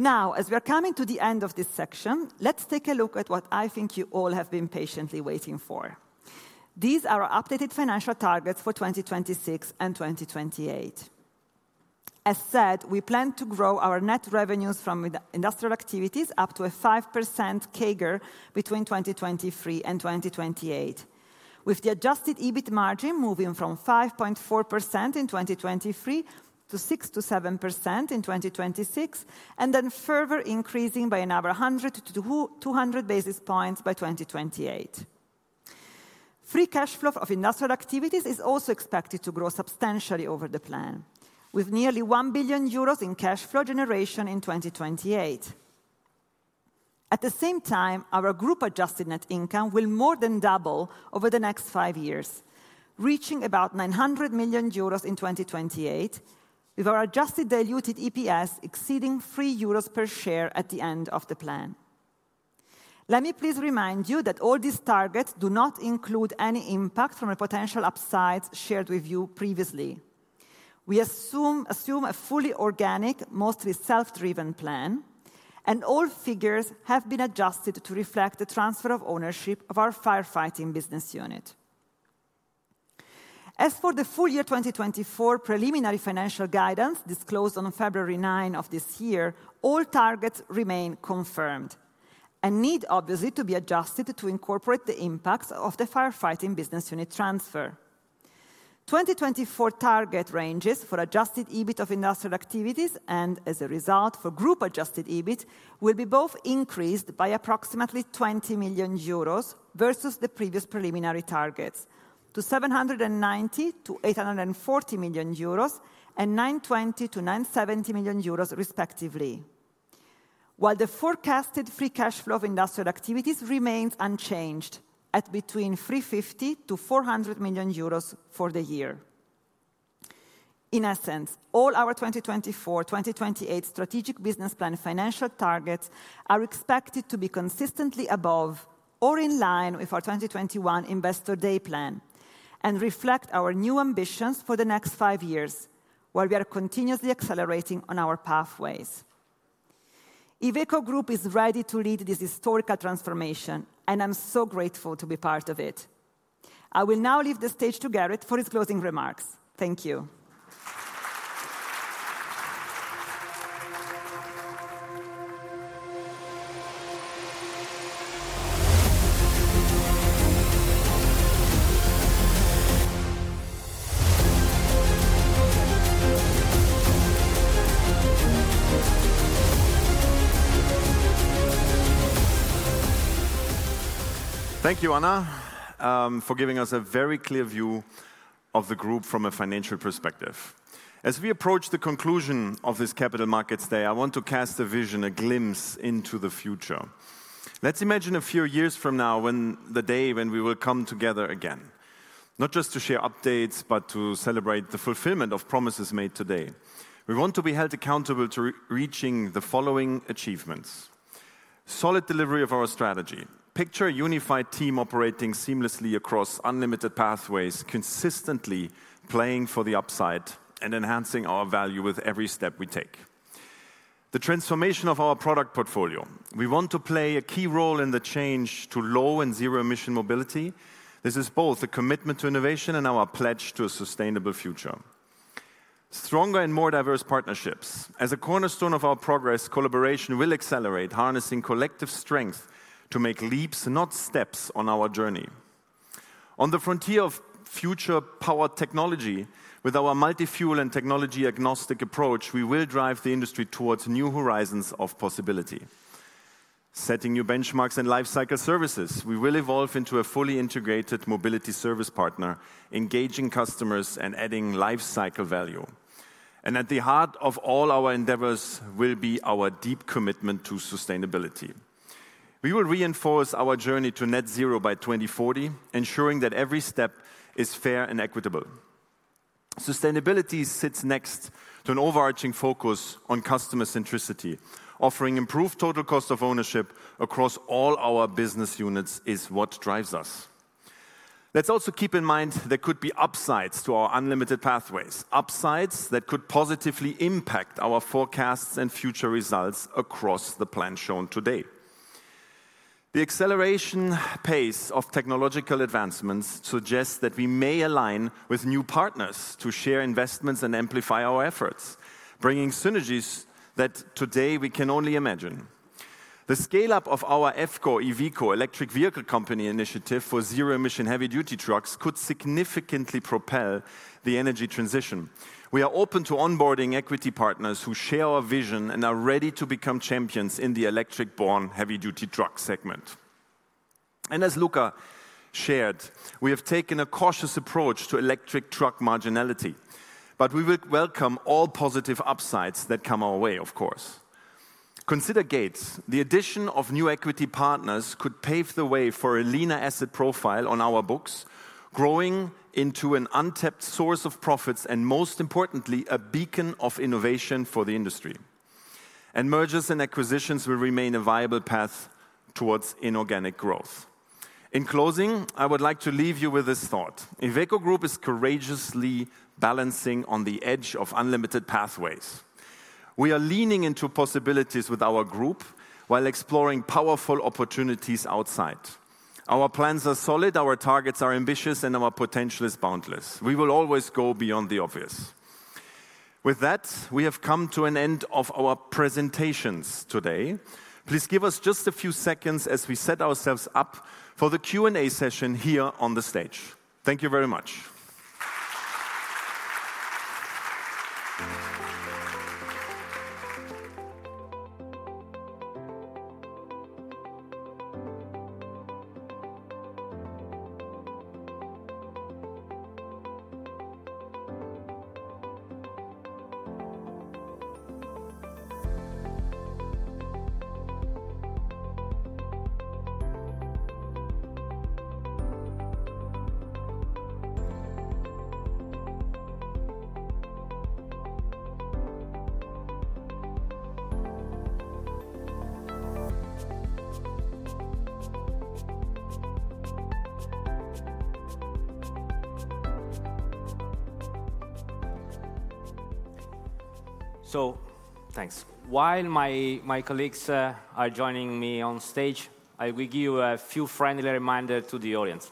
Now, as we are coming to the end of this section, let's take a look at what I think you all have been patiently waiting for. These are our updated financial targets for 2026 and 2028. As said, we plan to grow our net revenues from industrial activities up to a 5% CAGR between 2023 and 2028, with the Adjusted EBIT margin moving from 5.4% in 2023 to 6%-7% in 2026, and then further increasing by another 100-200 basis points by 2028. Free Cash Flow of industrial activities is also expected to grow substantially over the plan, with nearly 1 billion euros in cash flow generation in 2028. At the same time, our group adjusted net income will more than double over the next 5 years, reaching about 900 million euros in 2028, with our adjusted diluted EPS exceeding 3 euros per share at the end of the plan. Let me please remind you that all these targets do not include any impact from a potential upside shared with you previously. We assume a fully organic, mostly self-driven plan, and all figures have been adjusted to reflect the transfer of ownership of our firefighting business unit. As for the full year 2024 preliminary financial guidance disclosed on February 9 of this year, all targets remain confirmed and need obviously to be adjusted to incorporate the impacts of the firefighting business unit transfer. 2024 target ranges for adjusted EBIT of industrial activities and, as a result, for group adjusted EBIT will be both increased by approximately 20 million euros versus the previous preliminary targets, to 790 million-840 million euros and 920 million-970 million euros respectively, while the forecasted free cash flow of industrial activities remains unchanged at between 350 million-400 million euros for the year. In essence, all our 2024-2028 strategic business plan financial targets are expected to be consistently above or in line with our 2021 Investor Day plan and reflect our new ambitions for the next five years, while we are continuously accelerating on our pathways. Iveco Group is ready to lead this historical transformation, and I am so grateful to be part of it. I will now leave the stage to Gerrit for his closing remarks. Thank you. Thank you, Anna, for giving us a very clear view of the group from a financial perspective. As we approach the conclusion of this Capital Markets Day, I want to cast a vision, a glimpse into the future. Let's imagine a few years from now when the day when we will come together again, not just to share updates but to celebrate the fulfillment of promises made today. We want to be held accountable to reaching the following achievements: solid delivery of our strategy: picture a unified team operating seamlessly across unlimited pathways, consistently playing for the upside and enhancing our value with every step we take. The transformation of our product portfolio: we want to play a key role in the change to low and zero-emission mobility. This is both a commitment to innovation and our pledge to a sustainable future. Stronger and more diverse partnerships: as a cornerstone of our progress, collaboration will accelerate, harnessing collective strength to make leaps, not steps, on our journey. On the frontier of future-powered technology: with our multi-fuel and technology-agnostic approach, we will drive the industry towards new horizons of possibility. Setting new benchmarks and lifecycle services: we will evolve into a fully integrated mobility service partner, engaging customers and adding lifecycle value. At the heart of all our endeavors will be our deep commitment to sustainability. We will reinforce our journey to Net Zero by 2040, ensuring that every step is fair and equitable. Sustainability sits next to an overarching focus on customer centricity: offering improved Total Cost of Ownership across all our business units is what drives us. Let's also keep in mind there could be upsides to our unlimited pathways, upsides that could positively impact our forecasts and future results across the plan shown today. The acceleration pace of technological advancements suggests that we may align with new partners to share investments and amplify our efforts, bringing synergies that today we can only imagine. The scale-up of our EVCO Electric Vehicle Company initiative for zero-emission heavy-duty trucks could significantly propel the energy transition. We are open to onboarding equity partners who share our vision and are ready to become champions in the electric-born heavy-duty truck segment. And as Luca shared, we have taken a cautious approach to electric truck marginality. But we will welcome all positive upsides that come our way, of course. Consider GATE: the addition of new equity partners could pave the way for a leaner asset profile on our books, growing into an untapped source of profits and, most importantly, a beacon of innovation for the industry. Mergers and acquisitions will remain a viable path towards inorganic growth. In closing, I would like to leave you with this thought: Iveco Group is courageously balancing on the edge of unlimited pathways. We are leaning into possibilities with our group while exploring powerful opportunities outside. Our plans are solid, our targets are ambitious, and our potential is boundless. We will always go beyond the obvious. With that, we have come to an end of our presentations today. Please give us just a few seconds as we set ourselves up for the Q&A session here on the stage. Thank you very much. So thanks. While my colleagues are joining me on stage, I will give you a few friendly reminders to the audience.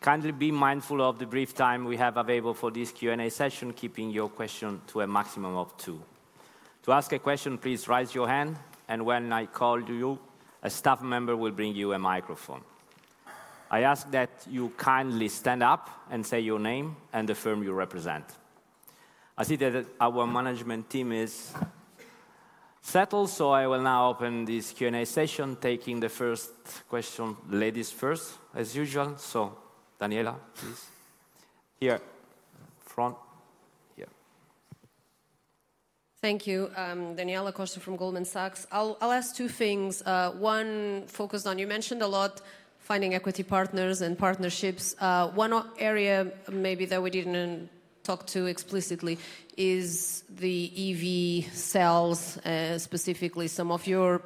Kindly be mindful of the brief time we have available for this Q&A session, keeping your questions to a maximum of two. To ask a question, please raise your hand, and when I call you, a staff member will bring you a microphone. I ask that you kindly stand up and say your name and the firm you represent. I see that our management team is settled, so I will now open this Q&A session, taking the first question ladies first, as usual. So, Daniela, please. Here. Front. Here. Thank you. Daniela Costa from Goldman Sachs. I'll ask two things. One focused on you mentioned a lot finding equity partners and partnerships. One area maybe that we didn't talk to explicitly is the EV cells, specifically. Some of your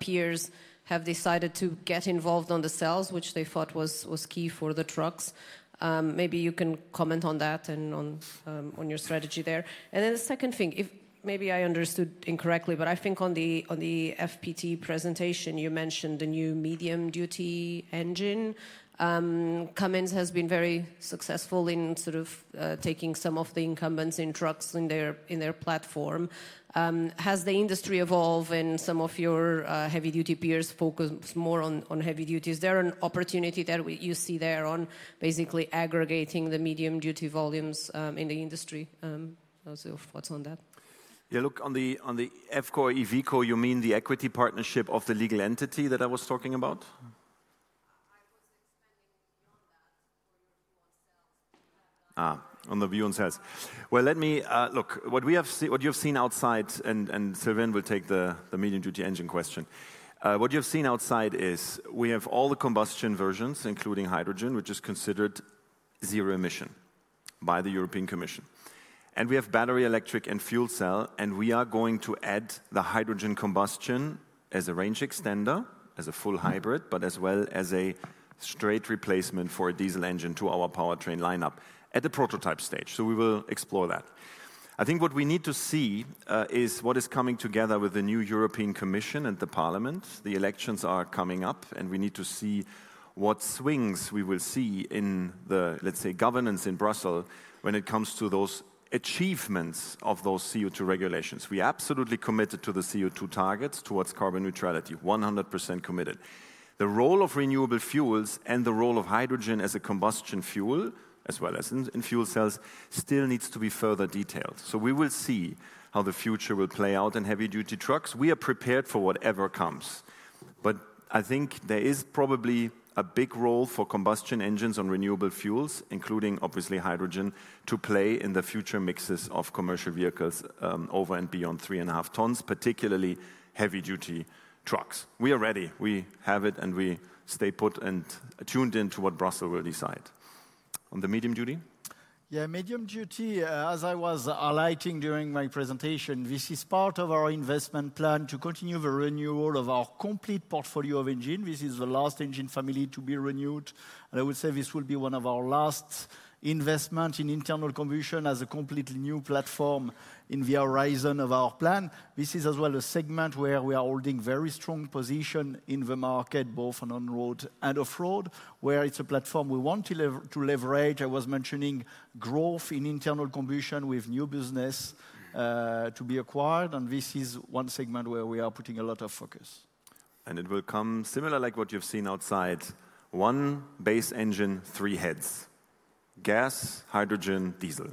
peers have decided to get involved on the cells, which they thought was key for the trucks. Maybe you can comment on that and on your strategy there. And then the second thing, if maybe I understood incorrectly, but I think on the FPT presentation you mentioned the new medium-duty engine. Cummins has been very successful in sort of taking some of the incumbents in trucks in their platform. Has the industry evolved, and some of your heavy-duty peers focus more on heavy duties? Is there an opportunity that you see there on basically aggregating the medium-duty volumes in the industry? I don't know what's on that. Yeah, look, on the EVCO, you mean the equity partnership of the legal entity that I was talking about?I was expanding beyond that for your view on cells. You have got. On the view on cells. Well, let me look. What you have seen outside and Sylvain will take the medium-duty engine question. What you have seen outside is we have all the combustion versions, including hydrogen, which is considered zero emission by the European Commission. And we have battery electric and fuel cell, and we are going to add the hydrogen combustion as a range extender, as a full hybrid, but as well as a straight replacement for a diesel engine to our powertrain lineup at the prototype stage. So we will explore that. I think what we need to see is what is coming together with the new European Commission and the Parliament. The elections are coming up, and we need to see what swings we will see in the, let's say, governance in Brussels when it comes to those achievements of those CO2 regulations. We are absolutely committed to the CO2 targets towards carbon neutrality, 100% committed. The role of renewable fuels and the role of hydrogen as a combustion fuel, as well as in fuel cells, still needs to be further detailed. So we will see how the future will play out in heavy-duty trucks. We are prepared for whatever comes. But I think there is probably a big role for combustion engines on renewable fuels, including obviously hydrogen, to play in the future mixes of commercial vehicles over and beyond 3.5 tons, particularly heavy-duty trucks. We are ready. We have it, and we stay put and tuned into what Brussels will decide. On the medium duty? Yeah, medium duty, as I was alluding during my presentation, this is part of our investment plan to continue the renewal of our complete portfolio of engines. This is the last engine family to be renewed. And I would say this will be one of our last investments in internal combustion as a completely new platform in the horizon of our plan. This is as well a segment where we are holding a very strong position in the market, both on road and off-road, where it's a platform we want to leverage. I was mentioning growth in internal combustion with new business to be acquired, and this is one segment where we are putting a lot of focus. It will come similar, like what you've seen outside: one base engine, three heads: gas, hydrogen, diesel.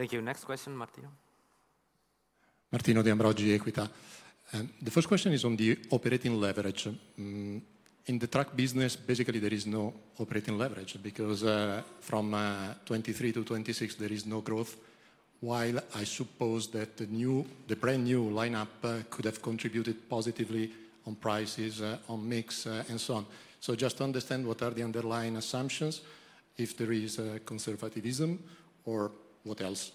Thank you. Next question, Martino. Martino De Ambroggi, Equita. The first question is on the operating leverage. In the truck business, basically there is no operating leverage because from 2023 to 2026 there is no growth, while I suppose that the brand new lineup could have contributed positively on prices, on mix, and so on. So just understand what are the underlying assumptions, if there is conservativism or what else.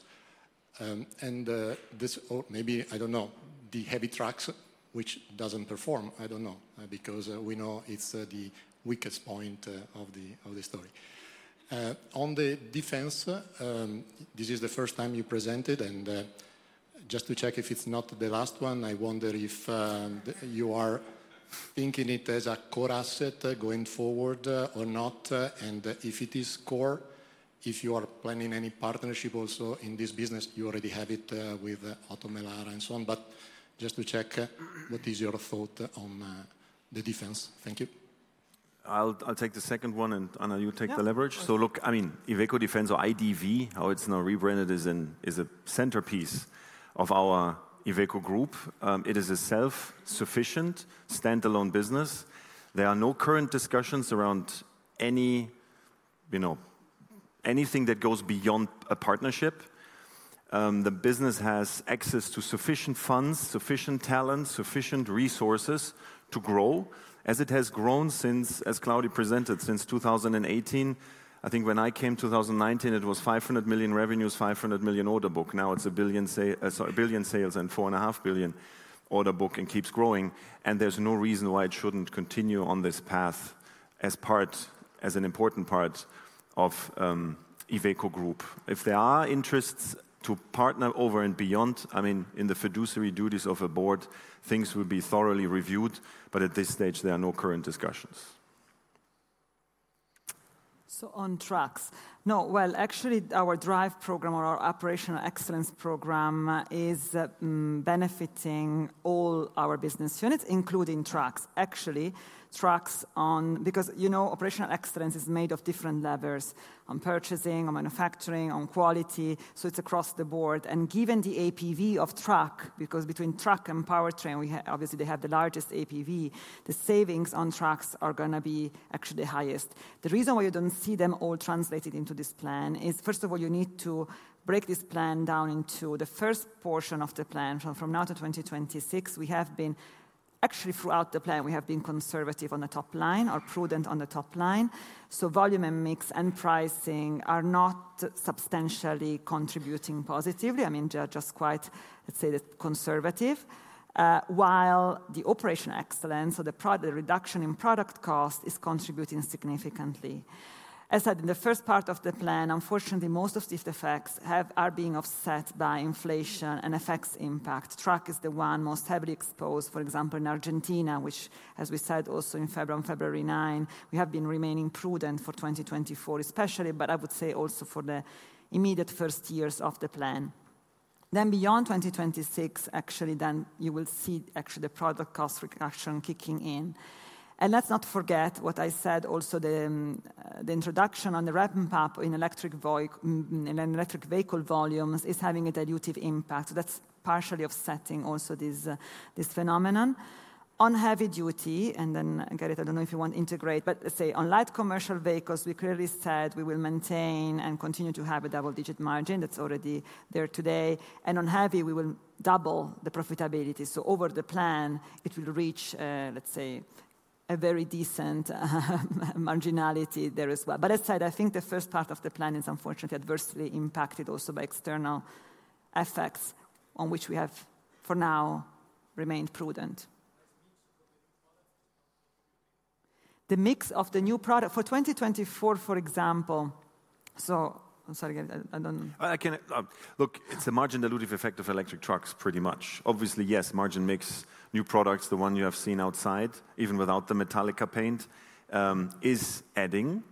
And this maybe I don't know, the heavy trucks, which doesn't perform, I don't know, because we know it's the weakest point of the story. On the defense, this is the first time you presented, and just to check if it's not the last one, I wonder if you are thinking it as a core asset going forward or not, and if it is core, if you are planning any partnership also in this business, you already have it with Oto Melara and so on. Just to check, what is your thought on the defense? Thank you. I'll take the second one, and Anna, you take the leverage. So look, I mean, Iveco Defence, or IDV, how it's now rebranded, is a centerpiece of our Iveco Group. It is a self-sufficient, standalone business. There are no current discussions around anything that goes beyond a partnership. The business has access to sufficient funds, sufficient talent, sufficient resources to grow, as it has grown since, as Claudio presented, since 2018. I think when I came in 2019, it was 500 million revenues, 500 million order book. Now it's 1 billion sales and 4.5 billion order book and keeps growing. And there's no reason why it shouldn't continue on this path as an important part of Iveco Group. If there are interests to partner over and beyond, I mean, in the fiduciary duties of a board, things will be thoroughly reviewed, but at this stage there are no current discussions. So on trucks. No, well, actually our drive program, or our operational excellence program, is benefiting all our business units, including trucks, actually, trucks on because you know operational excellence is made of different levers on purchasing, on manufacturing, on quality. So it's across the board. And given the APV of truck, because between truck and powertrain, obviously they have the largest APV, the savings on trucks are going to be actually the highest. The reason why you don't see them all translated into this plan is, first of all, you need to break this plan down into the first portion of the plan. From now to 2026, we have been actually throughout the plan, we have been conservative on the top line, or prudent on the top line. So volume and mix and pricing are not substantially contributing positively. I mean, they are just quite, let's say, conservative, while the operational excellence, so the reduction in product cost, is contributing significantly. As I said, in the first part of the plan, unfortunately, most of the effects are being offset by inflation and FX impact. Truck is the one most heavily exposed, for example, in Argentina, which, as we said, also in February, on February 9, we have been remaining prudent for 2024 especially, but I would say also for the immediate first years of the plan. Then beyond 2026, actually, then you will see actually the product cost reduction kicking in. And let's not forget what I said also, the introduction on the ramp-up in electric vehicle volumes is having an adverse impact. That's partially offsetting also this phenomenon. On heavy duty, and then, Gerrit, I don't know if you want to integrate, but let's say on light commercial vehicles, we clearly said we will maintain and continue to have a double-digit margin. That's already there today. And on heavy, we will double the profitability. So over the plan, it will reach, let's say, a very decent marginality there as well. But as I said, I think the first part of the plan is unfortunately adversely impacted also by external effects on which we have, for now, remained prudent. The mix of the new product for 2024, for example. So, I'm sorry, Gerrit, I don't. Look, it's a margin dilutive effect of electric trucks pretty much. Obviously, yes, margin mix, new products, the one you have seen outside, even without the Metallica paint, is adding.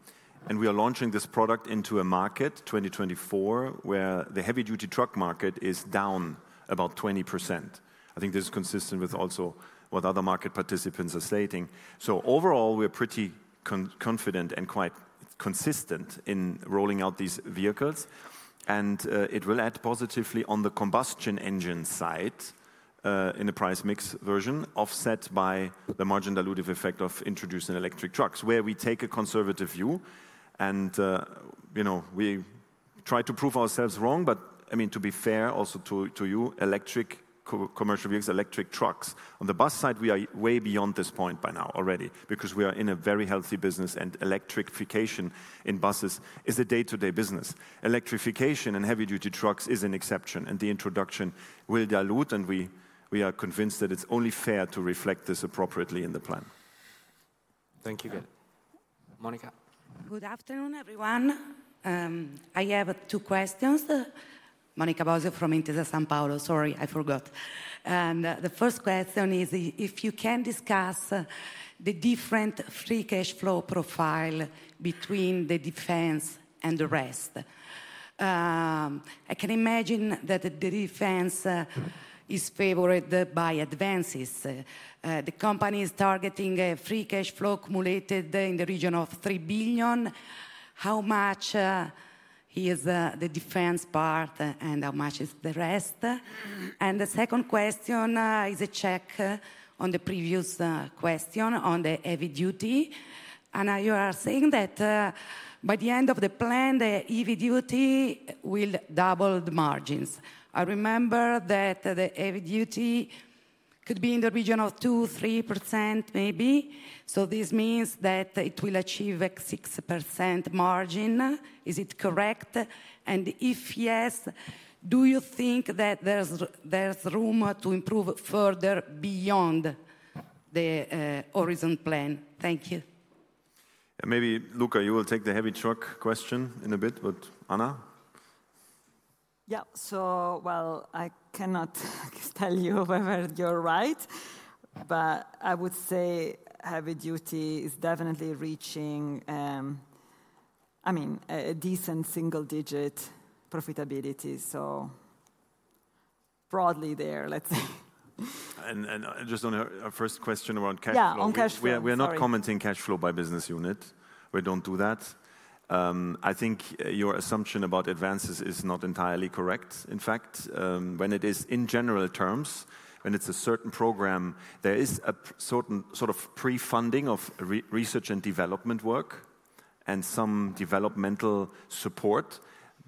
And we are launching this product into a market, 2024, where the heavy-duty truck market is down about 20%. I think this is consistent with also what other market participants are stating. So overall, we are pretty confident and quite consistent in rolling out these vehicles. And it will add positively on the combustion engine side in the price mix version, offset by the margin dilutive effect of introducing electric trucks, where we take a conservative view and we try to prove ourselves wrong. But I mean, to be fair also to you, electric commercial vehicles, electric trucks. On the bus side, we are way beyond this point by now already because we are in a very healthy business, and electrification in buses is a day-to-day business. Electrification in heavy-duty trucks is an exception, and the introduction will dilute, and we are convinced that it's only fair to reflect this appropriately in the plan. Thank you, Gareth. Monica. Good afternoon, everyone. I have two questions. Monica Bosio from Intesa Sanpaolo. Sorry, I forgot. The first question is if you can discuss the different free cash flow profile between the defense and the rest. I can imagine that the defense is favored by advances. The company is targeting free cash flow accumulated in the region of 3 billion. How much is the defense part and how much is the rest? The second question is a check on the previous question on the heavy duty. Anna, you are saying that by the end of the plan, the heavy duty will double the margins. I remember that the heavy duty could be in the region of 2%-3% maybe. So this means that it will achieve a 6% margin. Is it correct? If yes, do you think that there's room to improve further beyond the horizon plan? Thank you. Maybe, Luca, you will take the heavy truck question in a bit, but Anna? Yeah, so, well, I cannot tell you whether you're right, but I would say heavy duty is definitely reaching, I mean, a decent single-digit profitability. So broadly there, let's say. Just on our first question around cash flow. Yeah, on cash flow. We are not commenting cash flow by business unit. We don't do that. I think your assumption about advances is not entirely correct, in fact. When it is in general terms, when it's a certain program, there is a sort of pre-funding of research and development work and some developmental support.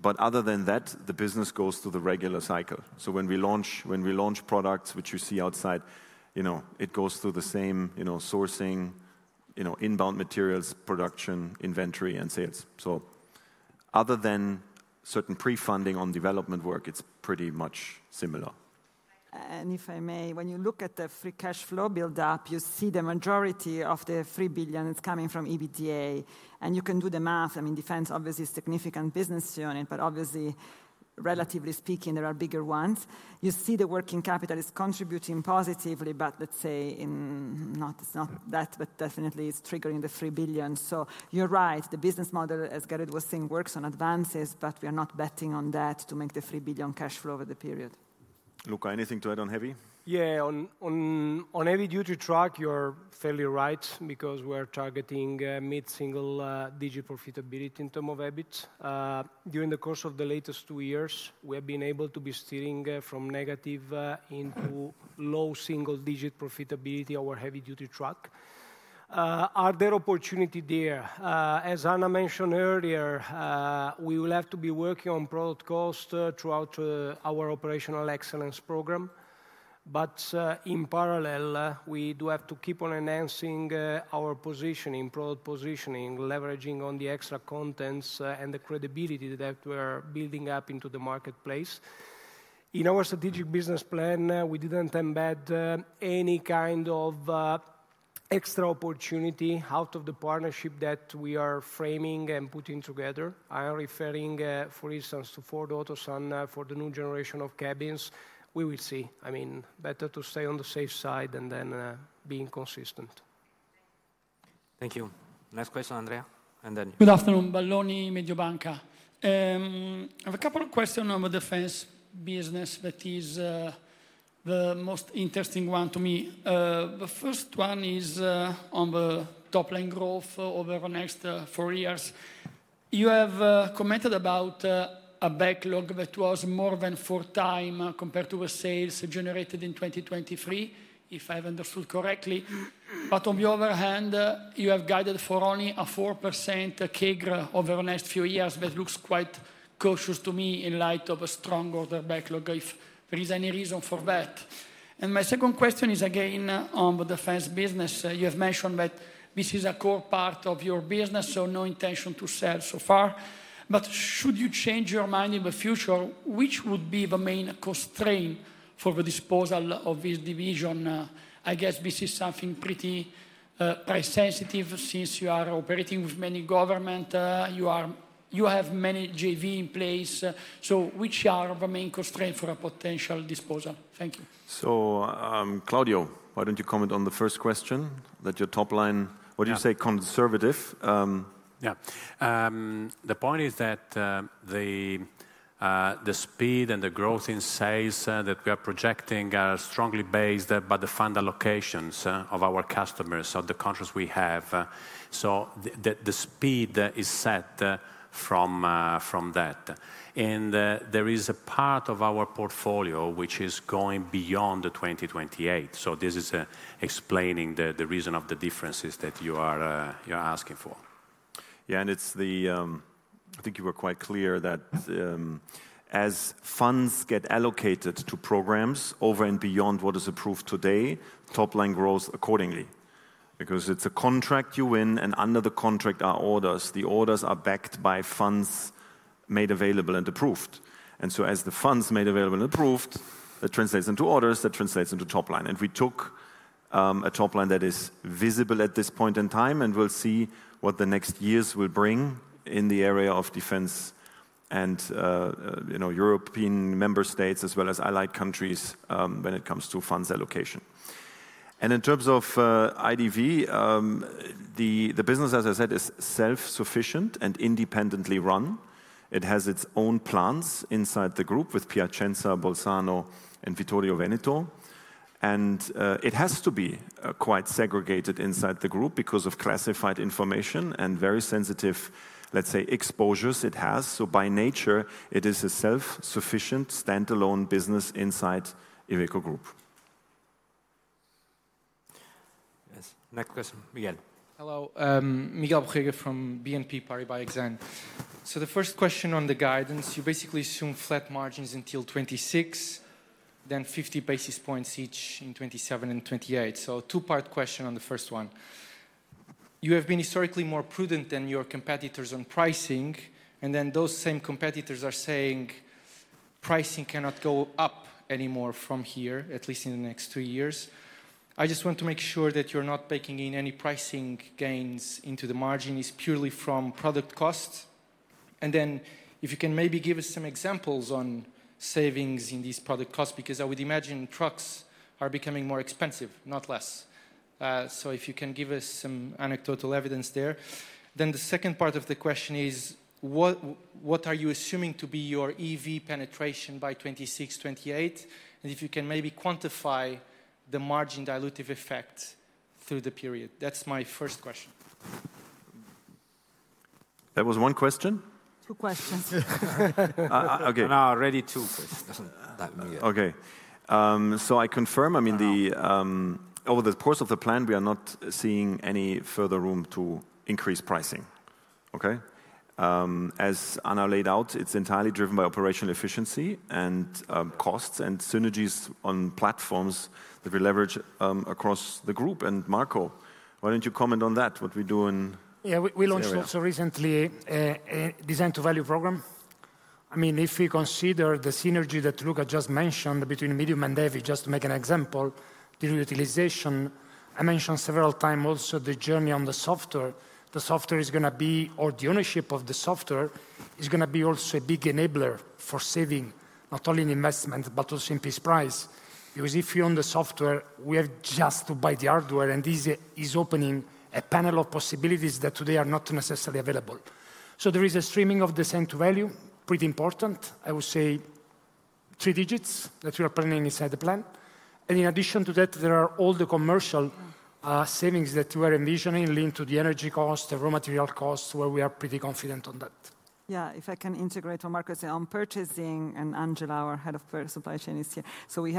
But other than that, the business goes through the regular cycle. So when we launch products, which you see outside, it goes through the same sourcing, inbound materials, production, inventory, and sales. So other than certain pre-funding on development work, it's pretty much similar. And if I may, when you look at the free cash flow buildup, you see the majority of the 3 billion, it's coming from EBITDA. And you can do the math. I mean, defense obviously is a significant business unit, but obviously, relatively speaking, there are bigger ones. You see the working capital is contributing positively, but let's say it's not that, but definitely it's triggering the 3 billion. So you're right, the business model, as Gerrit was saying, works on advances, but we are not betting on that to make the 3 billion cash flow over the period. Luca, anything to add on heavy? Yeah, on heavy-duty truck, you're fairly right because we are targeting mid-single-digit profitability in terms of EBIT. During the course of the latest two years, we have been able to be steering from negative into low single-digit profitability our heavy-duty truck. Are there opportunities there? As Anna mentioned earlier, we will have to be working on product cost throughout our operational excellence program. But in parallel, we do have to keep on enhancing our positioning, product positioning, leveraging on the extra contents and the credibility that we are building up into the marketplace. In our strategic business plan, we didn't embed any kind of extra opportunity out of the partnership that we are framing and putting together. I am referring, for instance, to Ford Otosan for the new generation of cabins. We will see. I mean, better to stay on the safe side and then being consistent. Thank you. Next question, Andrea, and then you. Good afternoon, Balloni, Mediobanca. I have a couple of questions on the defense business that is the most interesting one to me. The first one is on the top-line growth over the next four years. You have commented about a backlog that was more than four times compared to the sales generated in 2023, if I have understood correctly. But on the other hand, you have guided for only a 4% CAGR over the next few years that looks quite cautious to me in light of a strong order backlog, if there is any reason for that. My second question is again on the defense business. You have mentioned that this is a core part of your business, so no intention to sell so far. But should you change your mind in the future, which would be the main constraint for the disposal of this division? I guess this is something pretty price-sensitive since you are operating with many governments. You have many JVs in place. So which are the main constraints for a potential disposal? Thank you. So, Claudio, why don't you comment on the first question? That your top line—what do you say—conservative? Yeah. The point is that the speed and the growth in sales that we are projecting are strongly based by the fund allocations of our customers, so the countries we have. So the speed is set from that. There is a part of our portfolio which is going beyond 2028. So this is explaining the reason of the differences that you are asking for. Yeah, and I think you were quite clear that As funds get allocated to programs over and beyond what is approved today, top-line grows accordingly because it's a contract you win, and under the contract are orders. The orders are backed by funds made available and approved. And so as the funds made available and approved, that translates into orders, that translates into top-line. And we took a top-line that is visible at this point in time, and we'll see what the next years will bring in the area of defense and European member states as well as allied countries when it comes to funds allocation. And in terms of IDV, the business, as I said, is self-sufficient and independently run. It has its own plans inside the group with Piacenza, Bolzano, and Vittorio Veneto. It has to be quite segregated inside the group because of classified information and very sensitive, let's say, exposures it has. By nature, it is a self-sufficient, standalone business inside Iveco Group. Yes. Next question, Miguel. Hello. Miguel Borrega from BNP Paribas Exane. So the first question on the guidance, you basically assume flat margins until 2026, then 50 basis points each in 2027 and 2028. So a two-part question on the first one. You have been historically more prudent than your competitors on pricing, and then those same competitors are saying pricing cannot go up anymore from here, at least in the next two years. I just want to make sure that you're not baking in any pricing gains into the margin. It's purely from product cost. And then if you can maybe give us some examples on savings in these product costs because I would imagine trucks are becoming more expensive, not less. So if you can give us some anecdotal evidence there. Then the second part of the question is what are you assuming to be your EV penetration by 2026, 2028, and if you can maybe quantify the margin dilutive effect through the period? That's my first question. That was one question? Two questions. Okay. Anna, ready too. That wasn't meant for me yet. Okay. So I confirm, I mean, over the course of the plan, we are not seeing any further room to increase pricing, okay? As Anna laid out, it's entirely driven by operational efficiency and costs and synergies on platforms that we leverage across the group. And Marco, why don't you comment on that, what we do in? Yeah, we launched also recently a Design-to-Value program. I mean, if we consider the synergy that Luca just mentioned between medium and heavy, just to make an example, the reutilization, I mentioned several times also the journey on the software. The software is going to be or the ownership of the software is going to be also a big enabler for saving not only in investment but also in piece price because if you own the software, we have just to buy the hardware, and this is opening a panel of possibilities that today are not necessarily available. So there is a streaming of Design-to-Value, pretty important. I would say three digits that we are planning inside the plan. And in addition to that, there are all the commercial savings that you are envisioning linked to the energy cost, the raw material cost, where we are pretty confident on that. Yeah, if I can integrate what Marco said on purchasing, and Angela, our head of supply chain, is here. So we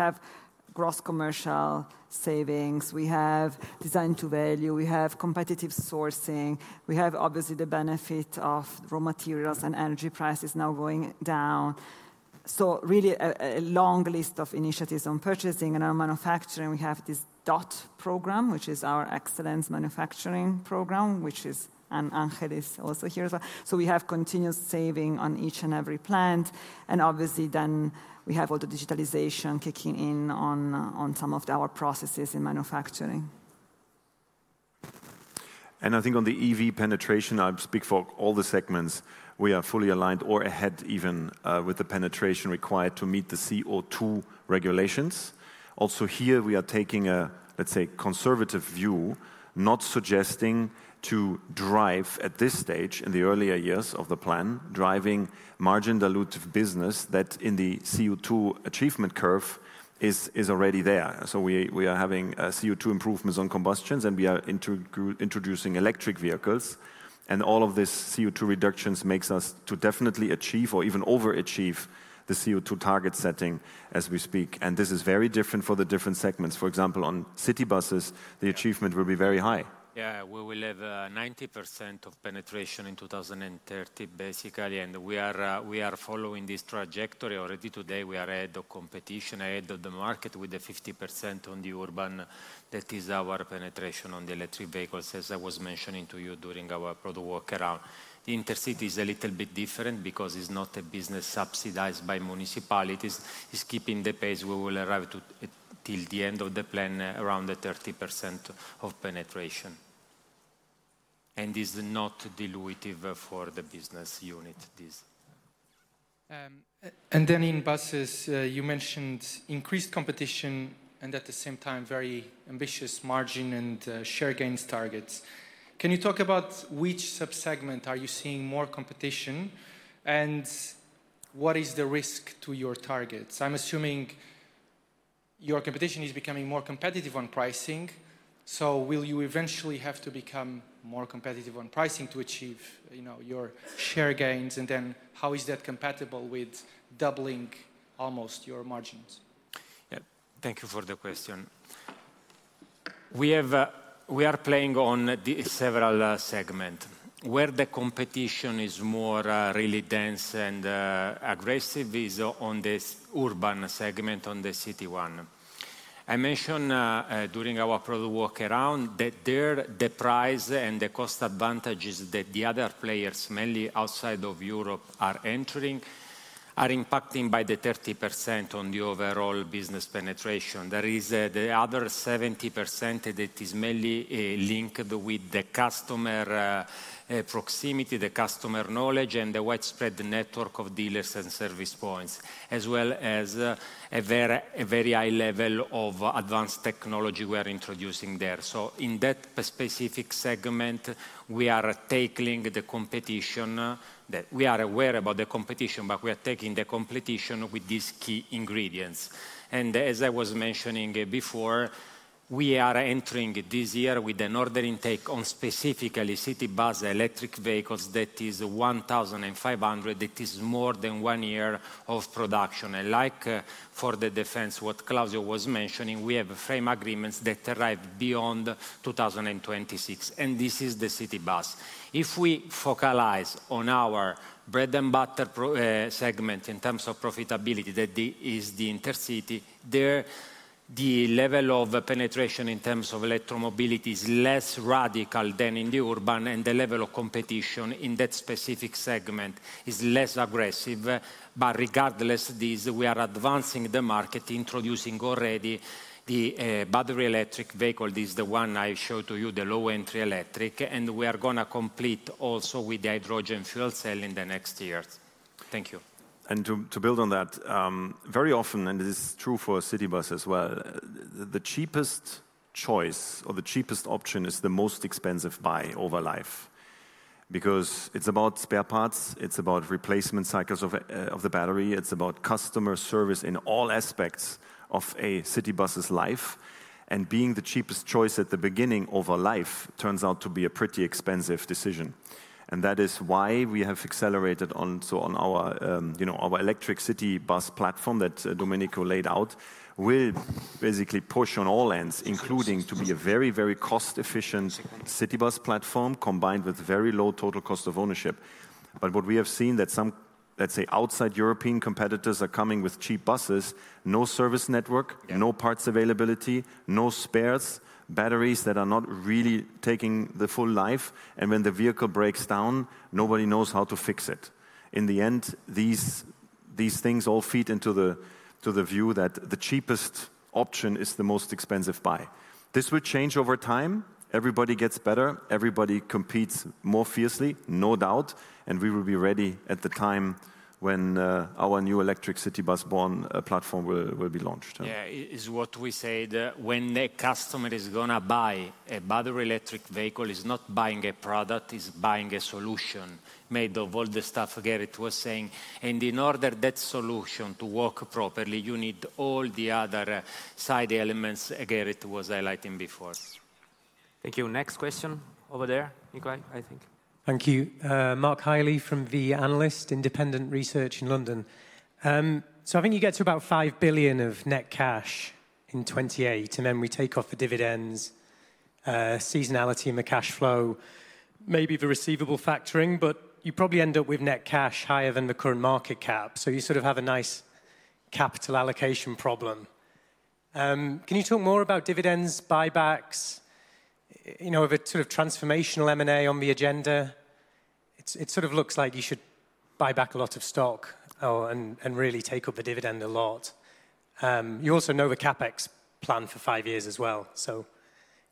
have gross commercial savings. We have Design-to-Value. We have competitive sourcing. We have obviously the benefit of raw materials and energy prices now going down. So really a long list of initiatives on purchasing. And our manufacturing, we have this DOT program, which is our excellence manufacturing program, which is, and Ángel is also here as well. So we have continuous saving on each and every plant. And obviously, then we have all the digitalization kicking in on some of our processes in manufacturing. I think on the EV penetration, I'd speak for all the segments, we are fully aligned or ahead even with the penetration required to meet the CO2 regulations. Also here, we are taking a, let's say, conservative view, not suggesting to drive at this stage, in the earlier years of the plan, driving margin dilutive business that in the CO2 achievement curve is already there. So we are having CO2 improvements on combustions, and we are introducing electric vehicles. And all of these CO2 reductions make us definitely achieve or even overachieve the CO2 target setting as we speak. And this is very different for the different segments. For example, on city buses, the achievement will be very high. Yeah, we will have 90% penetration in 2030, basically. We are following this trajectory already today. We are ahead of competition, ahead of the market with the 50% on the urban that is our penetration on the electric vehicles, as I was mentioning to you during our product walk-around. The intercity is a little bit different because it's not a business subsidized by municipalities. It's keeping the pace. We will arrive till the end of the plan around the 30% of penetration. It's not dilutive for the business unit, this. Then in buses, you mentioned increased competition and at the same time very ambitious margin and share gains targets. Can you talk about which subsegment are you seeing more competition, and what is the risk to your targets? I'm assuming your competition is becoming more competitive on pricing. Will you eventually have to become more competitive on pricing to achieve your share gains, and then how is that compatible with doubling almost your margins? Yeah, thank you for the question. We are playing on several segments. Where the competition is more really dense and aggressive is on the urban segment, on the city one. I mentioned during our product walk-around that there the price and the cost advantages that the other players, mainly outside of Europe, are entering are impacting by the 30% on the overall business penetration. There is the other 70% that is mainly linked with the customer proximity, the customer knowledge, and the widespread network of dealers and service points, as well as a very high level of advanced technology we are introducing there. So in that specific segment, we are tackling the competition that we are aware about the competition, but we are taking the competition with these key ingredients. As I was mentioning before, we are entering this year with an order intake on specifically city bus electric vehicles that is 1,500, that is more than one year of production. Like for the defense, what Claudio was mentioning, we have frame agreements that arrive beyond 2026. And this is the city bus. If we focalize on our bread and butter segment in terms of profitability, that is the intercity, there the level of penetration in terms of electromobility is less radical than in the urban, and the level of competition in that specific segment is less aggressive. But regardless, we are advancing the market, introducing already the battery electric vehicle. This is the one I showed to you, the low-entry electric. And we are going to complete also with the hydrogen fuel cell in the next years. Thank you. To build on that, very often, and this is true for city bus as well, the cheapest choice or the cheapest option is the most expensive buy over life because it's about spare parts. It's about replacement cycles of the battery. It's about customer service in all aspects of a city bus's life. And being the cheapest choice at the beginning over life turns out to be a pretty expensive decision. And that is why we have accelerated on our electric city bus platform that Domenico laid out will basically push on all ends, including to be a very, very cost-efficient city bus platform combined with very low total cost of ownership. But what we have seen that some, let's say, outside European competitors are coming with cheap buses, no service network, no parts availability, no spares, batteries that are not really taking the full life. When the vehicle breaks down, nobody knows how to fix it. In the end, these things all feed into the view that the cheapest option is the most expensive buy. This will change over time. Everybody gets better. Everybody competes more fiercely, no doubt. And we will be ready at the time when our new electric city bus born platform will be launched. Yeah, it's what we said. When the customer is going to buy a battery electric vehicle, he's not buying a product. He's buying a solution made of all the stuff, again, it was saying. And in order for that solution to work properly, you need all the other side elements, again, it was highlighting before. Thank you. Next question over there, Nicolai, I think. Thank you. Mark Hiley from The Analyst, independent research in London. So I think you get to about 5 billion of net cash in 2028, and then we take off the dividends, seasonality, and the cash flow, maybe the receivable factoring, but you probably end up with net cash higher than the current market cap. So you sort of have a nice capital allocation problem. Can you talk more about dividends, buybacks, have a sort of transformational M&A on the agenda? It sort of looks like you should buy back a lot of stock and really take up the dividend a lot. You also know the CapEx plan for five years as well. So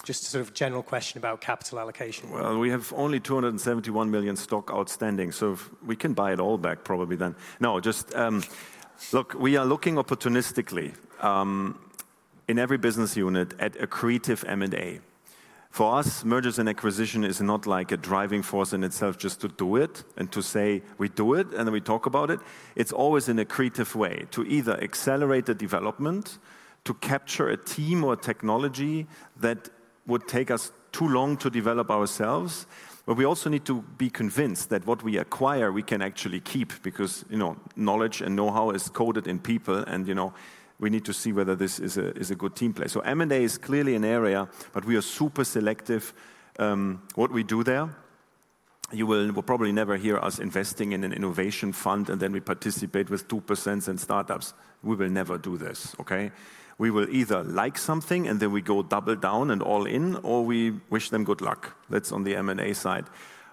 just a sort of general question about capital allocation. Well, we have only 271 million stock outstanding. So we can buy it all back probably then. No, just look, we are looking opportunistically in every business unit at a creative M&A. For us, mergers and acquisitions are not like a driving force in itself just to do it and to say, "We do it, and then we talk about it." It's always in a creative way to either accelerate the development, to capture a team or technology that would take us too long to develop ourselves. But we also need to be convinced that what we acquire, we can actually keep because knowledge and know-how are coded in people, and we need to see whether this is a good team play. So M&A is clearly an area, but we are super selective what we do there. You will probably never hear us investing in an innovation fund, and then we participate with 2% and startups. We will never do this, okay? We will either like something, and then we go double down and all in, or we wish them good luck. That's on the M&A side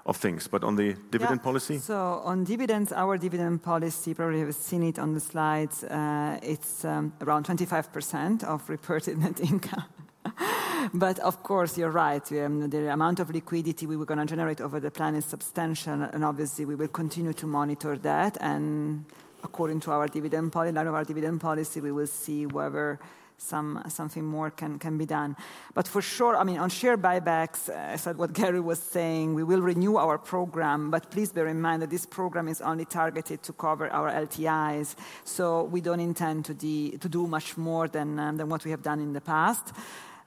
of things. But on the dividend policy? So on dividends, our dividend policy, probably you've seen it on the slides, it's around 25% of reported net income. But of course, you're right. The amount of liquidity we were going to generate over the plan is substantial. And obviously, we will continue to monitor that. And according to our dividend policy line of our dividend policy, we will see whether something more can be done. But for sure, I mean, on share buybacks, as what Gerrit was saying, we will renew our program. But please bear in mind that this program is only targeted to cover our LTIs. So we don't intend to do much more than what we have done in the past.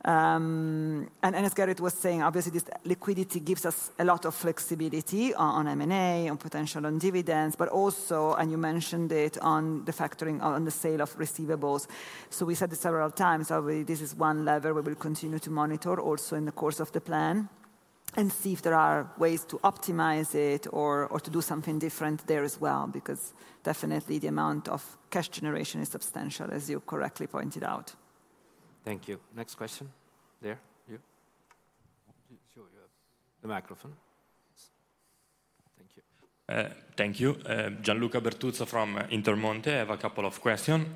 As Gary was saying, obviously, this liquidity gives us a lot of flexibility on M&A, on potential on dividends, but also, and you mentioned it, on the factoring on the sale of receivables. We said this several times. This is one lever we will continue to monitor also in the course of the plan and see if there are ways to optimize it or to do something different there as well because definitely, the amount of cash generation is substantial, as you correctly pointed out. Thank you. Next question there, you. Sure. You have the microphone. Thank you. Gianluca Bertuzzo from Intermonte. I have a couple of questions.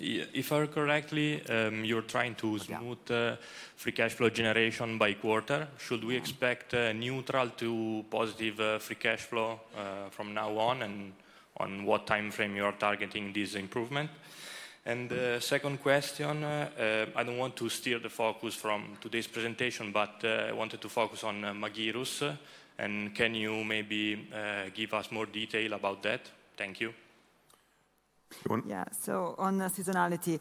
If I'm correct, you're trying to smooth free cash flow generation by quarter. Should we expect neutral to positive free cash flow from now on, and on what time frame you are targeting this improvement? Second question, I don't want to steer the focus from today's presentation, but I wanted to focus on Magirus. And can you maybe give us more detail about that? Thank you. You want? Yeah. So on seasonality,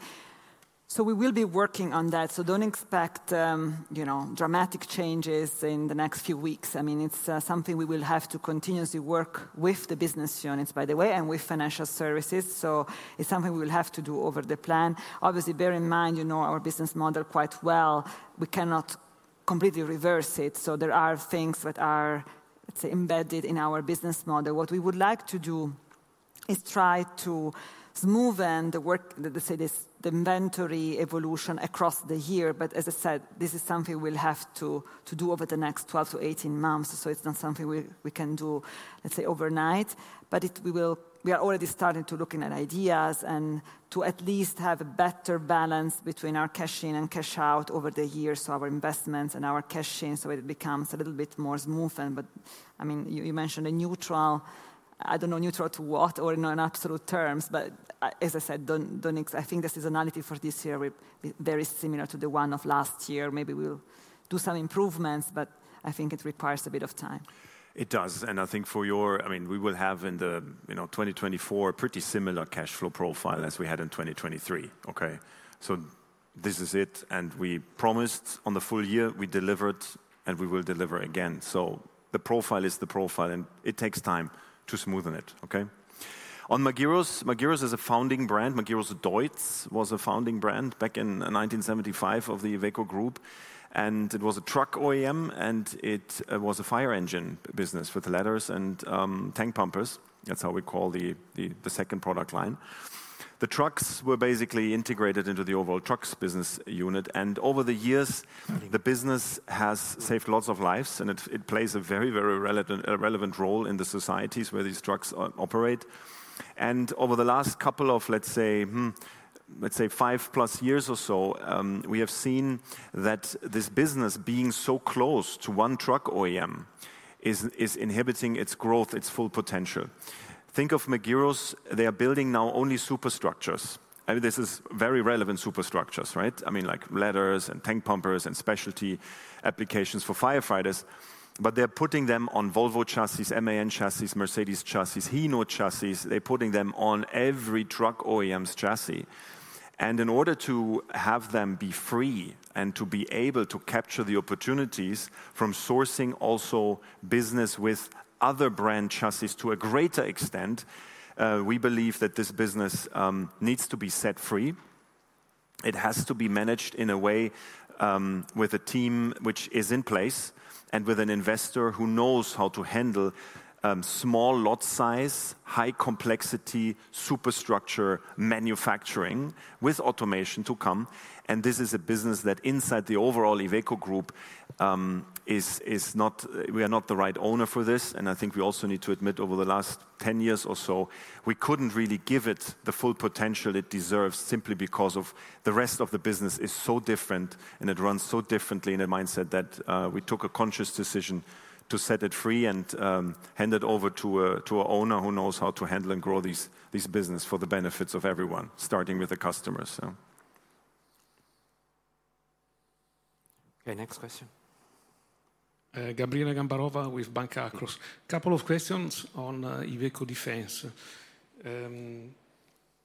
so we will be working on that. So don't expect dramatic changes in the next few weeks. I mean, it's something we will have to continuously work with the business units, by the way, and with financial services. So it's something we will have to do over the plan. Obviously, bear in mind our business model quite well. We cannot completely reverse it. So there are things that are, let's say, embedded in our business model. What we would like to do is try to smoothen the work, let's say, the inventory evolution across the year. But as I said, this is something we'll have to do over the next 12-18 months. So it's not something we can do, let's say, overnight. But we are already starting to look at ideas and to at least have a better balance between our cash-in and cash-out over the year, so our investments and our cash-in, so it becomes a little bit more smooth. But I mean, you mentioned a neutral. I don't know, neutral to what or in absolute terms. But as I said, I think the seasonality for this year will be very similar to the one of last year. Maybe we'll do some improvements, but I think it requires a bit of time. It does. I think for your, I mean, we will have in 2024 a pretty similar cash flow profile as we had in 2023, okay? So this is it. We promised on the full year, we delivered, and we will deliver again. So the profile is the profile, and it takes time to smoothen it, okay? On Magirus, Magirus is a founding brand. Magirus Deutz was a founding brand back in 1975 of the Iveco Group. And it was a truck OEM, and it was a fire engine business with ladders and tank pumpers. That's how we call the second product line. The trucks were basically integrated into the overall trucks business unit. And over the years, the business has saved lots of lives, and it plays a very, very relevant role in the societies where these trucks operate. Over the last couple of, let's say, let's say, 5+ years or so, we have seen that this business being so close to one truck OEM is inhibiting its growth, its full potential. Think of Magirus. They are building now only superstructures. I mean, this is very relevant superstructures, right? I mean, like ladders and tank pumpers and specialty applications for firefighters. But they're putting them on Volvo chassis, MAN chassis, Mercedes chassis, Hino chassis. They're putting them on every truck OEM's chassis. And in order to have them be free and to be able to capture the opportunities from sourcing also business with other brand chassis to a greater extent, we believe that this business needs to be set free. It has to be managed in a way with a team which is in place and with an investor who knows how to handle small lot size, high complexity superstructure manufacturing with automation to come. This is a business that, inside the overall Iveco Group, we are not the right owner for this. I think we also need to admit over the last 10 years or so, we couldn't really give it the full potential it deserves simply because the rest of the business is so different, and it runs so differently in a mindset that we took a conscious decision to set it free and hand it over to an owner who knows how to handle and grow this business for the benefits of everyone, starting with the customers. Okay. Next question. Gabriella Gambarova with Banca Akros. A couple of questions on Iveco Defense.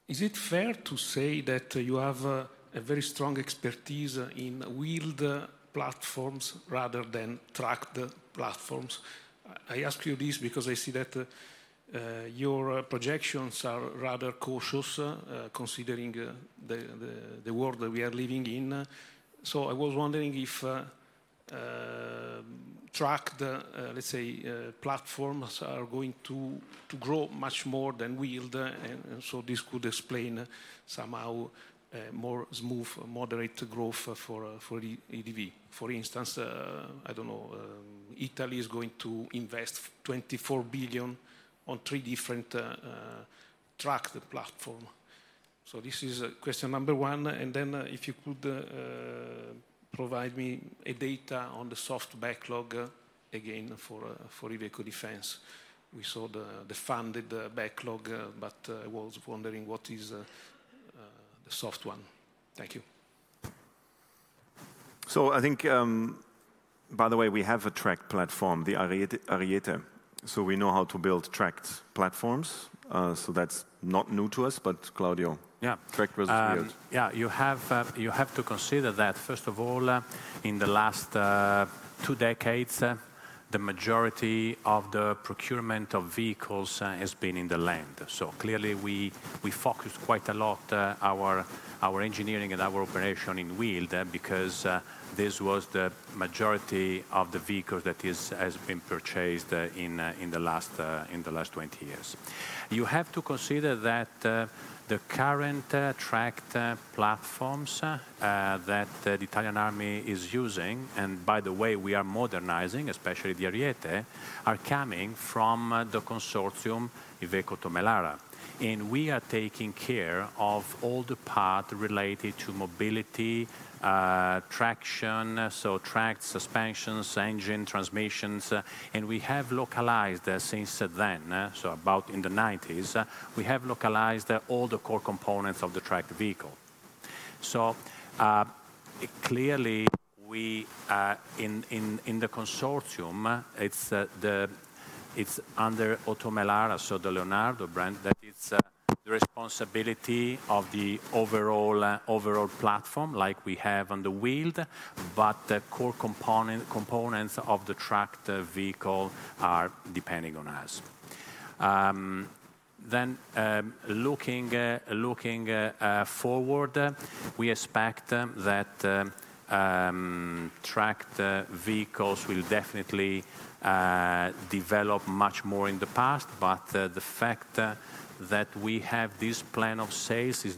Is it fair to say that you have a very strong expertise in wheeled platforms rather than tracked platforms? I ask you this because I see that your projections are rather cautious considering the world that we are living in. So I was wondering if tracked, let's say, platforms are going to grow much more than wheeled. And so this could explain somehow more smooth, moderate growth for EDV. For instance, I don't know, Italy is going to invest 24 billion on three different tracked platforms. So this is question number one. And then if you could provide me data on the soft backlog, again, for Iveco Defense. We saw the funded backlog, but I was wondering what is the soft one. Thank you. So, I think, by the way, we have a tracked platform, the Ariete. So we know how to build tracked platforms. So that's not new to us, but Claudio, tracked vs wheeled. Yeah. You have to consider that, first of all, in the last two decades, the majority of the procurement of vehicles has been in the land. So clearly, we focused quite a lot our engineering and our operation in wheeled because this was the majority of the vehicles that has been purchased in the last 20 years. You have to consider that the current tracked platforms that the Italian Army is using, and by the way, we are modernizing, especially the Ariete, are coming from the consortium Iveco Oto Melara. And we are taking care of all the parts related to mobility, traction, so tracked, suspensions, engine, transmissions. And we have localized since then, so about in the 1990s, we have localized all the core components of the tracked vehicle. Clearly, in the consortium, it's under Oto Melara, so the Leonardo brand, that it's the responsibility of the overall platform like we have on the wheeled, but the core components of the tracked vehicle are depending on us. Looking forward, we expect that tracked vehicles will definitely develop much more in the future. But the fact that we have this plan of sales is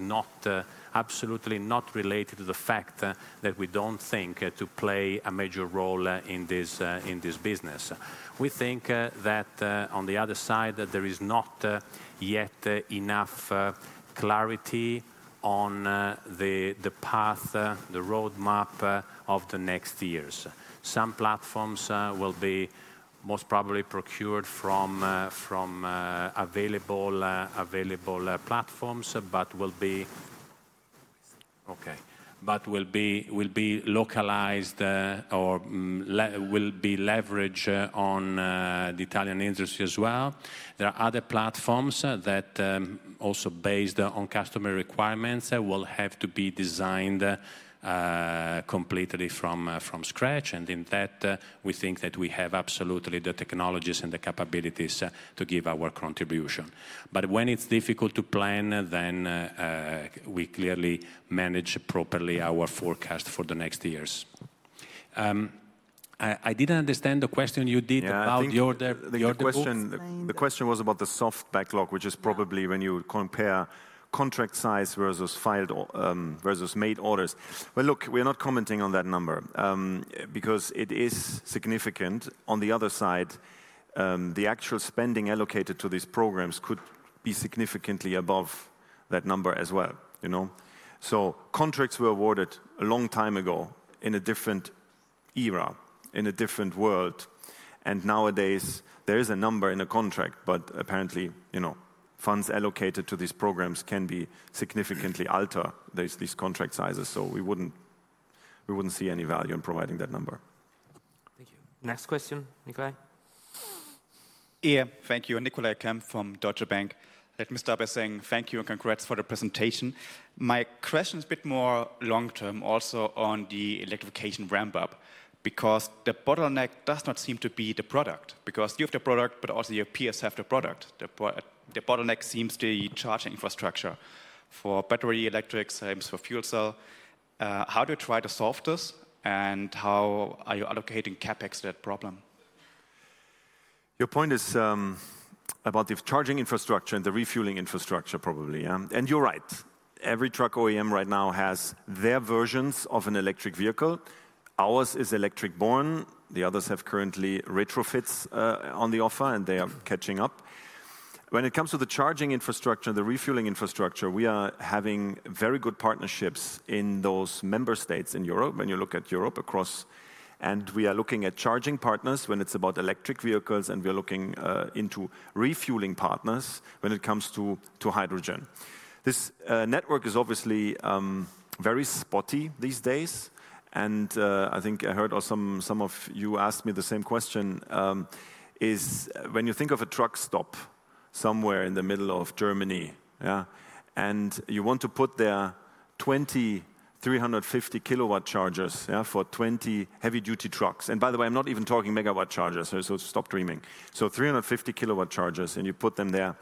absolutely not related to the fact that we don't think to play a major role in this business. We think that on the other side, there is not yet enough clarity on the path, the roadmap of the next years. Some platforms will be most probably procured from available platforms but will be localized or will be leveraged on the Italian industry as well. There are other platforms that, also based on customer requirements, will have to be designed completely from scratch. In that, we think that we have absolutely the technologies and the capabilities to give our contribution. But when it's difficult to plan, then we clearly manage properly our forecast for the next years. I didn't understand the question you did about the order of the planning. The question was about the soft backlog, which is probably when you compare contract size versus made orders. Well, look, we are not commenting on that number because it is significant. On the other side, the actual spending allocated to these programs could be significantly above that number as well. So contracts were awarded a long time ago in a different era, in a different world. And nowadays, there is a number in a contract, but apparently, funds allocated to these programs can be significantly altered, these contract sizes. So we wouldn't see any value in providing that number. Thank you. Next question, Nicolai. Yeah. Thank you. And Nicolai Kempf from Deutsche Bank. Let me start by saying thank you and congrats for the presentation. My question is a bit more long-term also on the electrification ramp-up because the bottleneck does not seem to be the product because you have the product, but also your peers have the product. The bottleneck seems to be charging infrastructure for battery electrics, for fuel cell. How do you try to solve this? And how are you allocating CapEx to that problem? Your point is about the charging infrastructure and the refueling infrastructure, probably. You're right. Every truck OEM right now has their versions of an electric vehicle. Ours is electric-born. The others have currently retrofits on the offer, and they are catching up. When it comes to the charging infrastructure, the refueling infrastructure, we are having very good partnerships in those member states in Europe, when you look at Europe across. We are looking at charging partners when it's about electric vehicles, and we are looking into refueling partners when it comes to hydrogen. This network is obviously very spotty these days. I think I heard some of you ask me the same question. When you think of a truck stop somewhere in the middle of Germany, and you want to put there 20 350 kW chargers for 20 heavy-duty trucks and by the way, I'm not even talking MW chargers. So stop dreaming. So 350 kW chargers, and you put them there.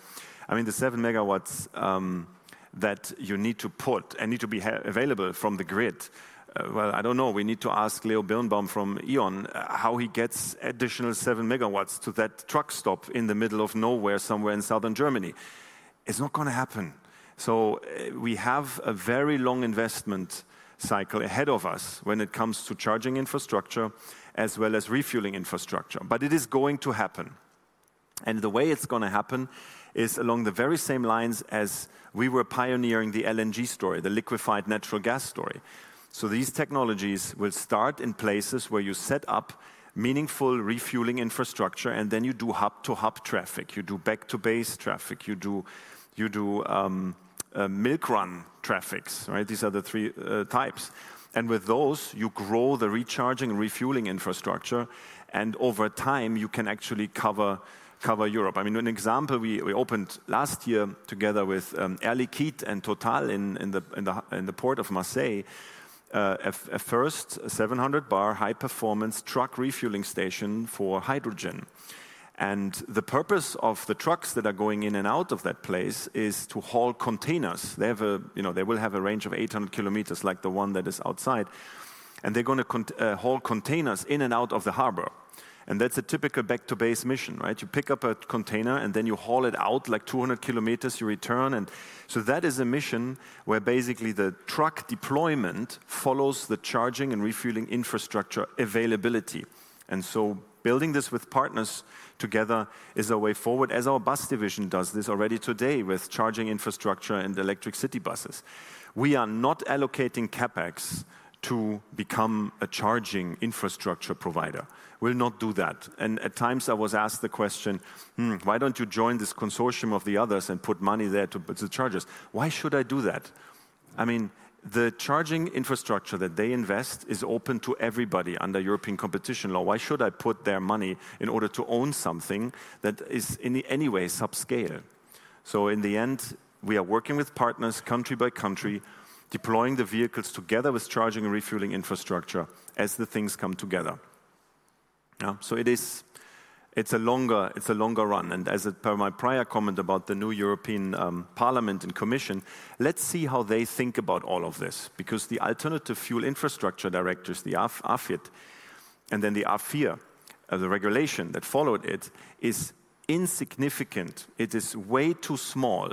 I mean, the 7 MW that you need to put and need to be available from the grid well, I don't know. We need to ask Leo Birnbaum from E.ON how he gets additional 7 MW to that truck stop in the middle of nowhere somewhere in southern Germany. It's not going to happen. So we have a very long investment cycle ahead of us when it comes to charging infrastructure as well as refueling infrastructure. But it is going to happen. And the way it's going to happen is along the very same lines as we were pioneering the LNG story, the liquefied natural gas story. So these technologies will start in places where you set up meaningful refueling infrastructure, and then you do hub-to-hub traffic. You do back-to-base traffic. You do milk-run traffics, right? These are the three types. And with those, you grow the recharging and refueling infrastructure. And over time, you can actually cover Europe. I mean, an example, we opened last year together with Air Liquide and Total in the port of Marseille a first 700-bar high-performance truck refueling station for hydrogen. And the purpose of the trucks that are going in and out of that place is to haul containers. They will have a range of 800 km like the one that is outside. And they're going to haul containers in and out of the harbor. That's a typical back-to-base mission, right? You pick up a container, and then you haul it out like 200 km. You return. That is a mission where basically the truck deployment follows the charging and refueling infrastructure availability. Building this with partners together is a way forward, as our bus division does this already today with charging infrastructure and electric city buses. We are not allocating CapEx to become a charging infrastructure provider. We'll not do that. At times, I was asked the question, "Why don't you join this consortium of the others and put money there to build the chargers? Why should I do that?" I mean, the charging infrastructure that they invest is open to everybody under European competition law. Why should I put their money in order to own something that is in any way subscale? So in the end, we are working with partners country by country, deploying the vehicles together with charging and refueling infrastructure as the things come together. So it's a longer run. And as per my prior comment about the new European Parliament and Commission, let's see how they think about all of this because the Alternative Fuels Infrastructure Directive, the AFID, and then the AFIR, the regulation that followed it, is insignificant. It is way too small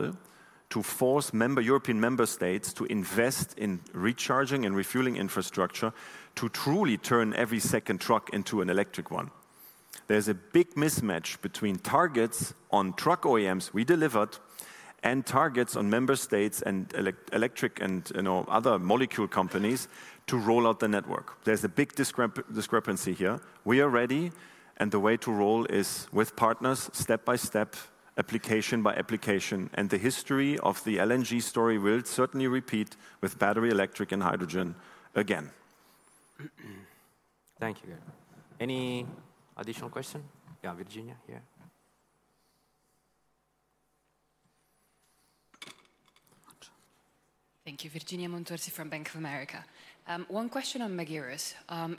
to force European member states to invest in recharging and refueling infrastructure to truly turn every second truck into an electric one. There's a big mismatch between targets on truck OEMs we delivered and targets on member states and electric and other molecule companies to roll out the network. There's a big discrepancy here. We are ready. And the way to roll is with partners, step by step, application by application. The history of the LNG story will certainly repeat with battery, electric, and hydrogen again. Thank you. Any additional question? Yeah, Virginia here. Thank you. Virginia Montorsi from Bank of America. One question on Magirus.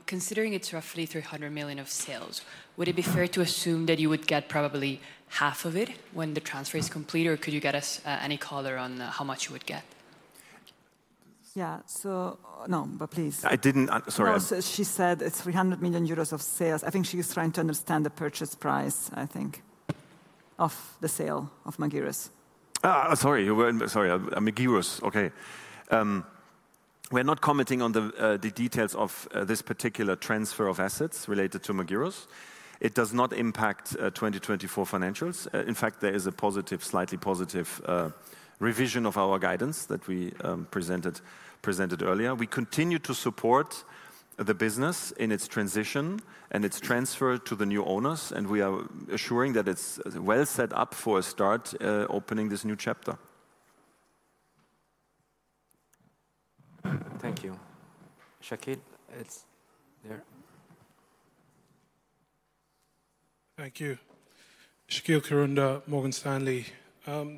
Considering it's roughly 300 million of sales, would it be fair to assume that you would get probably half of it when the transfer is complete? Or could you get us any color on how much you would get? Yeah. So no, but please. I didn't. Sorry. She said it's 300 million euros of sales. I think she's trying to understand the purchase price, I think, of the sale of Magirus. Sorry. Magirus. Okay. We are not commenting on the details of this particular transfer of assets related to Magirus. It does not impact 2024 financials. In fact, there is a positive, slightly positive revision of our guidance that we presented earlier. We continue to support the business in its transition and its transfer to the new owners. We are assuring that it's well set up for a start opening this new chapter. Thank you. Shaqeel, it's there. Thank you. Shaqeel Kirunda, Morgan Stanley.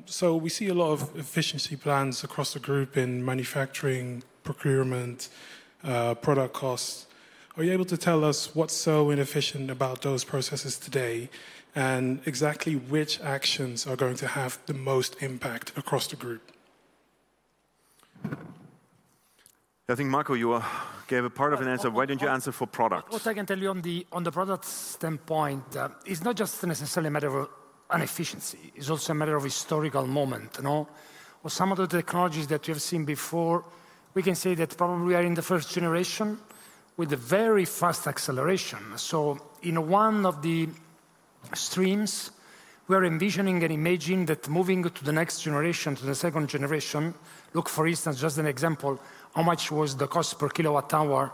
So we see a lot of efficiency plans across the group in manufacturing, procurement, product costs. Are you able to tell us what's so inefficient about those processes today and exactly which actions are going to have the most impact across the group? I think, Marco, you gave a part of an answer. Why don't you answer for products? What I can tell you on the product standpoint is not just necessarily a matter of inefficiency. It's also a matter of historical moment. With some of the technologies that you have seen before, we can say that probably we are in the first generation with a very fast acceleration. So in one of the streams, we are envisioning and imagining that moving to the next generation, to the second generation look, for instance, just an example, how much was the cost per kilowatt hour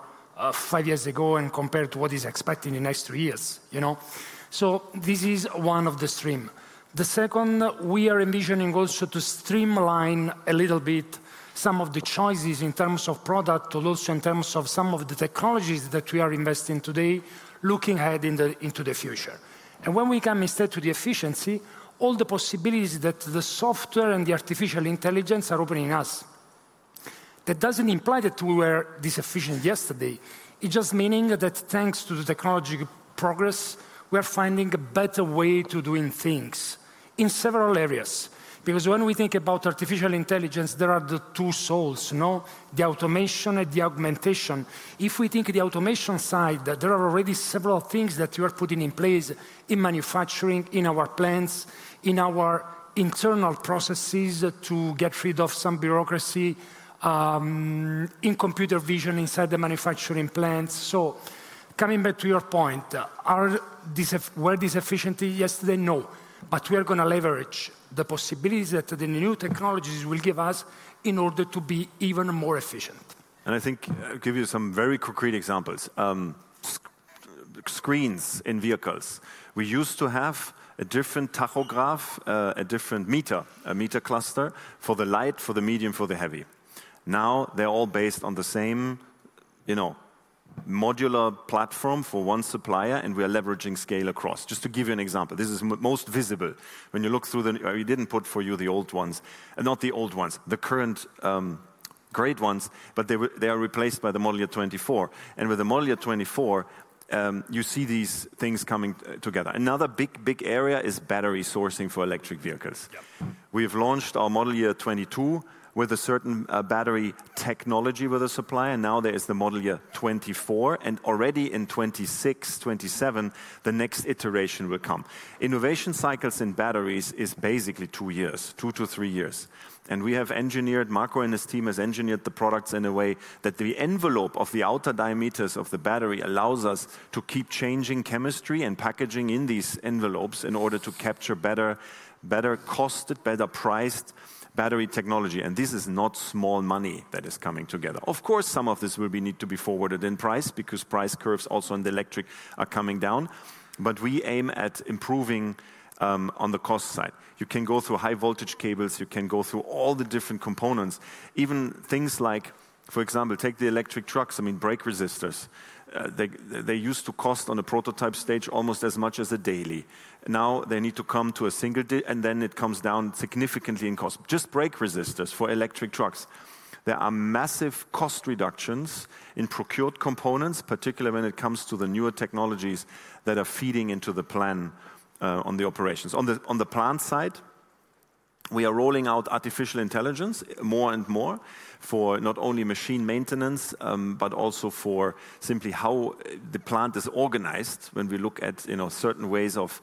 five years ago and compared to what is expected in the next three years? So this is one of the streams. The second, we are envisioning also to streamline a little bit some of the choices in terms of product and also in terms of some of the technologies that we are investing today looking ahead into the future. And when we come instead to the efficiency, all the possibilities that the software and the artificial intelligence are opening us. That doesn't imply that we were inefficient yesterday. It's just meaning that thanks to the technological progress, we are finding a better way to do things in several areas because when we think about artificial intelligence, there are the two souls, the automation and the augmentation. If we think of the automation side, there are already several things that you are putting in place in manufacturing, in our plants, in our internal processes to get rid of some bureaucracy in computer vision inside the manufacturing plants. So coming back to your point, were inefficient yesterday? No. But we are going to leverage the possibilities that the new technologies will give us in order to be even more efficient. I think I'll give you some very concrete examples. Screens in vehicles. We used to have a different tachograph, a different meter, a meter cluster for the light, for the medium, for the heavy. Now, they're all based on the same modular platform for one supplier. And we are leveraging scale across. Just to give you an example, this is most visible. When you look through the, we didn't put for you the old ones, not the old ones, the current great ones. But they are replaced by the Model Year 2024. And with the Model Year 2024, you see these things coming together. Another big, big area is battery sourcing for electric vehicles. We have launched our Model Year 2022 with a certain battery technology with a supplier. And now, there is the Model Year 2024. And already in 2026, 2027, the next iteration will come Innovation cycles in batteries is basically 2 years, 2-3 years. And we have engineered Marco and his team has engineered the products in a way that the envelope of the outer diameters of the battery allows us to keep changing chemistry and packaging in these envelopes in order to capture better costed, better priced battery technology. And this is not small money that is coming together. Of course, some of this will need to be forwarded in price because price curves also in the electric are coming down. But we aim at improving on the cost side. You can go through high-voltage cables. You can go through all the different components. Even things like, for example, take the electric trucks. I mean, brake resistors. They used to cost on the prototype stage almost as much as a Daily. Now, they need to come to a single and then it comes down significantly in cost. Just brake resistors for electric trucks. There are massive cost reductions in procured components, particularly when it comes to the newer technologies that are feeding into the plan on the operations. On the plant side, we are rolling out artificial intelligence more and more for not only machine maintenance but also for simply how the plant is organized when we look at certain ways of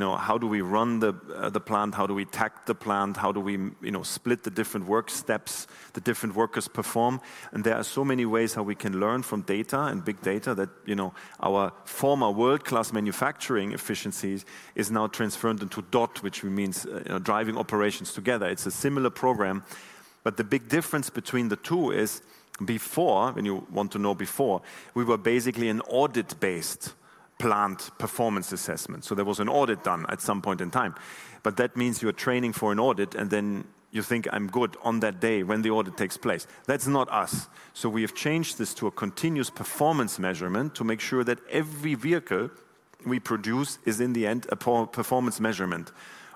how do we run the plant? How do we track the plant? How do we split the different work steps the different workers perform? And there are so many ways how we can learn from data and big data that our former World Class Manufacturing efficiencies is now transferred into DOT, which means Driving Operations Together. It's a similar program. But the big difference between the two is before, and you want to know before, we were basically an audit-based plant performance assessment. So there was an audit done at some point in time. But that means you are training for an audit. And then you think, "I'm good on that day when the audit takes place." That's not us. So we have changed this to a continuous performance measurement to make sure that every vehicle we produce is, in the end, a performance measurement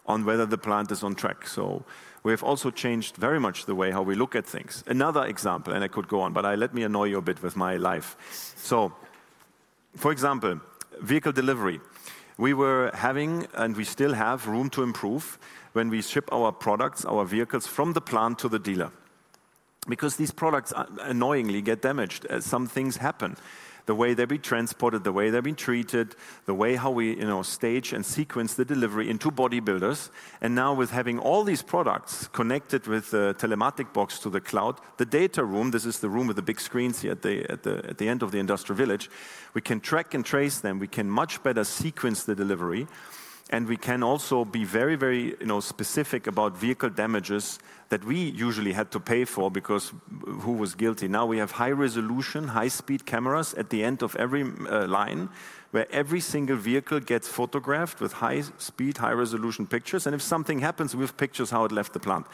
on whether the plant is on track. So we have also changed very much the way how we look at things. Another example, and I could go on. But let me annoy you a bit with my life. So for example, vehicle delivery. We were having and we still have room to improve when we ship our products, our vehicles, from the plant to the dealer because these products, annoyingly, get damaged as some things happen, the way they're being transported, the way they're being treated, the way how we stage and sequence the delivery into bodybuilders. Now, with having all these products connected with the telematic box to the cloud, the data room, this is the room with the big screens here at the end of the industrial village. We can track and trace them. We can much better sequence the delivery. And we can also be very, very specific about vehicle damages that we usually had to pay for because who was guilty? Now, we have high-resolution, high-speed cameras at the end of every line where every single vehicle gets photographed with high-speed, high-resolution pictures. If something happens, we have pictures how it left the plant,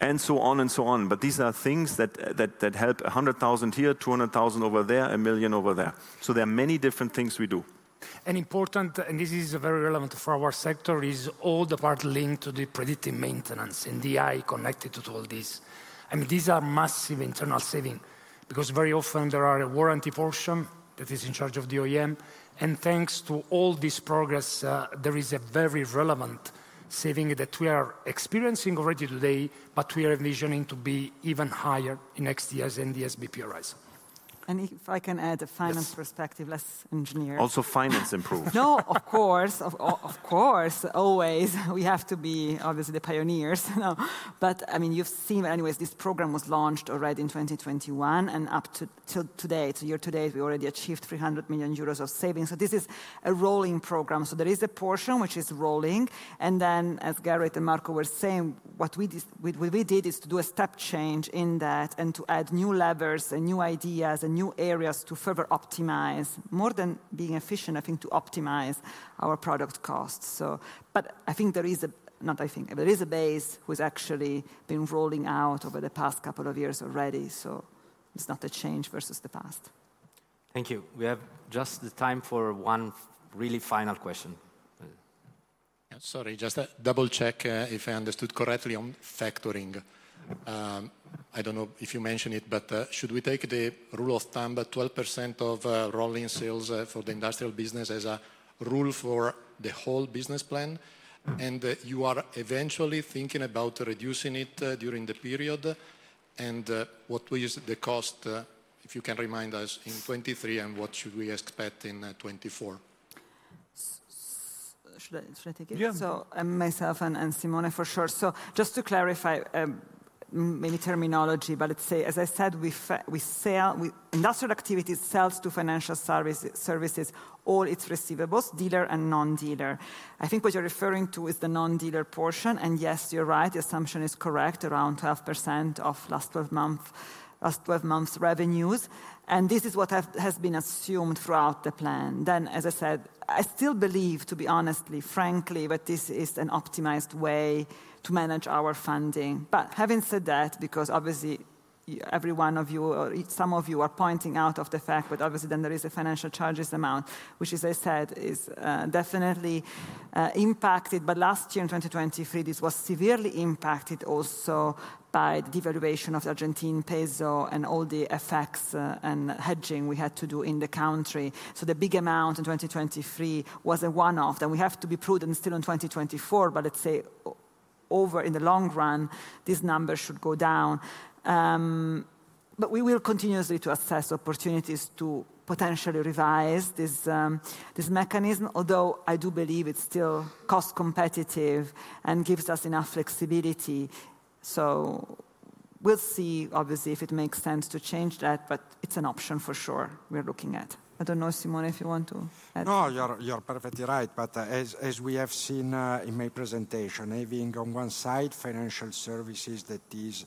and so on and so on. These are things that help 100,000 here, 200,000 over there, 1,000,000 over there. There are many different things we do. Important, and this is very relevant for our sector, is all the part linked to the predictive maintenance and AI connected to all this. I mean, these are massive internal savings because very often, there are a warranty portion that is in charge of the OEM. And thanks to all this progress, there is a very relevant saving that we are experiencing already today. But we are envisioning to be even higher in next years and the SBP arise. If I can add a finance perspective, less engineer. Also, finance improves. No, of course. Of course, always. We have to be, obviously, the pioneers. But I mean, you've seen anyways, this program was launched already in 2021. And up till today, to year today, we already achieved 300 million euros of savings. So this is a rolling program. So there is a portion which is rolling. And then, as Gerrit and Marco were saying, what we did is to do a step change in that and to add new levers and new ideas and new areas to further optimize, more than being efficient, I think, to optimize our product costs. But I think there is. There is a base which has actually been rolling out over the past couple of years already. So it's not a change versus the past. Thank you. We have just the time for one really final question. Sorry, just a double check if I understood correctly on factoring. I don't know if you mentioned it. But should we take the rule of thumb that 12% of rolling sales for the industrial business as a rule for the whole business plan? And you are eventually thinking about reducing it during the period. And what is the cost, if you can remind us, in 2023? And what should we expect in 2024? Should I take it? Yeah. So myself and Simone, for sure. So just to clarify, maybe terminology. But let's say, as I said, industrial activity sells to financial services all its receivables, dealer and non-dealer. I think what you're referring to is the non-dealer portion. And yes, you're right. The assumption is correct around 12% of last 12 months' revenues. And this is what has been assumed throughout the plan. Then, as I said, I still believe, to be honest, frankly, that this is an optimized way to manage our funding. But having said that, because obviously, every one of you or some of you are pointing out of the fact that obviously, then there is a financial charges amount, which, as I said, is definitely impacted. But last year, in 2023, this was severely impacted also by the devaluation of the Argentine peso and all the effects and hedging we had to do in the country. So the big amount in 2023 was a one-off. And we have to be prudent still in 2024. But let's say, over in the long run, these numbers should go down. But we will continuously to assess opportunities to potentially revise this mechanism, although I do believe it's still cost competitive and gives us enough flexibility. So we'll see, obviously, if it makes sense to change that. But it's an option, for sure, we're looking at. I don't know, Simone, if you want to add. No, you're perfectly right. But as we have seen in my presentation, having on one side financial services that is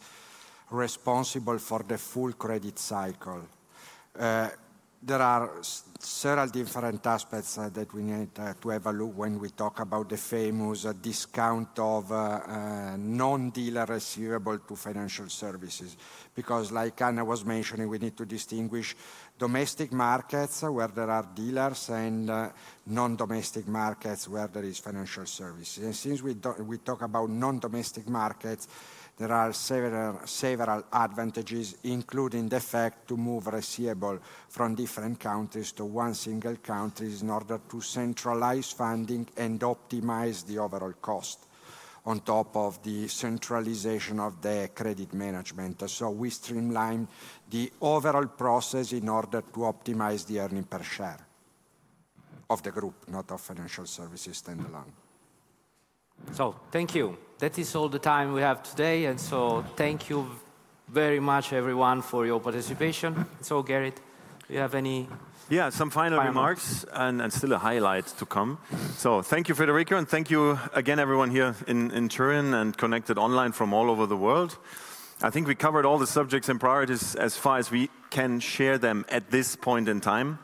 responsible for the full credit cycle, there are several different aspects that we need to evaluate when we talk about the famous discount of non-dealer receivable to financial services because, like Anna was mentioning, we need to distinguish domestic markets where there are dealers and non-domestic markets where there is financial services. And since we talk about non-domestic markets, there are several advantages, including the fact to move receivable from different countries to one single country in order to centralize funding and optimize the overall cost on top of the centralization of the credit management. So we streamline the overall process in order to optimize the earnings per share of the group, not of financial services standalone. Thank you. That is all the time we have today. So, thank you very much, everyone, for your participation. So, Gerrit, do you have any? Yeah, some final remarks and still a highlight to come. So thank you, Federico. And thank you again, everyone here in Turin and connected online from all over the world. I think we covered all the subjects and priorities as far as we can share them at this point in time.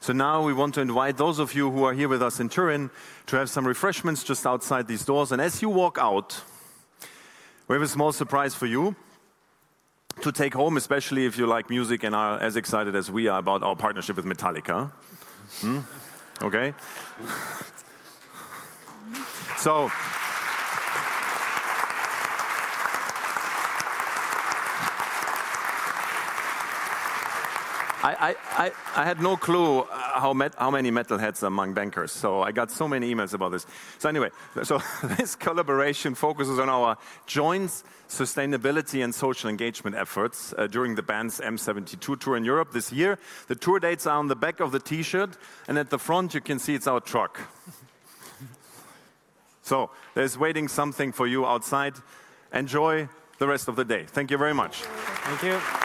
So now, we want to invite those of you who are here with us in Turin to have some refreshments just outside these doors. And as you walk out, we have a small surprise for you to take home, especially if you like music and are as excited as we are about our partnership with Metallica. OK? So I had no clue how many metalheads are among bankers. So I got so many emails about this. So anyway, so this collaboration focuses on our joint sustainability and social engagement efforts during the band's M72 tour in Europe this year. The tour dates are on the back of the T-shirt. At the front, you can see it's our truck. There's something waiting for you outside. Enjoy the rest of the day. Thank you very much. Thank you.